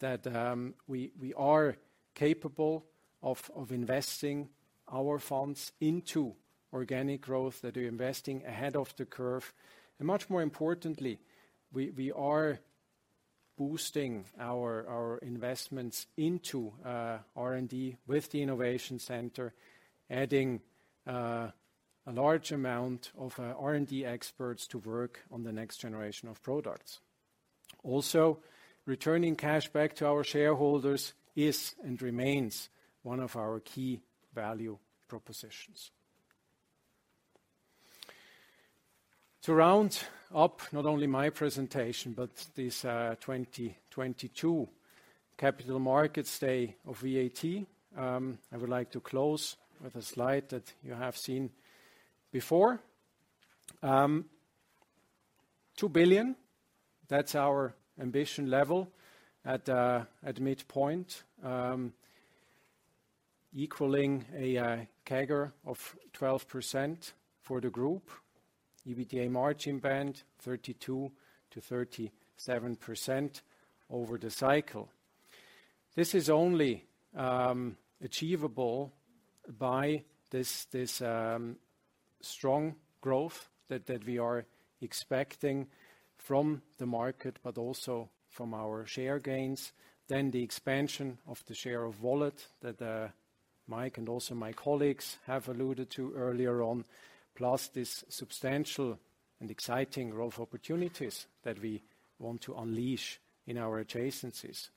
that we are capable of investing our funds into organic growth, that we're investing ahead of the curve. Much more importantly, we are boosting our investments into R&D with the innovation center, adding a large amount of R&D experts to work on the next generation of products. Also, returning cash back to our shareholders is and remains one of our key value propositions. To round up not only my presentation, but this 2022 capital markets day of VAT, I would like to close with a slide that you have seen before. 2 billion, that's our ambition level at midpoint, equaling a CAGR of 12% for the group. EBITDA margin band, 32%-37% over the cycle. This is only achievable by this strong growth that we are expecting from the market, but also from our share gains. The expansion of the share of wallet that Mike and also my colleagues have alluded to earlier on, plus this substantial and exciting growth opportunities that we want to unleash in our adjacencies.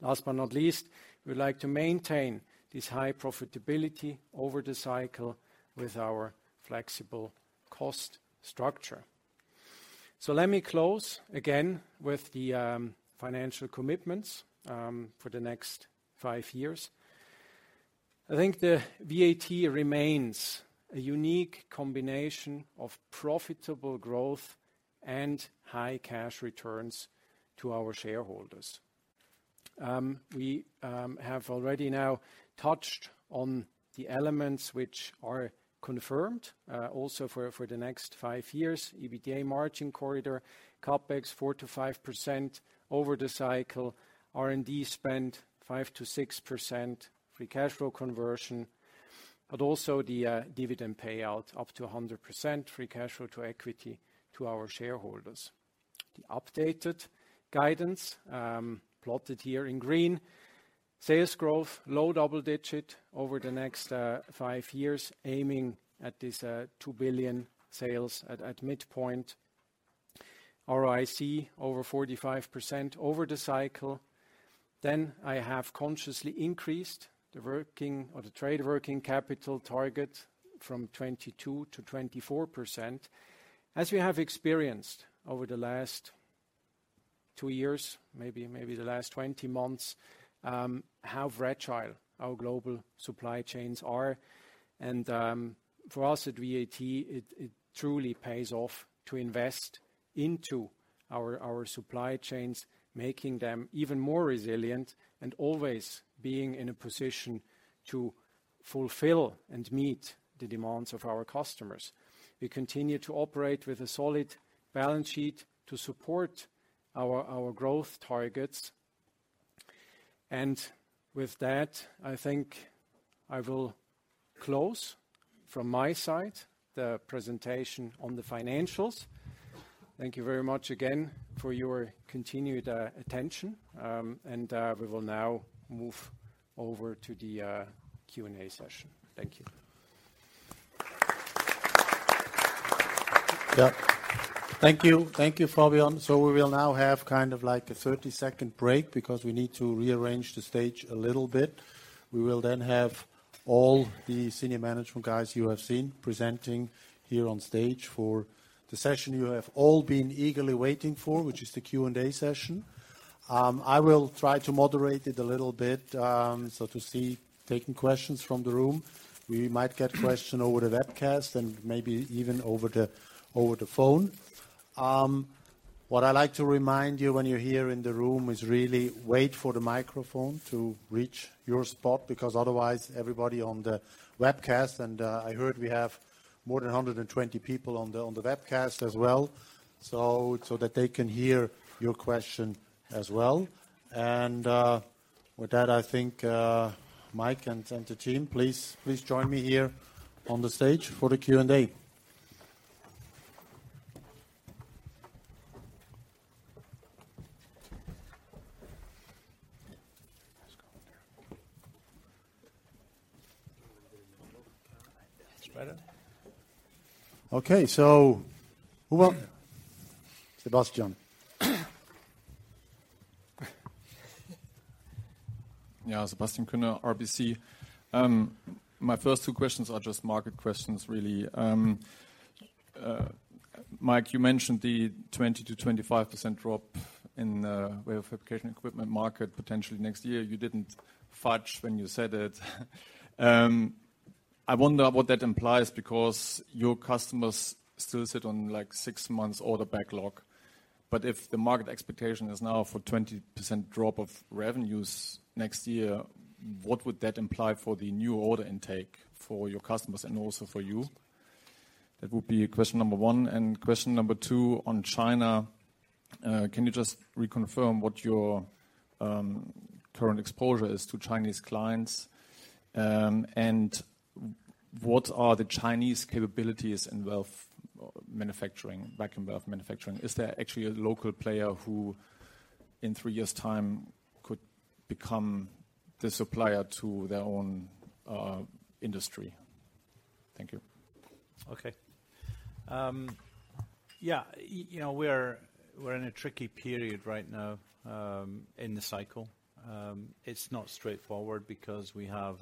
Last but not least, we would like to maintain this high profitability over the cycle with our flexible cost structure. Let me close again with the financial commitments for the next five years. I think the VAT remains a unique combination of profitable growth and high cash returns to our shareholders. We have already now touched on the elements which are confirmed also for the next five years. EBITDA margin corridor, CapEx 4%-5% over the cycle, R&D spend 5%-6%, free cash flow conversion, but also the dividend payout up to 100%, free cash flow to equity to our shareholders. The updated guidance, plotted here in green. Sales growth, low double digit over the next five years, aiming at this 2 billion sales at midpoint. ROIC over 45% over the cycle. I have consciously increased the working or the trade working capital target from 22%-24%. We have experienced over the last two years, maybe the last 20 months, how fragile our global supply chains are. For us at VAT, it truly pays off to invest into our supply chains, making them even more resilient and always being in a position to fulfill and meet the demands of our customers. We continue to operate with a solid balance sheet to support our growth targets. With that, I think I will close from my side the presentation on the financials. Thank you very much again for your continued attention. We will now move over to the Q&A session. Thank you. Yeah. Thank you. Thank you, Fabian. We will now have kind of like a 30-second break because we need to rearrange the stage a little bit. We will have all the senior management guys you have seen presenting here on stage for the session you have all been eagerly waiting for, which is the Q&A session. I will try to moderate it a little bit, so to see, taking questions from the room. We might get question over the webcast and maybe even over the phone. What I like to remind you when you're here in the room is really wait for the microphone to reach your spot, because otherwise everybody on the webcast, I heard we have more than 120 people on the webcast as well, so that they can hear your question as well. With that, I think Mike and the team, please join me here on the stage for the Q&A. Let's go over there. Right. Spread out. Okay. Sebastian. Yeah. Sebastian Kuenne, RBC. My first two questions are just market questions, really. Mike, you mentioned the 20%-25% drop in wafer fabrication equipment market potentially next year. You didn't fudge when you said it. I wonder what that implies because your customers still sit on like six months order backlog. If the market expectation is now for 20% drop of revenues next year, what would that imply for the new order intake for your customers and also for you? That would be question number one. Question number two on China, can you just reconfirm what your current exposure is to Chinese clients, and what are the Chinese capabilities in wafer manufacturing? Is there actually a local player who, in three years' time, could become the supplier to their own industry? Thank you. You know, we're in a tricky period right now in the cycle. It's not straightforward because we have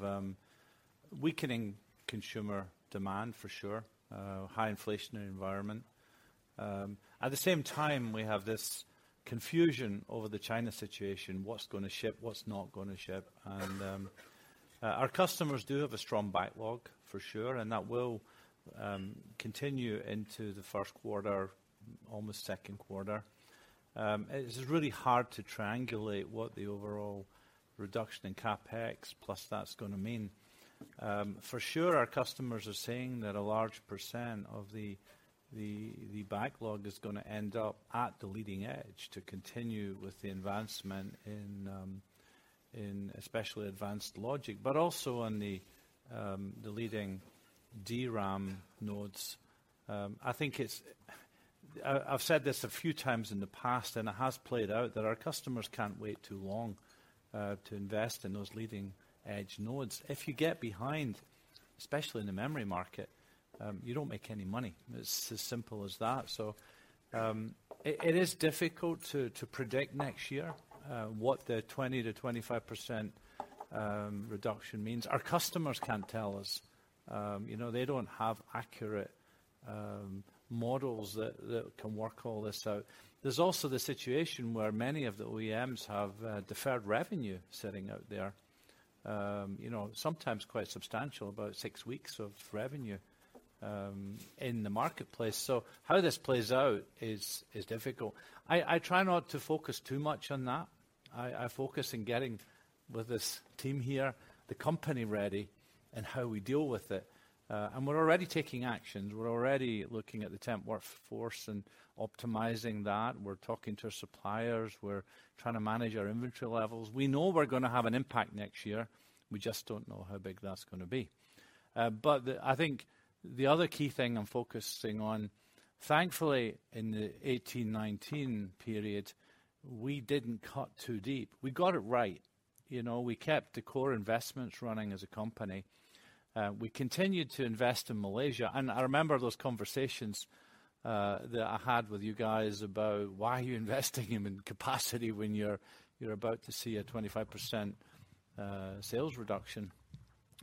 weakening consumer demand for sure, high inflationary environment. At the same time, we have this confusion over the China situation, what's gonna ship, what's not gonna ship. Our customers do have a strong backlog for sure, and that will continue into the first quarter, almost second quarter. It's really hard to triangulate what the overall reduction in CapEx plus that's gonna mean. For sure our customers are saying that a large % of the backlog is gonna end up at the leading edge to continue with the advancement in especially advanced logic, but also on the leading DRAM nodes. I think it's. I've said this a few times in the past and it has played out that our customers can't wait too long to invest in those leading-edge nodes. If you get behind, especially in the memory market, you don't make any money. It's as simple as that. It is difficult to predict next year what the 20%-25% reduction means. Our customers can't tell us. You know, they don't have accurate models that can work all this out. There's also the situation where many of the OEMs have deferred revenue sitting out there, you know, sometimes quite substantial, about six weeks of revenue in the marketplace. How this plays out is difficult. I try not to focus too much on that. I focus in getting with this team here, the company ready and how we deal with it. We're already taking actions. We're already looking at the temp workforce and optimizing that. We're talking to suppliers. We're trying to manage our inventory levels. We know we're gonna have an impact next year. We just don't know how big that's gonna be. I think the other key thing I'm focusing on, thankfully, in the 2018-2019 period, we didn't cut too deep. We got it right. You know, we kept the core investments running as a company. We continued to invest in Malaysia. I remember those conversations that I had with you guys about why are you investing in capacity when you're about to see a 25% sales reduction.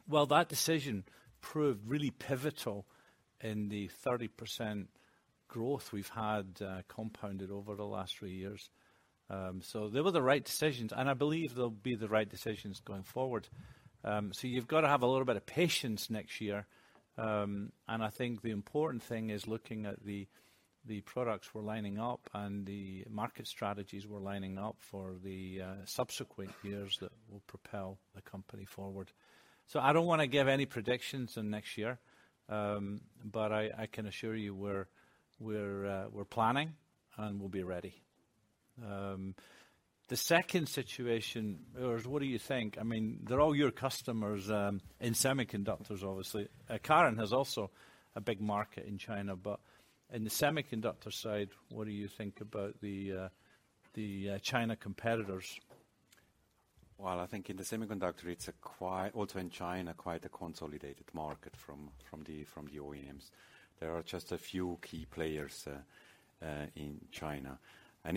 That decision proved really pivotal in the 30% growth we've had, compounded over the last three years. They were the right decisions, and I believe they'll be the right decisions going forward. You've got to have a little bit of patience next year. I think the important thing is looking at the products we're lining up and the market strategies we're lining up for the subsequent years that will propel the company forward. I don't wanna give any predictions on next year. I can assure you we're planning and we'll be ready. The second situation, Urs, what do you think? I mean, they're all your customers in semiconductors obviously. Karin has also a big market in China, but in the semiconductor side, what do you think about the China competitors? Well, I think in the semiconductor it's also in China, quite a consolidated market from the OEMs. There are just a few key players in China.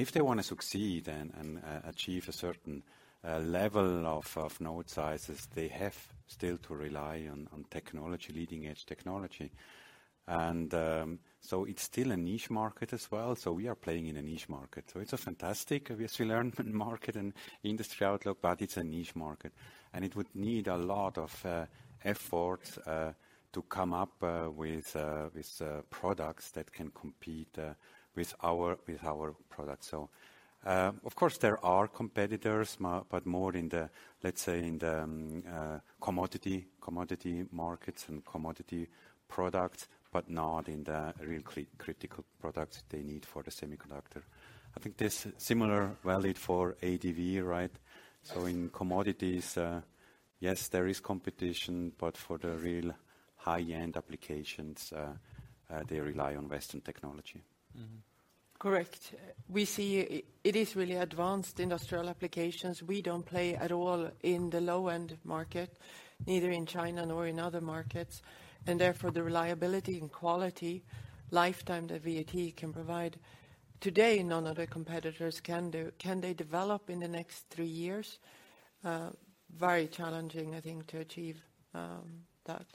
If they wanna succeed and achieve a certain level of node sizes, they have still to rely on technology, leading-edge technology. It's still a niche market as well. We are playing in a niche market. It's a fantastic obviously learning market and industry outlook, but it's a niche market. It would need a lot of effort to come up with products that can compete with our products. Of course there are competitors but more in the, let's say, in the commodity markets and commodity products, but not in the real critical products they need for the semiconductor. I think this similar valid for ADV, right? Yes. In commodities, yes, there is competition, but for the real high-end applications, they rely on Western technology. Mm-hmm. Correct. We see it is really advanced industrial applications. We don't play at all in the low-end market, neither in China nor in other markets, and therefore the reliability and quality lifetime that VAT can provide today, none of the competitors can do. Can they develop in the next three years? Very challenging, I think, to achieve that.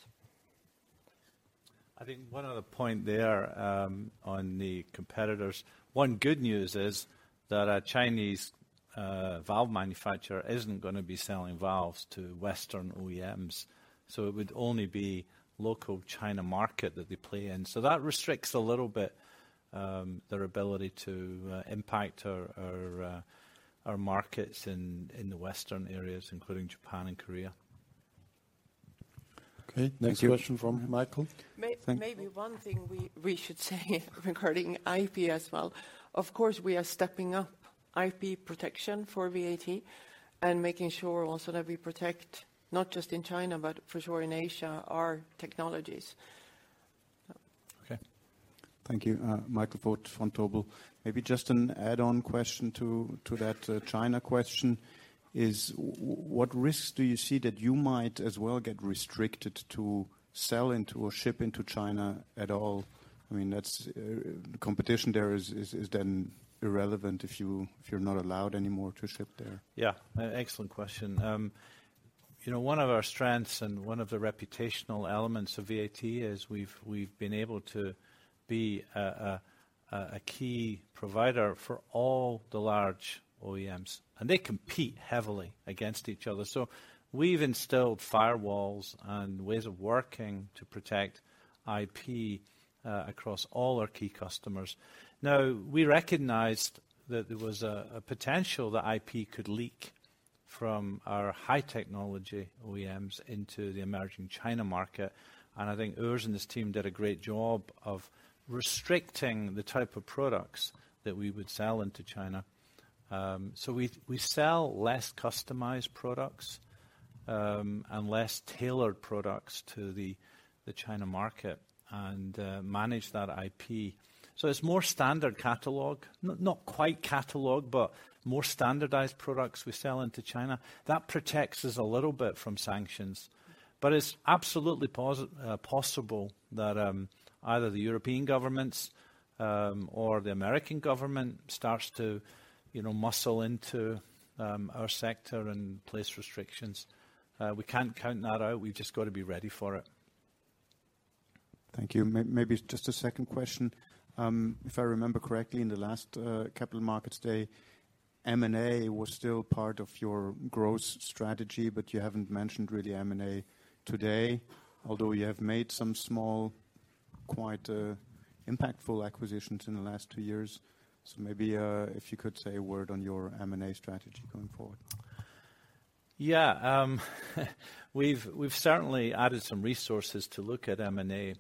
I think one other point there, on the competitors. One good news is that a Chinese valve manufacturer isn't gonna be selling valves to Western OEMs, so it would only be local China market that they play in. That restricts a little bit their ability to impact our markets in the Western areas, including Japan and Korea. Okay. Next question from Michael. Maybe one thing we should say regarding IP as well, of course, we are stepping up IP protection for VAT and making sure also that we protect, not just in China, but for sure in Asia, our technologies. Okay. Thank you. Michael Foeth from Vontobel. Maybe just an add-on question to that China question is what risks do you see that you might as well get restricted to sell into or ship into China at all? I mean, Competition there is then irrelevant if you're not allowed anymore to ship there. Yeah. Excellent question. You know, one of our strengths and one of the reputational elements of VAT is we've been able to be a key provider for all the large OEMs, and they compete heavily against each other. We've instilled firewalls and ways of working to protect IP across all our key customers. Now, we recognized that there was a potential that IP could leak from our high technology OEMs into the emerging China market. I think Urs and his team did a great job of restricting the type of products that we would sell into China. We sell less customized products and less tailored products to the China market and manage that IP. It's more standard catalog. Not quite catalog, but more standardized products we sell into China. That protects us a little bit from sanctions. It's absolutely possible that, either the European governments, or the American government starts to, you know, muscle into, our sector and place restrictions. We can't count that out. We've just got to be ready for it. Thank you. Maybe just a second question. If I remember correctly, in the last capital markets day, M&A was still part of your growth strategy, but you haven't mentioned really M&A today, although you have made some small, quite impactful acquisitions in the last two years. Maybe, if you could say a word on your M&A strategy going forward? Yeah. We've certainly added some resources to look at M&A.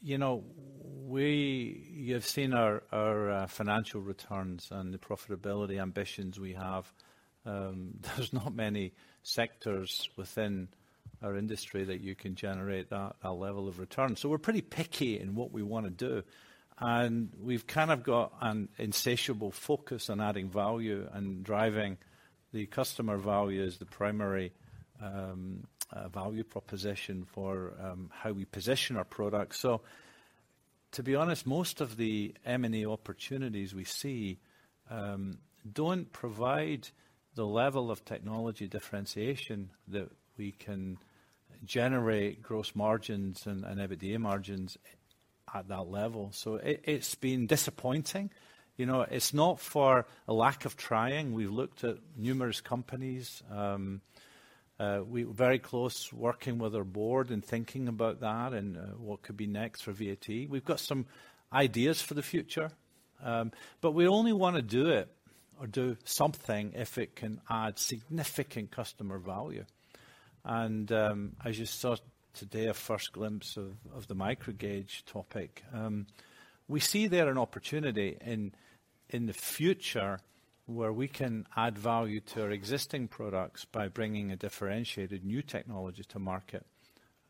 You know, You've seen our financial returns and the profitability ambitions we have. There's not many sectors within our industry that you can generate that, a level of return. We're pretty picky in what we wanna do, and we've kind of got an insatiable focus on adding value and driving the customer value as the primary value proposition for how we position our products. To be honest, most of the M&A opportunities we see don't provide the level of technology differentiation that we can generate gross margins and EBITDA margins at that level. It's been disappointing. You know, it's not for a lack of trying. We've looked at numerous companies. We're very close working with our board and thinking about that, what could be next for VAT. We've got some ideas for the future, we only wanna do it or do something if it can add significant customer value. As you saw today, a first glimpse of the microGauge topic, we see there an opportunity in the future where we can add value to our existing products by bringing a differentiated new technology to market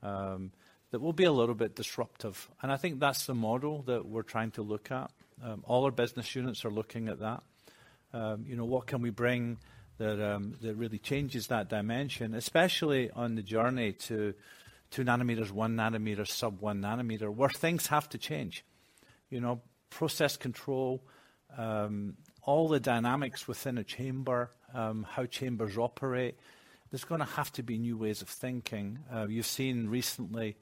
that will be a little bit disruptive. I think that's the model that we're trying to look at. All our business units are looking at that. You know, what can we bring that really changes that dimension, especially on the journey to 2 nm, 1 nm, sub-1 nm, where things have to change. You know, process control, all the dynamics within a chamber, how chambers operate. There's gonna have to be new ways of thinking. You've seen recently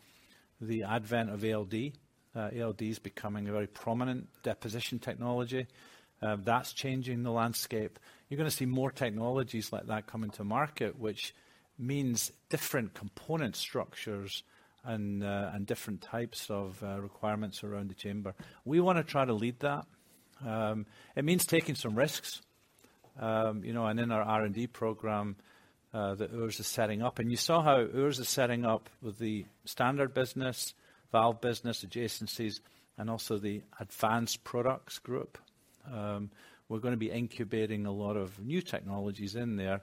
the advent of ALD. ALD is becoming a very prominent deposition technology. That's changing the landscape. You're gonna see more technologies like that coming to market, which means different component structures and different types of requirements around the chamber. We wanna try to lead that. It means taking some risks, you know, and in our R&D program that Urs is setting up. You saw how Urs is setting up with the standard business, valve business adjacencies, and also the advanced products group. We're gonna be incubating a lot of new technologies in there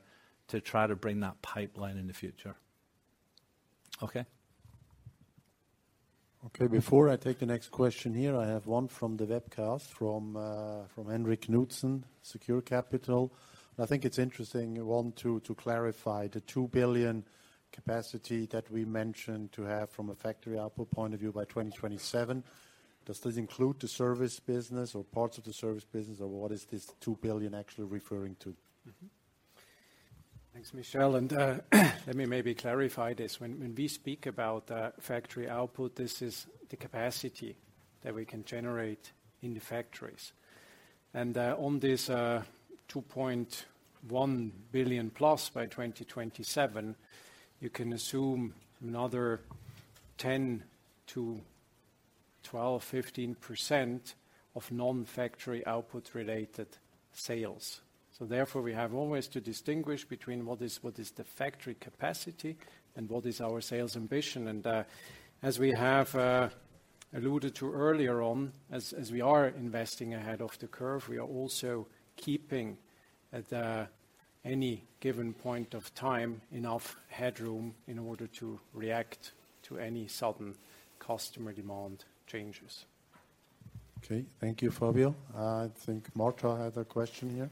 to try to bring that pipeline in the future. Okay. Okay. Before I take the next question here, I have one from the webcast from Henrik Knudsen, Secure Capital. I think it's interesting, you want to clarify the 2 billion capacity that we mentioned to have from a factory output point of view by 2027. Does this include the service business or parts of the service business, or what is this 2 billion actually referring to? Mm-hmm. Thanks, Michel. Let me maybe clarify this. When we speak about factory output, this is the capacity that we can generate in the factories. On this 2.1 billion+ by 2027, you can assume another 10%-12%, 15% of non-factory output related sales. Therefore, we have always to distinguish between what is the factory capacity and what is our sales ambition. As we have alluded to earlier on, as we are investing ahead of the curve, we are also keeping at any given point of time enough headroom in order to react to any sudden customer demand changes. Okay. Thank you, Fabian. I think Marta had a question here.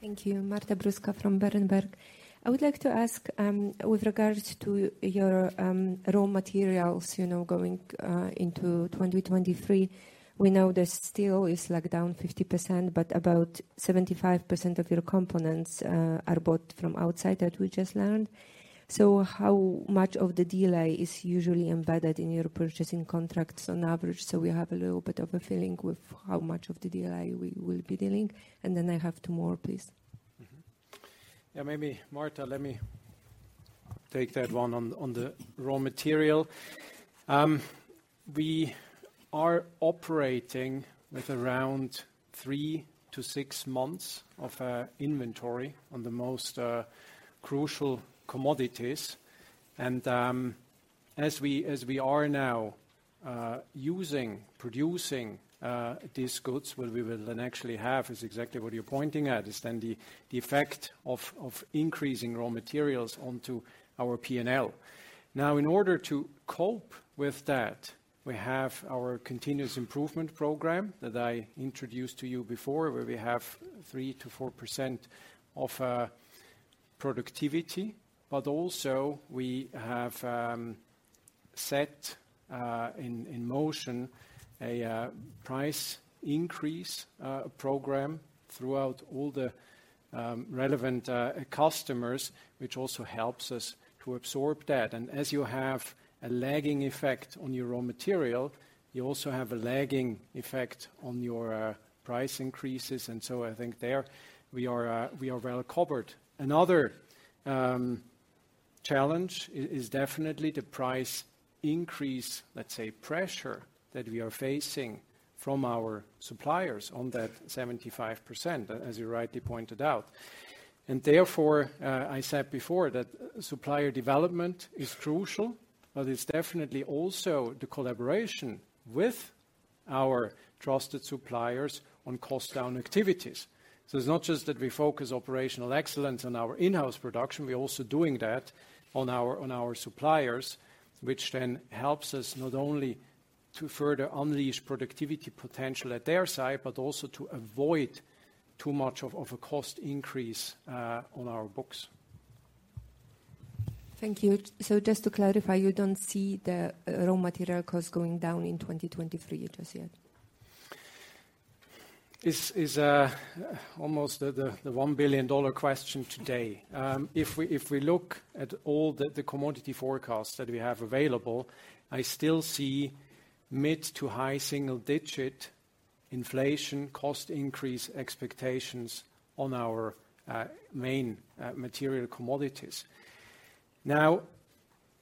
Thank you. Marta Bruska from Berenberg. I would like to ask, with regards to your raw materials, you know, going into 2023. We know the steel is like down 50%, but about 75% of your components are bought from outside that we just learned. How much of the delay is usually embedded in your purchasing contracts on average, so we have a little bit of a feeling with how much of the delay we will be dealing? I have two more, please. Yeah, maybe Marta, let me take that one on the raw material. We are operating with around three to six months of inventory on the most crucial commodities. As we are now using, producing these goods, what we will then actually have is exactly what you're pointing at, is then the effect of increasing raw materials onto our P&L. In order to cope with that, we have our continuous improvement program that I introduced to you before, where we have 3%-4% of productivity. Also we have set in motion a price increase program throughout all the relevant customers, which also helps us to absorb that. As you have a lagging effect on your raw material, you also have a lagging effect on your price increases. I think there we are, we are well covered. Another challenge is definitely the price increase, let's say, pressure that we are facing from our suppliers on that 75%, as you rightly pointed out. Therefore, I said before that supplier development is crucial, but it's definitely also the collaboration with our trusted suppliers on cost-down activities. It's not just that we focus operational excellence on our in-house production, we're also doing that on our suppliers, which then helps us not only to further unleash productivity potential at their side, but also to avoid too much of a cost increase on our books. Thank you. Just to clarify, you don't see the raw material cost going down in 2023 just yet? Is almost the $1 billion question today. If we look at all the commodity forecasts that we have available, I still see mid to high single-digit inflation cost increase expectations on our main material commodities.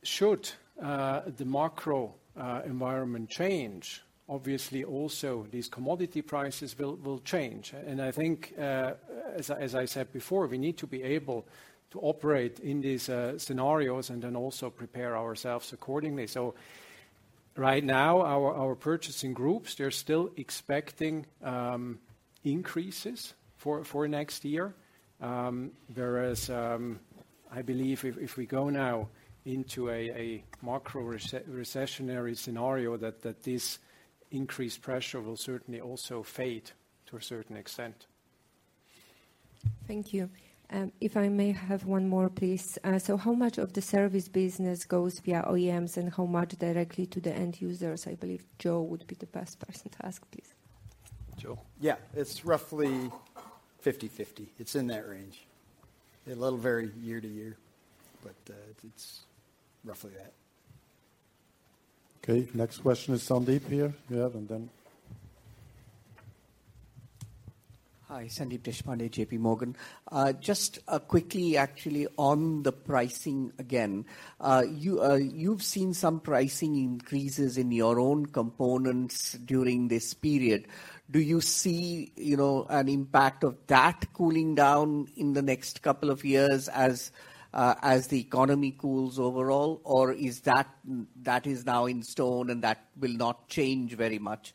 Should the macro environment change, obviously also these commodity prices will change. I think, as I said before, we need to be able to operate in these scenarios and then also prepare ourselves accordingly. Right now, our purchasing groups, they're still expecting increases for next year. Whereas, I believe if we go now into a macro recessionary scenario that this increased pressure will certainly also fade to a certain extent. Thank you. If I may have one more, please. How much of the service business goes via OEMs and how much directly to the end users? I believe Joe would be the best person to ask, please. Joe. Yeah. It's roughly 50/50. It's in that range. It'll vary year-to-year, but it's roughly that. Okay. Next question is Sandeep here. Yeah.... Hi, Sandeep Deshpande, JPMorgan. Just quickly actually on the pricing again. You've seen some pricing increases in your own components during this period. Do you see, you know, an impact of that cooling down in the next couple of years as the economy cools overall? Or is that now in stone, and that will not change very much?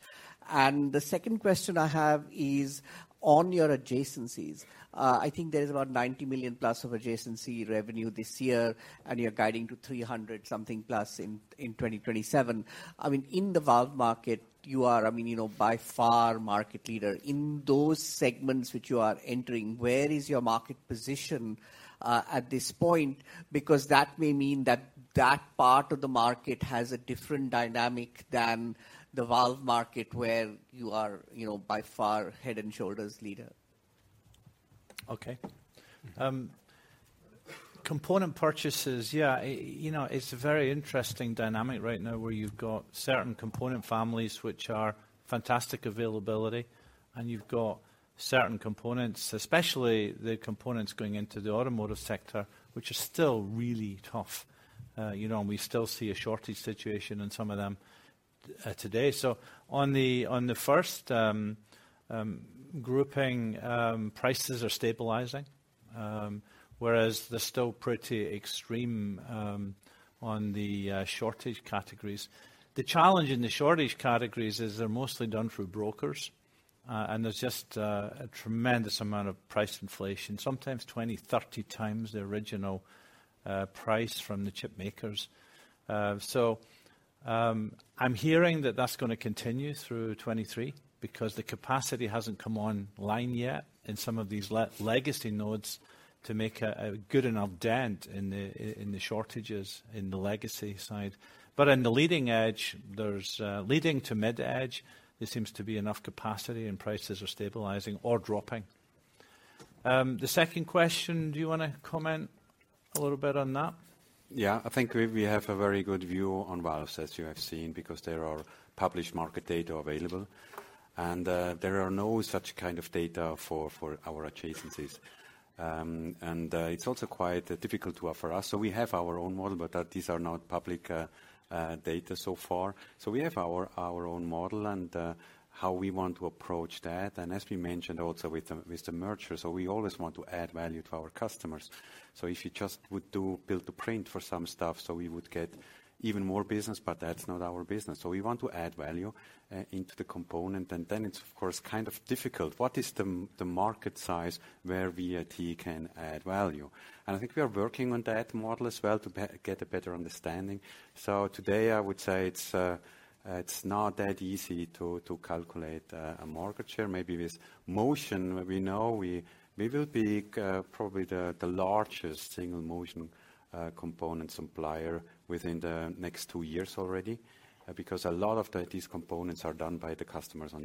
The second question I have is on your adjacencies. I think there is about 90 million+ of adjacency revenue this year, and you're guiding to 300 million+ something in 2027. I mean, in the valve market, you are, I mean, you know, by far market leader. In those segments which you are entering, where is your market position at this point? That may mean that that part of the market has a different dynamic than the valve market where you are, you know, by far head and shoulders leader. Okay. Component purchases, yeah. You know, it's a very interesting dynamic right now, where you've got certain component families which are fantastic availability, and you've got certain components, especially the components going into the automotive sector, which are still really tough. You know, and we still see a shortage situation in some of them today. On the first grouping, prices are stabilizing, whereas they're still pretty extreme on the shortage categories. The challenge in the shortage categories is they're mostly done through brokers. There's just a tremendous amount of price inflation, sometimes 20x, 30x the original price from the chip makers. I'm hearing that that's gonna continue through 2023 because the capacity hasn't come online yet in some of these legacy nodes to make a good enough dent in the shortages in the legacy side. In the leading edge, there's leading to mid edge, there seems to be enough capacity, and prices are stabilizing or dropping. The second question, do you wanna comment a little bit on that? Yeah. I think we have a very good view on valves, as you have seen, because there are published market data available. There are no such kind of data for our adjacencies. It's also quite difficult to offer us. We have our own model, but these are not public data so far. We have our own model and how we want to approach that. As we mentioned also with the merger, we always want to add value to our customers. If you just would do build to print for some stuff, we would get even more business, but that's not our business. We want to add value into the component, and then it's of course, kind of difficult. What is the market size where VAT can add value? I think we are working on that model as well to get a better understanding. Today, I would say it's not that easy to calculate a market share. Maybe with motion, we know we will be probably the largest single motion component supplier within the next two years already. Because a lot of these components are done by the customers on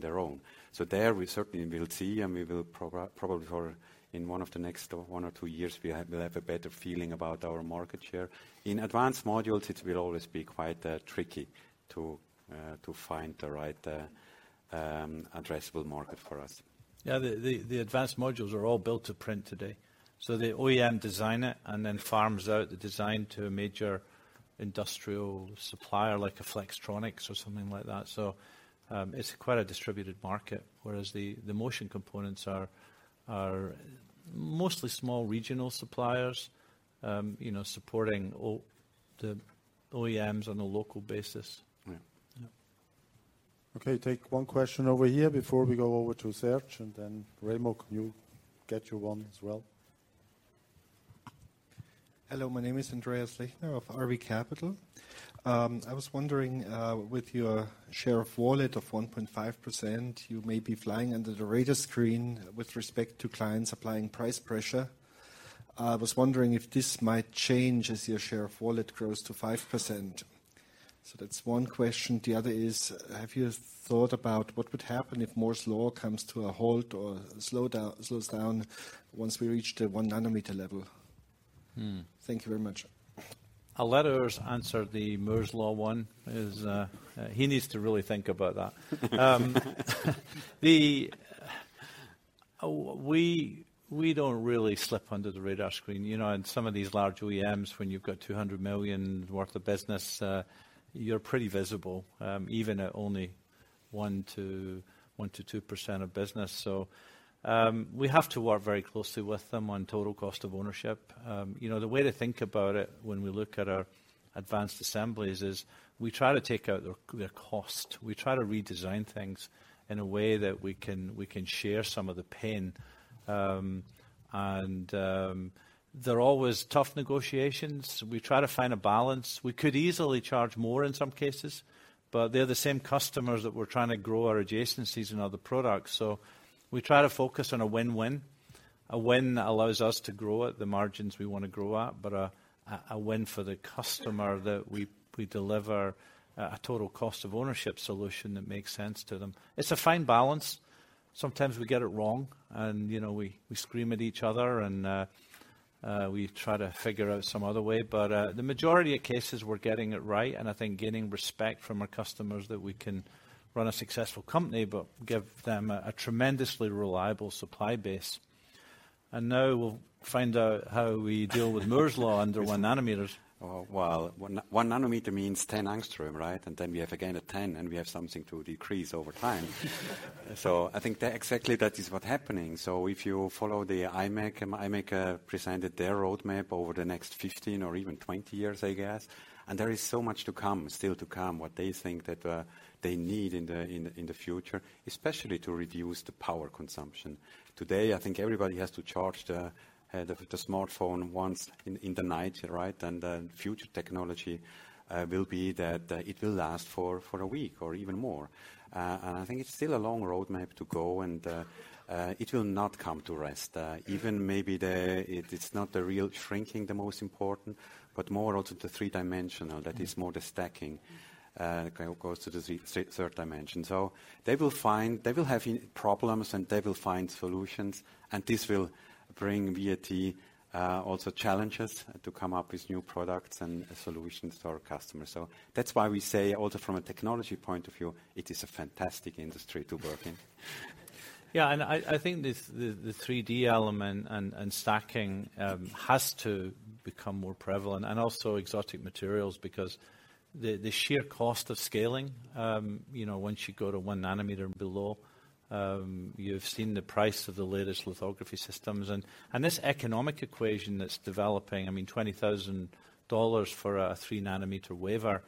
their own. There, we certainly will see, and we will probably for, in one of the next or one or two years, we will have a better feeling about our market share. In advanced modules, it will always be quite tricky to find the right addressable market for us. Yeah. The advanced modules are all built to print today. The OEM design it and then farms out the design to a major industrial supplier like a Flextronics or something like that. It's quite a distributed market, whereas the motion components are mostly small regional suppliers, you know, supporting the OEMs on a local basis. Yeah. Yeah. Okay. Take one question over here before we go over to Serge, and then Remo, can you get your one as well? Hello, my name is Andreas Lechner of RV Capital. I was wondering, with your share of wallet of 1.5%, you may be flying under the radar screen with respect to clients applying price pressure. I was wondering if this might change as your share of wallet grows to 5%. That's one question. The other is, have you thought about what would happen if Moore's law comes to a halt or slows down once we reach the 1 nm level? Mm. Thank you very much. I'll let Urs answer the Moore's Law one, as he needs to really think about that. We don't really slip under the radar screen. You know, in some of these large OEMs, when you've got $200 million worth of business, you're pretty visible, even at only 1%-2% of business. We have to work very closely with them on total cost of ownership. You know, the way to think about it when we look at our advanced assemblies is we try to take out their cost. We try to redesign things in a way that we can share some of the pain. They're always tough negotiations. We try to find a balance. We could easily charge more in some cases, but they're the same customers that we're trying to grow our adjacencies and other products. We try to focus on a win-win. A win that allows us to grow at the margins we wanna grow at, but a win for the customer that we deliver a total cost of ownership solution that makes sense to them. It's a fine balance. Sometimes we get it wrong and, you know, we scream at each other and we try to figure out some other way. The majority of cases, we're getting it right, and I think gaining respect from our customers that we can run a successful company, but give them a tremendously reliable supply base. Now we'll find out how we deal with Moore's Law under 1 nm. Well, 1 nm means 10 angstrom, right? Then we have again a 10, and we have something to decrease over time. I think that exactly that is what happening. If you follow the IMEC presented their roadmap over the next 15 or even 20 years, I guess, and there is so much to come, still to come, what they think that they need in the future, especially to reduce the power consumption. Today, I think everybody has to charge the smartphone once in the night, right? The future technology will be that it will last for a week or even more. I think it's still a long roadmap to go and it will not come to rest. Even maybe the... It's not the real shrinking, the most important, but more also the three-dimensional, that is more the stacking, kind of goes to the third dimension. They will have problems, and they will find solutions, and this will bring via the also challenges to come up with new products and solutions to our customers. That's why we say also from a technology point of view, it is a fantastic industry to work in. I think the 3D element and stacking has to become more prevalent and also exotic materials because the sheer cost of scaling, you know, once you go to 1 nm and below, you've seen the price of the latest lithography systems. This economic equation that's developing, I mean, $20,000 for a 3 nm wafer,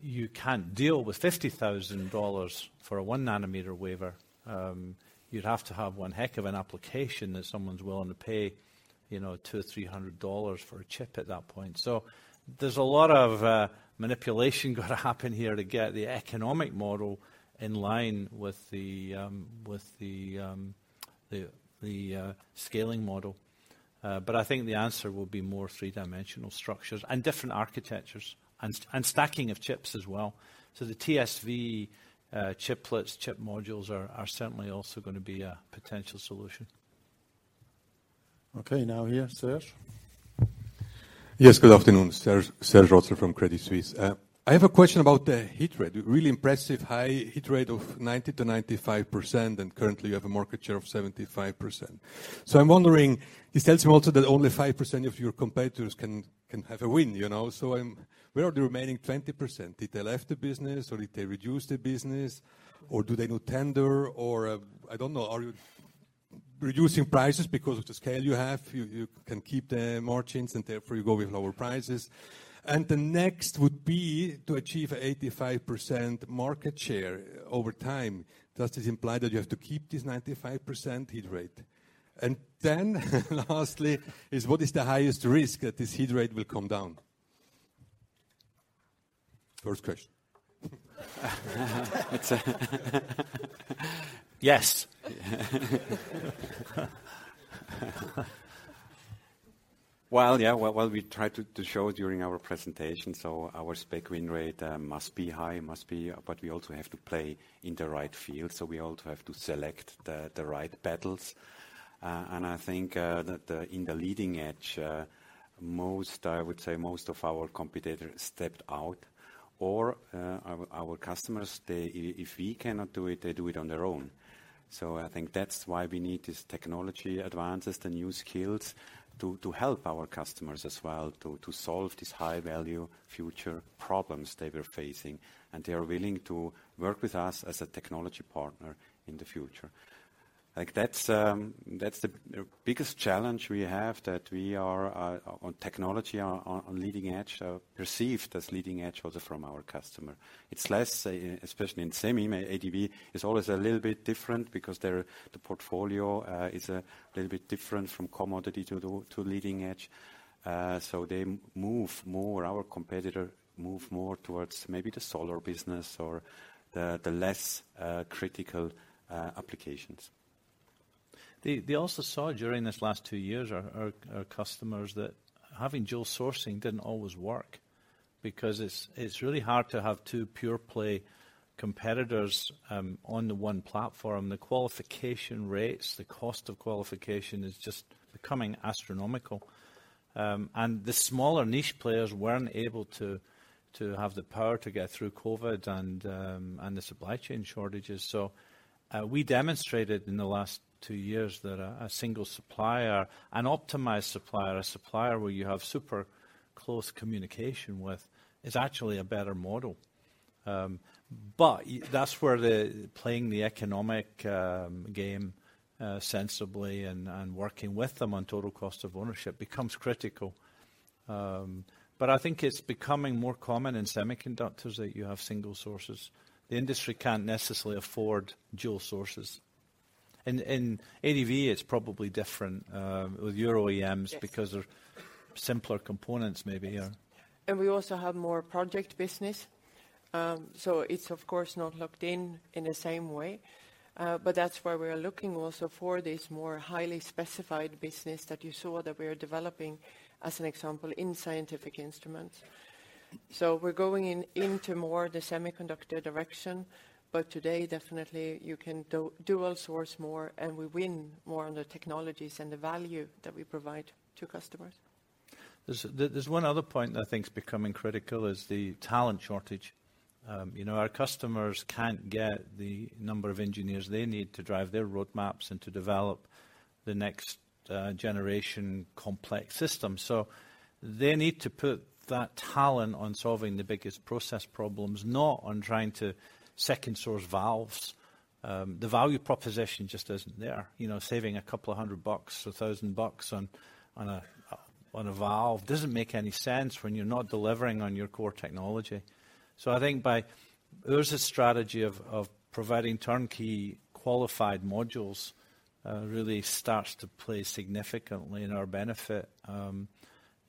you can't deal with $50,000 for a 1 nm wafer. You'd have to have one heck of an application that someone's willing to pay, you know, $200-$300 for a chip at that point. There's a lot of manipulation gonna happen here to get the economic model in line with the scaling model. I think the answer will be more three-dimensional structures and different architectures and stacking of chips as well. The TSV, chiplets, chip modules are certainly also gonna be a potential solution. Okay, now here, Serge. Yes, good afternoon. Serge Rotzer from Credit Suisse. I have a question about the hit rate. Really impressive high hit rate of 90%-95%, and currently you have a market share of 75%. I'm wondering, this tells me also that only 5% of your competitors can have a win, you know. Where are the remaining 20%? Did they left the business, or did they reduce their business, or do they go tender? Or, I don't know. Are you reducing prices because of the scale you have, you can keep the margins and therefore you go with lower prices? The next would be to achieve 85% market share over time. Does this imply that you have to keep this 95% hit rate? Lastly, is what is the highest risk that this hit rate will come down? First question. It's... Yes. Well, yeah. Well, we tried to show during our presentation. Our spec win rate must be high, but we also have to play in the right field. We also have to select the right battles. I think that in the leading edge, most, I would say, most of our competitor stepped out or our customers, if we cannot do it, they do it on their own. I think that's why we need this technology advances, the new skills to help our customers as well to solve this high-value future problems they were facing. They are willing to work with us as a technology partner in the future. That's the biggest challenge we have, that we are on technology, on leading edge, perceived as leading edge also from our customer. It's less, especially in Semi, I mean, ADV is always a little bit different because their, the portfolio, is a little bit different from commodity to leading edge. They move more, our competitor move more towards maybe the solar business or the less, critical, applications. They also saw during these last two years, our customers that having dual sourcing didn't always work because it's really hard to have two pure play competitors on the one platform. The qualification rates, the cost of qualification is just becoming astronomical. And the smaller niche players weren't able to have the power to get through COVID and the supply chain shortages. We demonstrated in the last two years that a single supplier, an optimized supplier, a supplier where you have super close communication with, is actually a better model. That's where the playing the economic game sensibly and working with them on total cost of ownership becomes critical. I think it's becoming more common in semiconductors that you have single sources. The industry can't necessarily afford dual sources. In ADV, it's probably different, with your OEMs. Yes... because of simpler components maybe, yeah. Yes. We also have more project business, so it's of course not locked in in the same way. That's why we are looking also for this more highly specified business that you saw that we are developing as an example in scientific instruments. We're going into more the semiconductor direction. Today, definitely you can dual source more and we win more on the technologies and the value that we provide to customers. There's one other point that I think is becoming critical, is the talent shortage. You know, our customers can't get the number of engineers they need to drive their roadmaps and to develop the next generation complex system. They need to put that talent on solving the biggest process problems, not on trying to second-source valves. The value proposition just isn't there. You know, saving a couple of hundred dollars or $1,000 on a valve doesn't make any sense when you're not delivering on your core technology. I think there's a strategy of providing turnkey qualified modules really starts to play significantly in our benefit,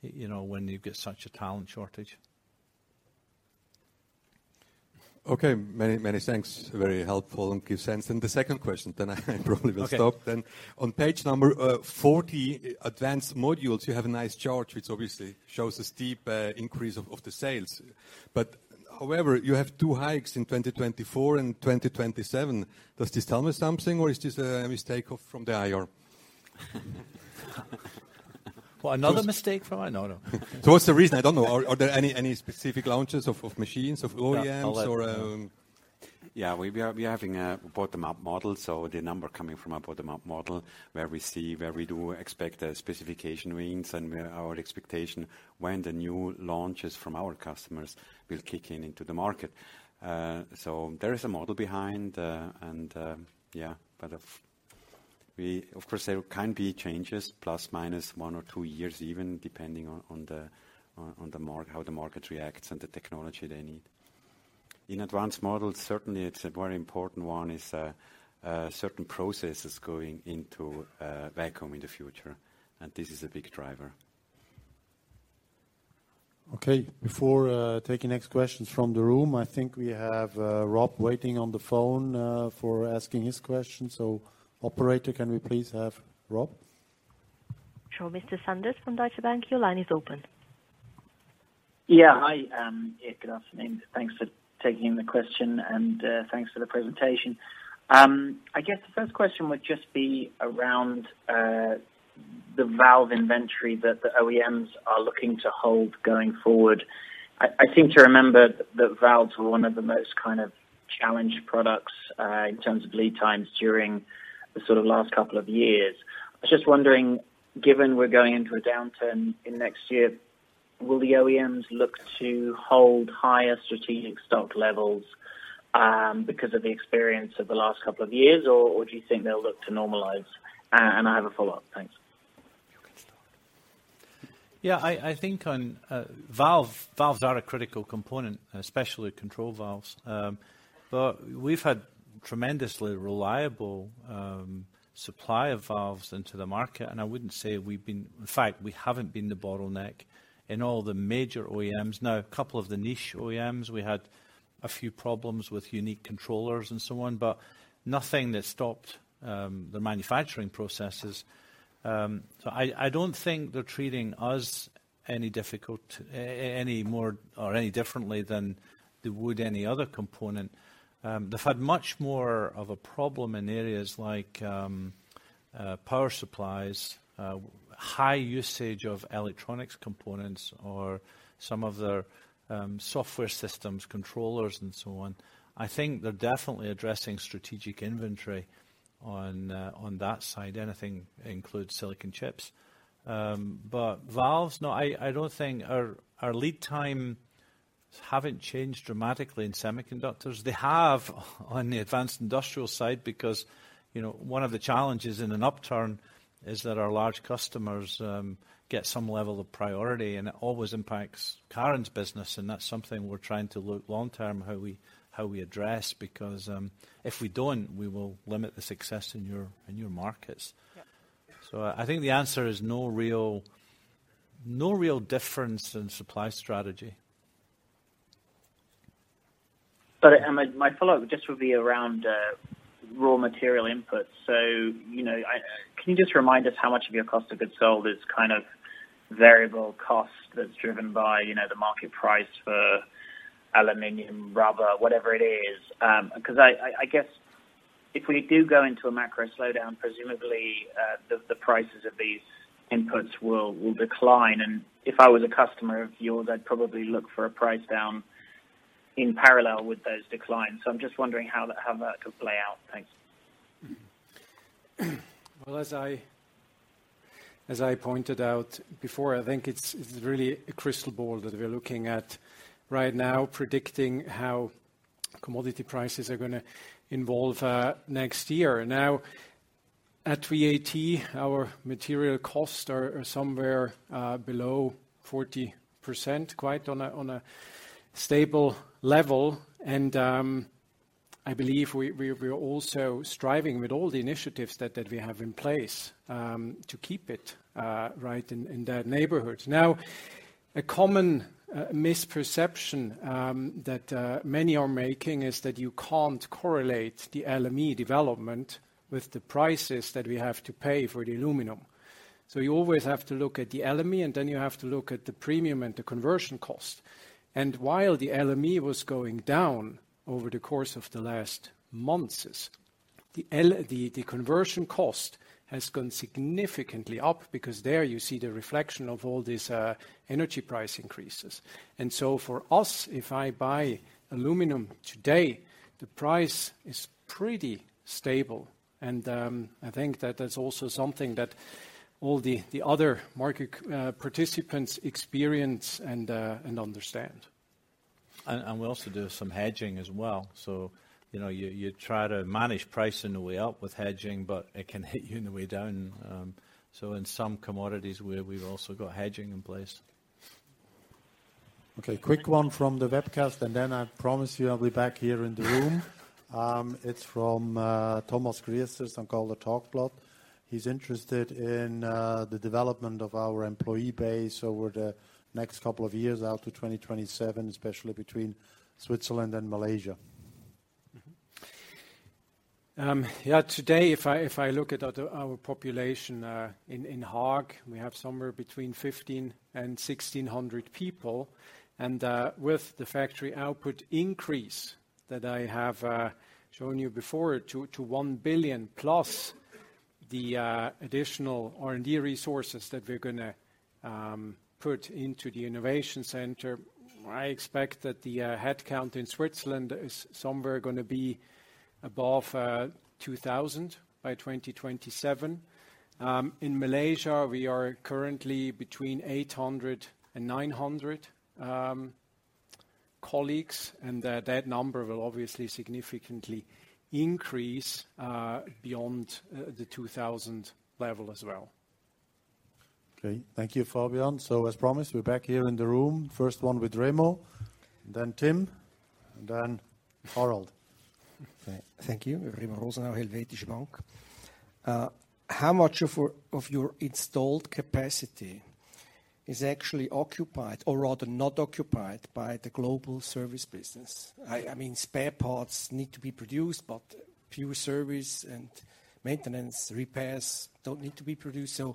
you know, when you've got such a talent shortage. Okay. Many thanks. Very helpful and gives sense. The second question, I probably will stop then. Okay. On page number, 40, advanced modules, you have a nice chart which obviously shows a steep increase of the sales. However, you have two hikes in 2024 and 2027. Does this tell me something, or is this a mistake from the IR? What, another mistake from. No, no. What's the reason? I don't know. Are there any specific launches of machines, of OEMs or? Yeah. We are having a bottom-up model, so the number coming from a bottom-up model, where we do expect specification wins and where our expectation when the new launches from our customers will kick in into the market. There is a model behind, and, yeah. We, of course there can be changes, plus/minus one or two years even, depending on how the market reacts and the technology they need. In advanced models, certainly it's a very important one, is, certain processes going into vacuum in the future, and this is a big driver. Okay. Before taking next questions from the room, I think we have Rob waiting on the phone for asking his question. Operator, can we please have Rob? Sure. Mr. Sanders from Deutsche Bank, your line is open. Yeah. Hi, yeah, good afternoon. Thanks for taking the question and thanks for the presentation. I guess the first question would just be around the valve inventory that the OEMs are looking to hold going forward. I seem to remember that valves were one of the most kind of challenged products in terms of lead times during the sort of last couple of years. I was just wondering, given we're going into a downturn in next year, will the OEMs look to hold higher strategic stock levels because of the experience of the last couple of years? Or do you think they'll look to normalize? I have a follow-up. Thanks. You can start. Yeah. I think on valve, valves are a critical component, especially control valves. We've had tremendously reliable supply of valves into the market, and I wouldn't say we've been... In fact, we haven't been the bottleneck in all the major OEMs. Now, a couple of the niche OEMs, we had a few problems with unique controllers and so on, but nothing that stopped the manufacturing processes. I don't think they're treating us any difficult, any more or any differently than they would any other component. They've had much more of a problem in areas like power supplies, high usage of electronics components or some of their software systems, controllers and so on. I think they're definitely addressing strategic inventory on that side. Anything includes silicon chips. Valves, no, I don't think... Our lead time haven't changed dramatically in semiconductors. They have on the Advanced Industrials side because, you know, one of the challenges in an upturn is that our large customers get some level of priority and it always impacts Karin's business, and that's something we're trying to look long term how we address because, if we don't, we will limit the success in your, in your markets. Yeah. I think the answer is no real difference in supply strategy. My follow-up just would be around raw material input. You know, can you just remind us how much of your cost of goods sold is kind of variable cost that's driven by, you know, the market price for aluminum, rubber, whatever it is? 'Cause I guess if we do go into a macro slowdown, presumably, the prices of these inputs will decline. If I was a customer of yours, I'd probably look for a price down in parallel with those declines. I'm just wondering how that could play out. Thanks. Well, as I pointed out before, I think it's really a crystal ball that we're looking at right now predicting how commodity prices are gonna evolve next year. At VAT, our material costs are somewhere below 40%, quite on a stable level. I believe we are also striving with all the initiatives that we have in place to keep it right in that neighborhood. A common misperception that many are making is that you can't correlate the LME development with the prices that we have to pay for the aluminum. You always have to look at the LME, and then you have to look at the premium and the conversion cost. While the LME was going down over the course of the last months, the conversion cost has gone significantly up because there you see the reflection of all these energy price increases. For us, if I buy aluminum today, the price is pretty stable and I think that that's also something that all the other market participants experience and understand. We also do some hedging as well, you know, you try to manage price on the way up with hedging, but it can hit you on the way down. In some commodities we've also got hedging in place. Okay, quick one from the webcast, and then I promise you I'll be back here in the room. It's from Thomas Grieser from Goldman Sachs. He's interested in the development of our employee base over the next couple of years out to 2027, especially between Switzerland and Malaysia. Yeah, today, if I look at our population, in Haag, we have somewhere between 1,500 and 1,600 people. With the factory output increase that I have shown you before to 1 billion+, the additional R&D resources that we're gonna put into the innovation center, I expect that the head count in Switzerland is somewhere gonna be above 2,000 by 2027. In Malaysia, we are currently between 800 and 900 colleagues, and that number will obviously significantly increase beyond the 2,000 level as well. Okay. Thank you, Fabian. As promised, we're back here in the room. First one with Remo, then Timm, and then Harold. Thank you. Remo Rosenau, Helvetische Bank. How much of your installed capacity is actually occupied or rather not occupied by the Global Service business? I mean, spare parts need to be produced, but few service and maintenance repairs don't need to be produced. You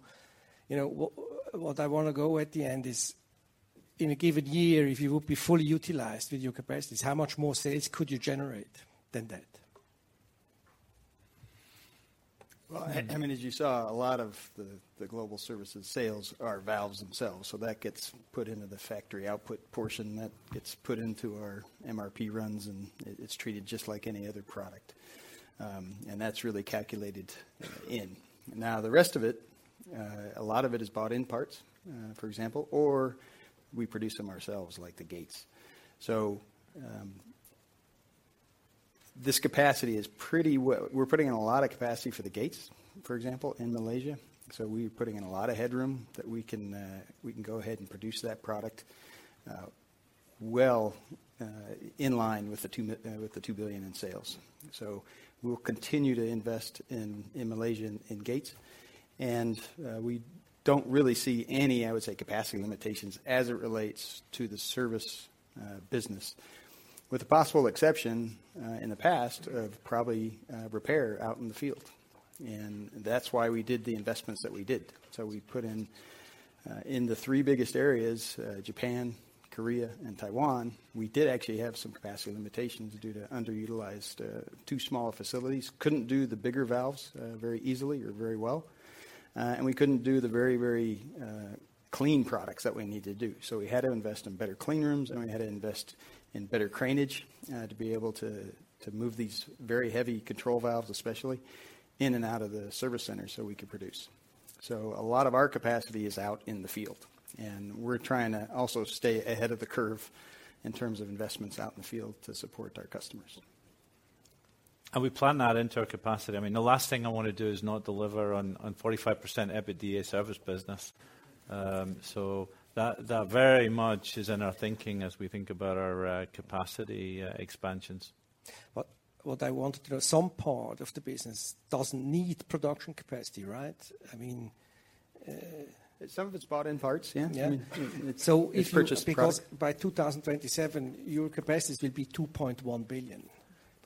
know, what I wanna go at the end is, in a given year, if you would be fully utilized with your capacities, how much more sales could you generate than that? Well, I mean, as you saw, a lot of the Global Service sales are valves themselves, so that gets put into the factory output portion, that gets put into our MRP runs, and it's treated just like any other product. That's really calculated in. Now, the rest of it, a lot of it is bought in parts, for example, or we produce them ourselves, like the gates. This capacity is pretty We're putting in a lot of capacity for the gates, for example, in Malaysia. We're putting in a lot of headroom that we can, we can go ahead and produce that product, well, in line with the $2 billion in sales. We'll continue to invest in Malaysia in gates. We don't really see any, I would say, capacity limitations as it relates to the service business, with the possible exception in the past of probably repair out in the field. That's why we did the investments that we did. We put in the three biggest areas, Japan, Korea, and Taiwan, we did actually have some capacity limitations due to underutilized, too small facilities. Couldn't do the bigger valves very easily or very well. We couldn't do the very, very clean products that we need to do. We had to invest in better clean rooms, and we had to invest in better cranage to be able to move these very heavy control valves, especially in and out of the service center so we could produce. A lot of our capacity is out in the field, and we're trying to also stay ahead of the curve in terms of investments out in the field to support our customers. We plan that into our capacity. I mean, the last thing I wanna do is not deliver on 45% EBITDA service business. That very much is in our thinking as we think about our capacity expansions. What I want to know, some part of the business doesn't need production capacity, right? I mean, Some of it's bought in parts. Yeah. I mean. So if you- it's purchased product. ...because by 2027, your capacity will be 2.1 billion.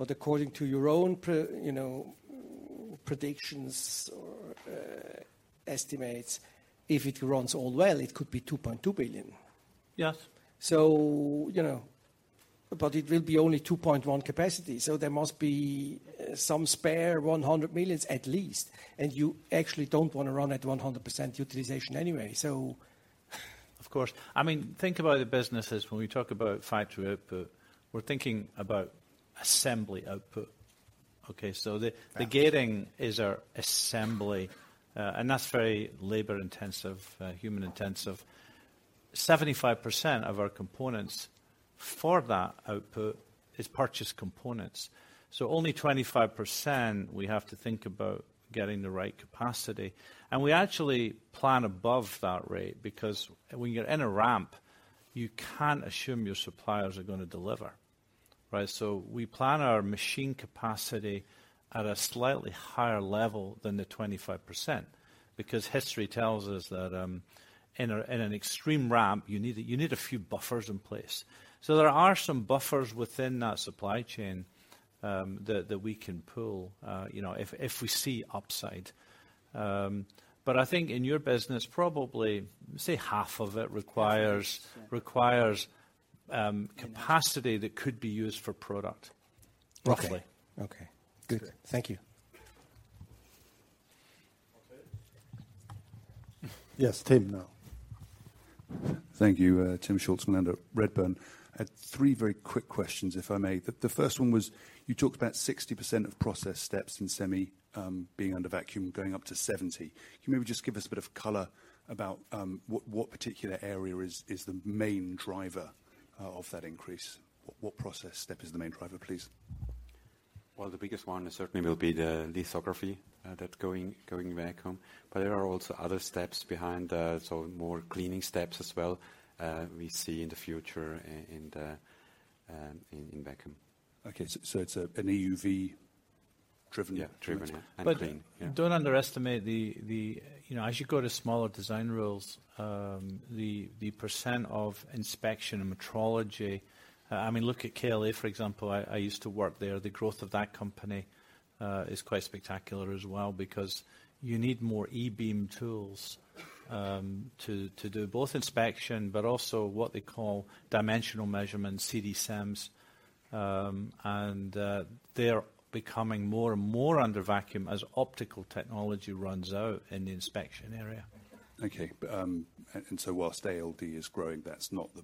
According to your own, you know, predictions or estimates, if it runs all well, it could be 2.2 billion. Yes. You know. It will be only 2.1 capacity. There must be some spare 100 million at least. You actually don't wanna run at 100% utilization anyway. Of course. I mean, think about the businesses. When we talk about factory output, we're thinking about assembly output, okay? Yeah the gating is our assembly, and that's very labor intensive, human intensive. 75% of our components for that output is purchased components. Only 25% we have to think about getting the right capacity. We actually plan above that rate because when you're in a ramp, you can't assume your suppliers are gonna deliver. We plan our machine capacity at a slightly higher level than the 25%, because history tells us that, in an extreme ramp, you need a few buffers in place. There are some buffers within that supply chain, that we can pull, you know, if we see upside. I think in your business, probably, say half of it requires- Yes. requires capacity that could be used for product. Roughly. Okay. Okay. Good. Thank you. Okay. Yes. Timm, now. Thank you. Timm Schulze-Melander, Redburn. I had three very quick questions, if I may. The first one was, you talked about 60% of process steps in semi being under vacuum, going up to 70%. Can you maybe just give us a bit of color about what particular area is the main driver of that increase? What process step is the main driver, please? The biggest one certainly will be the lithography, that's going vacuum. There are also other steps behind, so more cleaning steps as well, we see in the future in the vacuum. Okay. it's an EUV driven-. Yeah. driven, yeah. clean. Yeah. Don't underestimate the. You know, as you go to smaller design rules, the percent of inspection and metrology. I mean, look at KLA, for example. I used to work there. The growth of that company is quite spectacular as well, because you need more E-beam tools to do both inspection, but also what they call dimensional measurements, CDSEMs. They're becoming more and more under vacuum as optical technology runs out in the inspection area. Okay. Whilst ALD is growing, that's not the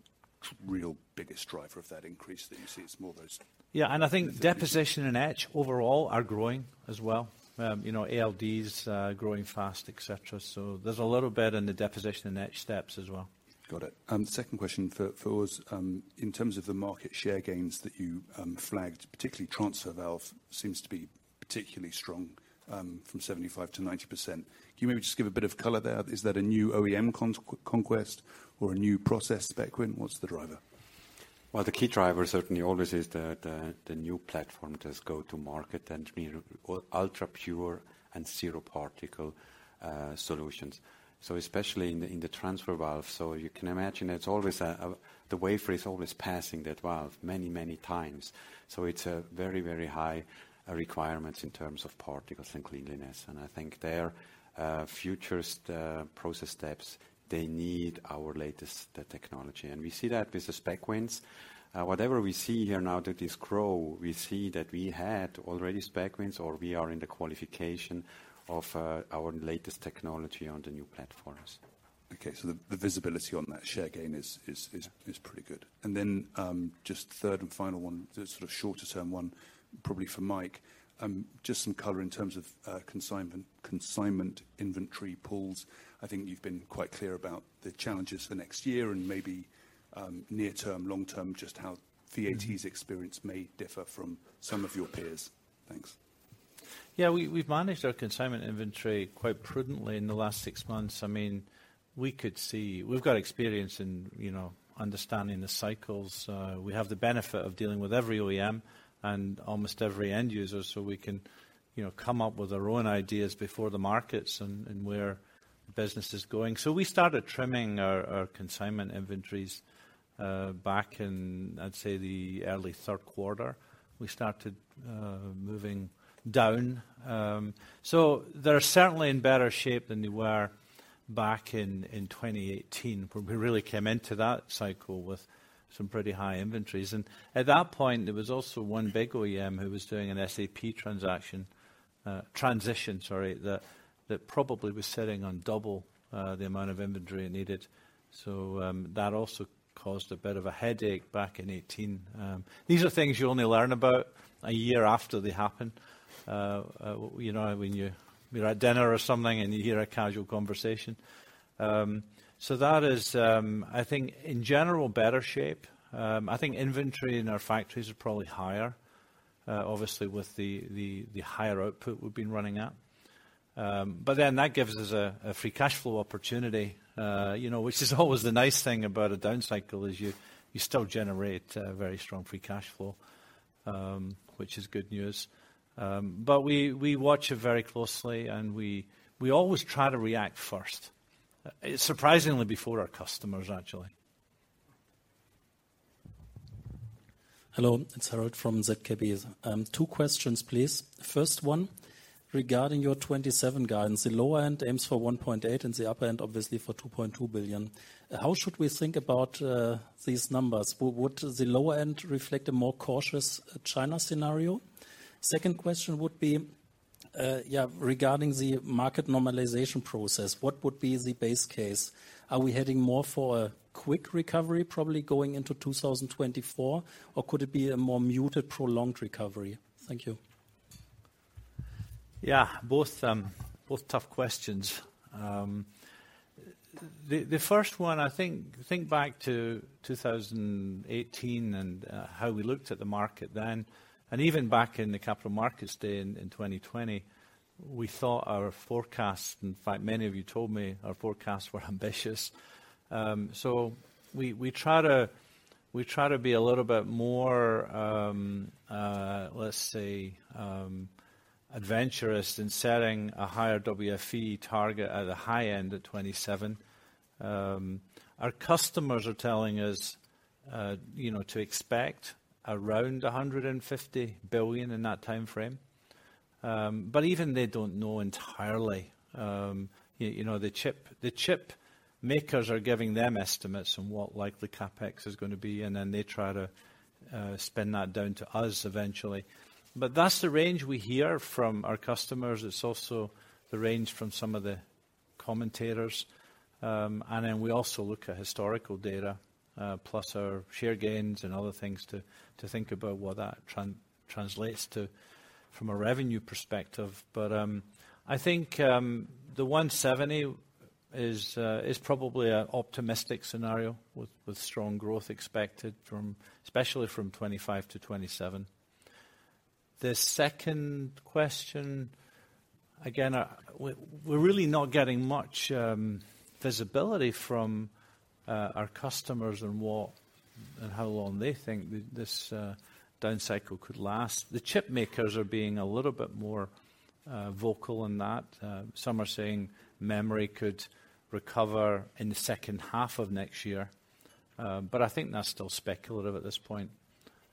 real biggest driver of that increase that you see. It's more those. Yeah. I think deposition and etch overall are growing as well. You know, ALDs, growing fast, et cetera. There's a little bit in the deposition and etch steps as well. Got it. Second question for us, in terms of the market share gains that you flagged, particularly transfer valve seems to be particularly strong, from 75%-90%. Can you maybe just give a bit of color there? Is that a new OEM conquest or a new process spec win? What's the driver? Well, the key driver certainly always is the new platform that go to market and be ultra-pure and zero particle solutions. Especially in the transfer valve. You can imagine the wafer is always passing that valve many, many times. It's a very high requirements in terms of particles and cleanliness. I think their futures, the process steps, they need our latest technology. We see that with the spec wins. Whatever we see here now that is grow, we see that we had already spec wins or we are in the qualification of our latest technology on the new platforms. Okay. The visibility on that share gain is pretty good. Just third and final one, the sort of shorter term one, probably for Mike, just some color in terms of consignment inventory pools. I think you've been quite clear about the challenges for next year and maybe near term, long term, just how VAT's experience may differ from some of your peers. Thanks. Yeah. We've managed our consignment inventory quite prudently in the last six months. I mean, we could see. We've got experience in, you know, understanding the cycles. We have the benefit of dealing with every OEM and almost every end user, so we can, you know, come up with our own ideas before the markets and where the business is going. We started trimming our consignment inventories, back in, I'd say, the early third quarter. We started moving down. They're certainly in better shape than they were back in 2018, where we really came into that cycle with some pretty high inventories. At that point, there was also one big OEM who was doing an SAP transaction, transition, sorry, that probably was sitting on double the amount of inventory it needed. That also caused a bit of a headache back in 2018. These are things you only learn about a year after they happen. You know, when you're at dinner or something, and you hear a casual conversation. That is, I think in general, better shape. I think inventory in our factories are probably higher, obviously with the higher output we've been running at. That gives us a free cash flow opportunity, you know, which is always the nice thing about a down cycle is you still generate very strong free cash flow, which is good news. We watch it very closely and we always try to react first. Surprisingly before our customers actually. Hello. It's Harold from ZKB. Two questions, please. First one, regarding your 2027 guidance, the lower end aims for $1.8 billion and the upper end obviously for $2.2 billion. How should we think about these numbers? Would the lower end reflect a more cautious China scenario? Second question would be regarding the market normalization process, what would be the base case? Are we heading more for a quick recovery probably going into 2024, or could it be a more muted, prolonged recovery? Thank you. Yeah. Both, both tough questions. The first one, I think back to 2018 and how we looked at the market then, and even back in the capital markets day in 2020. We thought our forecast, in fact, many of you told me our forecasts were ambitious. We try to be a little bit more, let's say, adventurous in setting a higher WFE target at the high-end of 2027. Our customers are telling us, you know, to expect around 150 billion in that timeframe. Even they don't know entirely. You know, the chip makers are giving them estimates on what likely CapEx is gonna be, and then they try to spin that down to us eventually. That's the range we hear from our customers. It's also the range from some of the commentators. We also look at historical data, plus our share gains and other things to think about what that translates to from a revenue perspective. I think the 170 billion is probably an optimistic scenario with strong growth expected from, especially from 2025-2027. The second question, again, we're really not getting much visibility from our customers on what and how long they think this down cycle could last. The chip makers are being a little bit more vocal on that. Some are saying memory could recover in the second half of next year, but I think that's still speculative at this point.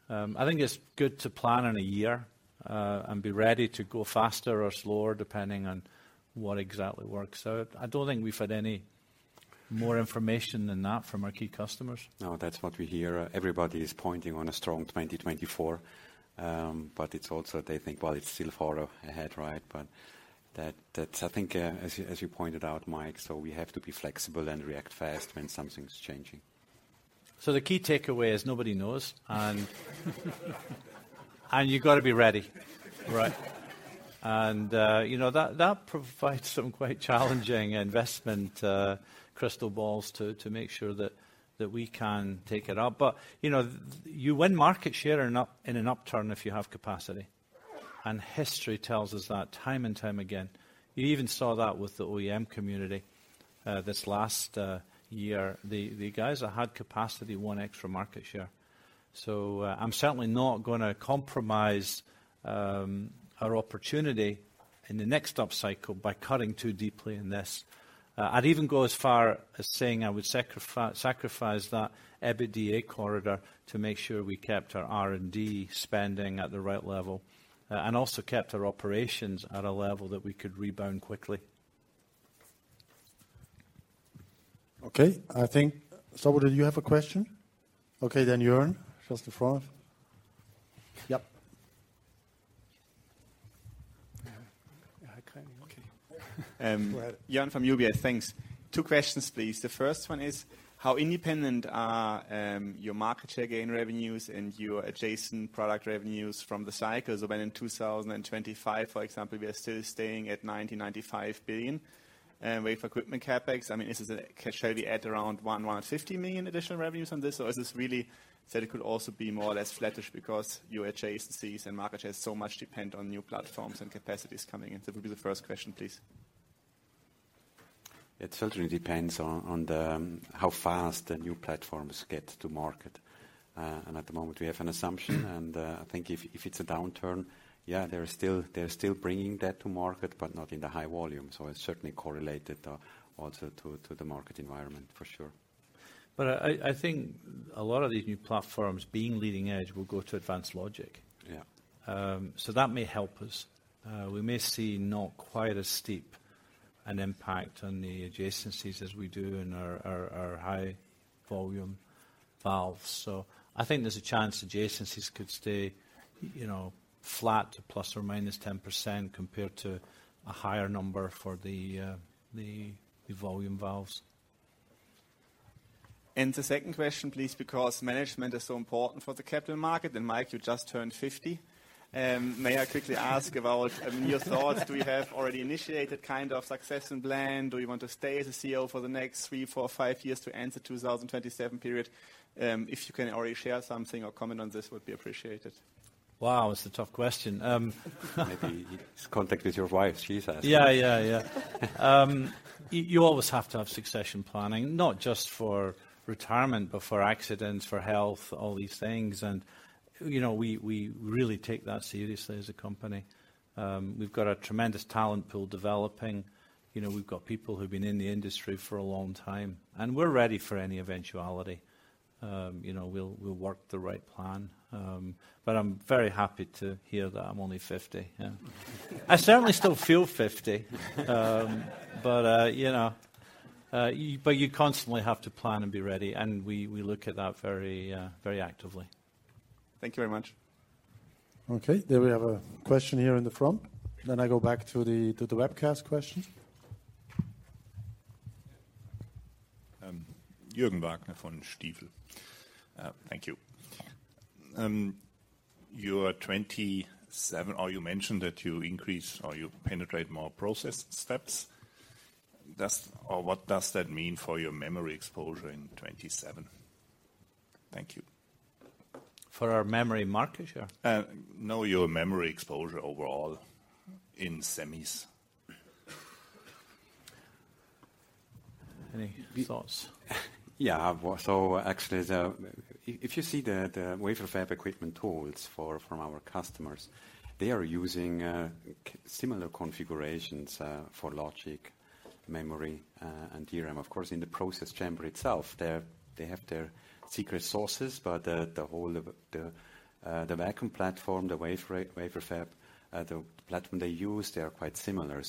I think it's good to plan on a year, and be ready to go faster or slower depending on what exactly works out. I don't think we've had any more information than that from our key customers. No, that's what we hear. Everybody is pointing on a strong 2024. It's also they think, well, it's still far ahead, right? That I think, as you, as you pointed out, Mike, we have to be flexible and react fast when something's changing. The key takeaway is nobody knows and you've gotta be ready. Right. You know that provides some quite challenging investment, crystal balls to make sure that we can take it up. You know, you win market share in an upturn if you have capacity. History tells us that time and time again. You even saw that with the OEM community, this last year. The guys that had capacity won extra market share. I'm certainly not gonna compromise our opportunity in the next upcycle by cutting too deeply in this. I'd even go as far as saying I would sacrifice that EBITDA corridor to make sure we kept our R&D spending at the right level, and also kept our operations at a level that we could rebound quickly. Okay. I think... Sztaboda, do you have a question? Okay, then Jürgen. Just the front. Yep. Yeah. Okay. Um- Go ahead. Thanks. Two questions, please. The first one is, how independent are your market share gain revenues and your adjacent product revenues from the cycles? When in 2025, for example, we are still staying at 90 billion-95 billion WFE CapEx. I mean, shall we add around 100 million-150 million additional revenues on this? Or is this really that it could also be more or less flattish because your adjacencies and market shares so much depend on new platforms and capacities coming in. It would be the first question, please. It certainly depends on the how fast the new platforms get to market. At the moment, we have an assumption, and I think if it's a downturn, yeah, they're still bringing that to market but not in the high volume. It's certainly correlated also to the market environment for sure. I think a lot of these new platforms being leading edge will go to advanced logic. Yeah. That may help us. We may see not quite as steep an impact on the adjacencies as we do in our high volume valves. I think there's a chance adjacencies could stay, you know, flat to ±10% compared to a higher number for the volume valves. The second question, please, because management is so important for the capital market. Mike, you just turned 50. May I quickly ask about your thoughts? Do you have already initiated kind of succession plan? Do you want to stay as a CEO for the next three, four, five years to end the 2027 period? If you can already share something or comment on this would be appreciated. Wow. It's a tough question. Maybe it's contact with your wife. She's asking. Yeah, yeah. You always have to have succession planning, not just for retirement, but for accidents, for health, all these things. You know, we really take that seriously as a company. We've got a tremendous talent pool developing. You know, we've got people who've been in the industry for a long time, and we're ready for any eventuality. You know, we'll work the right plan. I'm very happy to hear that I'm only 50. Yeah. I certainly still feel 50. You know, you constantly have to plan and be ready, and we look at that very actively. Thank you very much. Okay. We have a question here in the front. I go back to the webcast question. Jürgen Wagner from Stifel. Thank you. Your 2027 or you mentioned that you increase or you penetrate more process steps. What does that mean for your memory exposure in 2027? Thank you. For our memory market share? No, your memory exposure overall in semis. Any thoughts? Yeah. Actually, if you see the wafer fab equipment tools from our customers, they are using similar configurations for logic, memory, and DRAM. Of course, in the process chamber itself they have their secret sauces, the whole of the vacuum platform, the wafer fab, the platform they use, they are quite similar.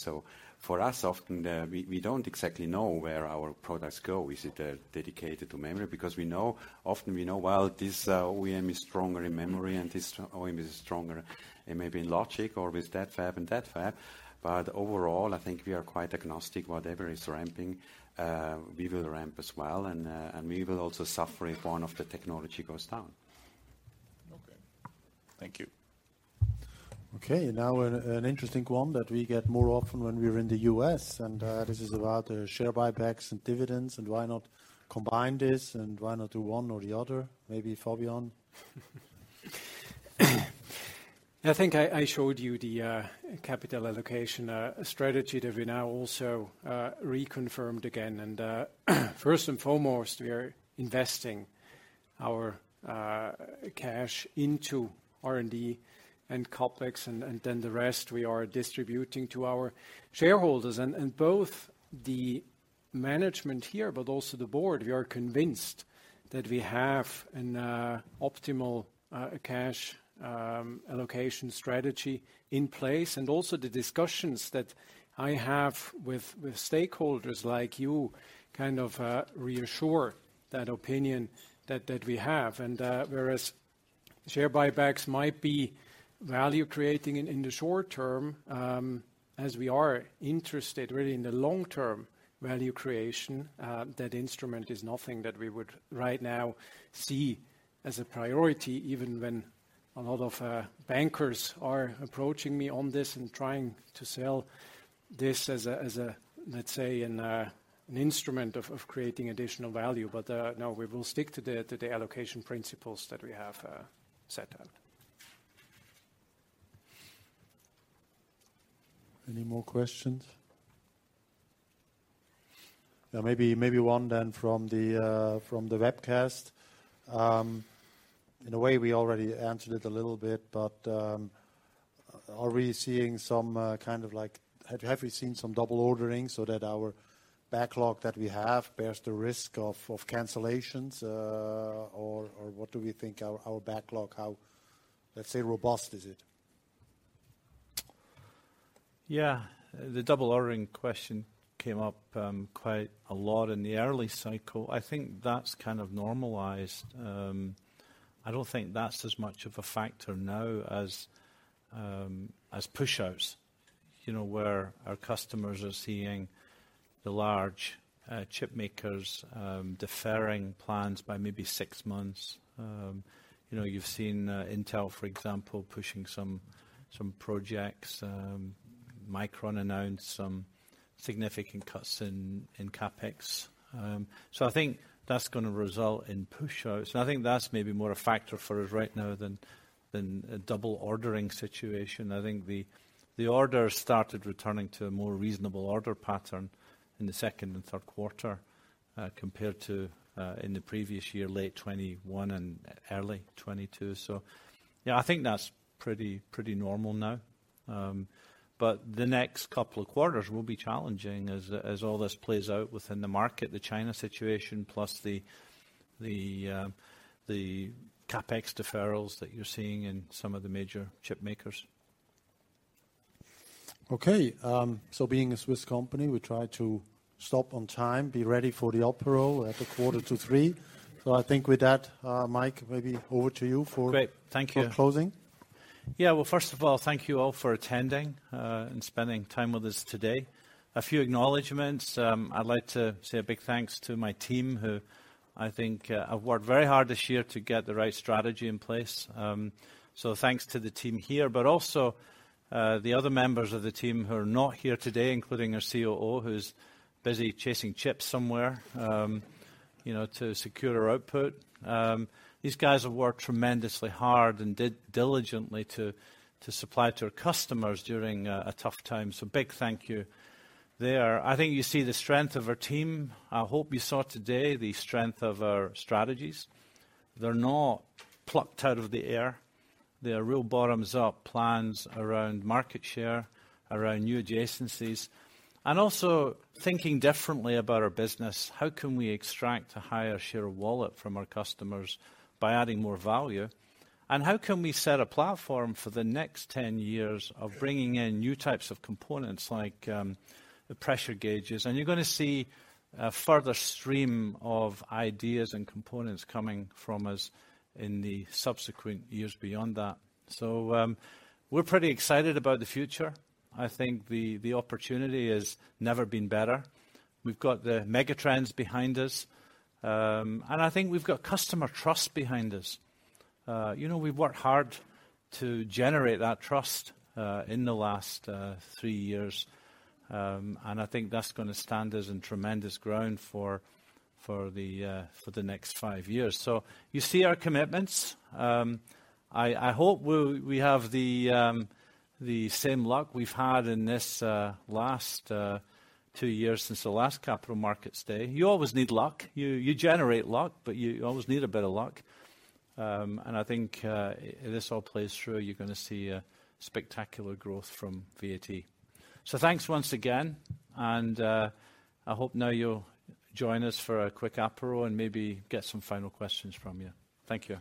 For us, often, we don't exactly know where our products go. Is it dedicated to memory? We know, often we know while this OEM is stronger in memory and this OEM is stronger in maybe in logic or with that fab and that fab. Overall, I think we are quite agnostic. Whatever is ramping, we will ramp as well, we will also suffer if one of the technology goes down. Okay. Thank you. Okay. An interesting one that we get more often when we're in the U.S., this is about the share buybacks and dividends and why not combine this and why not do one or the other. Maybe Fabian? I think I showed you the capital allocation strategy that we now also reconfirmed again. First and foremost, we are investing our cash into R&D and CapEx and then the rest we are distributing to our shareholders. Both the management here, but also the board, we are convinced that we have an optimal cash allocation strategy in place. Also the discussions that I have with stakeholders like you kind of reassure that opinion that we have. Whereas share buybacks might be value creating in the short term, as we are interested really in the long-term value creation, that instrument is nothing that we would right now see as a priority, even when a lot of bankers are approaching me on this and trying to sell this as a, let's say an instrument of creating additional value. No, we will stick to the allocation principles that we have set out. Any more questions? Yeah, maybe one then from the webcast. In a way we already answered it a little bit. Have we seen some double ordering so that our backlog that we have bears the risk of cancellations, or what do we think our backlog, how, let's say, robust is it? Yeah. The double ordering question came up quite a lot in the early cycle. I think that's kind of normalized. I don't think that's as much of a factor now as pushouts. You know, where our customers are seeing the large chip makers deferring plans by maybe six months. You know, you've seen Intel, for example, pushing some projects. Micron announced some significant cuts in CapEx. I think that's gonna result in pushouts. I think that's maybe more a factor for us right now than a double ordering situation. I think the orders started returning to a more reasonable order pattern in the second and third quarter compared to in the previous year, late 2021 and early 2022. Yeah, I think that's pretty normal now. The next couple of quarters will be challenging as all this plays out within the market, the China situation, plus the CapEx deferrals that you're seeing in some of the major chip makers. Okay. Being a Swiss company, we try to stop on time, be ready for the apéro at 2:45 P.M. I think with that, Mike, maybe over to you. Great. Thank you. for our closing. Well, first of all, thank you all for attending and spending time with us today. A few acknowledgments. I'd like to say a big thanks to my team who I think have worked very hard this year to get the right strategy in place. Thanks to the team here, but also the other members of the team who are not here today, including our COO, who's busy chasing chips somewhere, you know, to secure our output. These guys have worked tremendously hard and did diligently to supply to our customers during a tough time. Big thank you there. I think you see the strength of our team. I hope you saw today the strength of our strategies. They're not plucked out of the air. They are real bottoms-up plans around market share, around new adjacencies, and also thinking differently about our business. How can we extract a higher share of wallet from our customers by adding more value? How can we set a platform for the next 10 years of bringing in new types of components like the pressure gauges? You're gonna see a further stream of ideas and components coming from us in the subsequent years beyond that. We're pretty excited about the future. I think the opportunity has never been better. We've got the megatrends behind us. I think we've got customer trust behind us. You know, we've worked hard to generate that trust in the last three years. I think that's gonna stand us in tremendous ground for the next five years. You see our commitments. I hope we have the same luck we've had in this last two years since the last Capital Markets Day. You always need luck. You, you generate luck, but you always need a bit of luck. I think this all plays through. You're gonna see a spectacular growth from VAT. Thanks once again, and I hope now you'll join us for a quick apéro and maybe get some final questions from you. Thank you.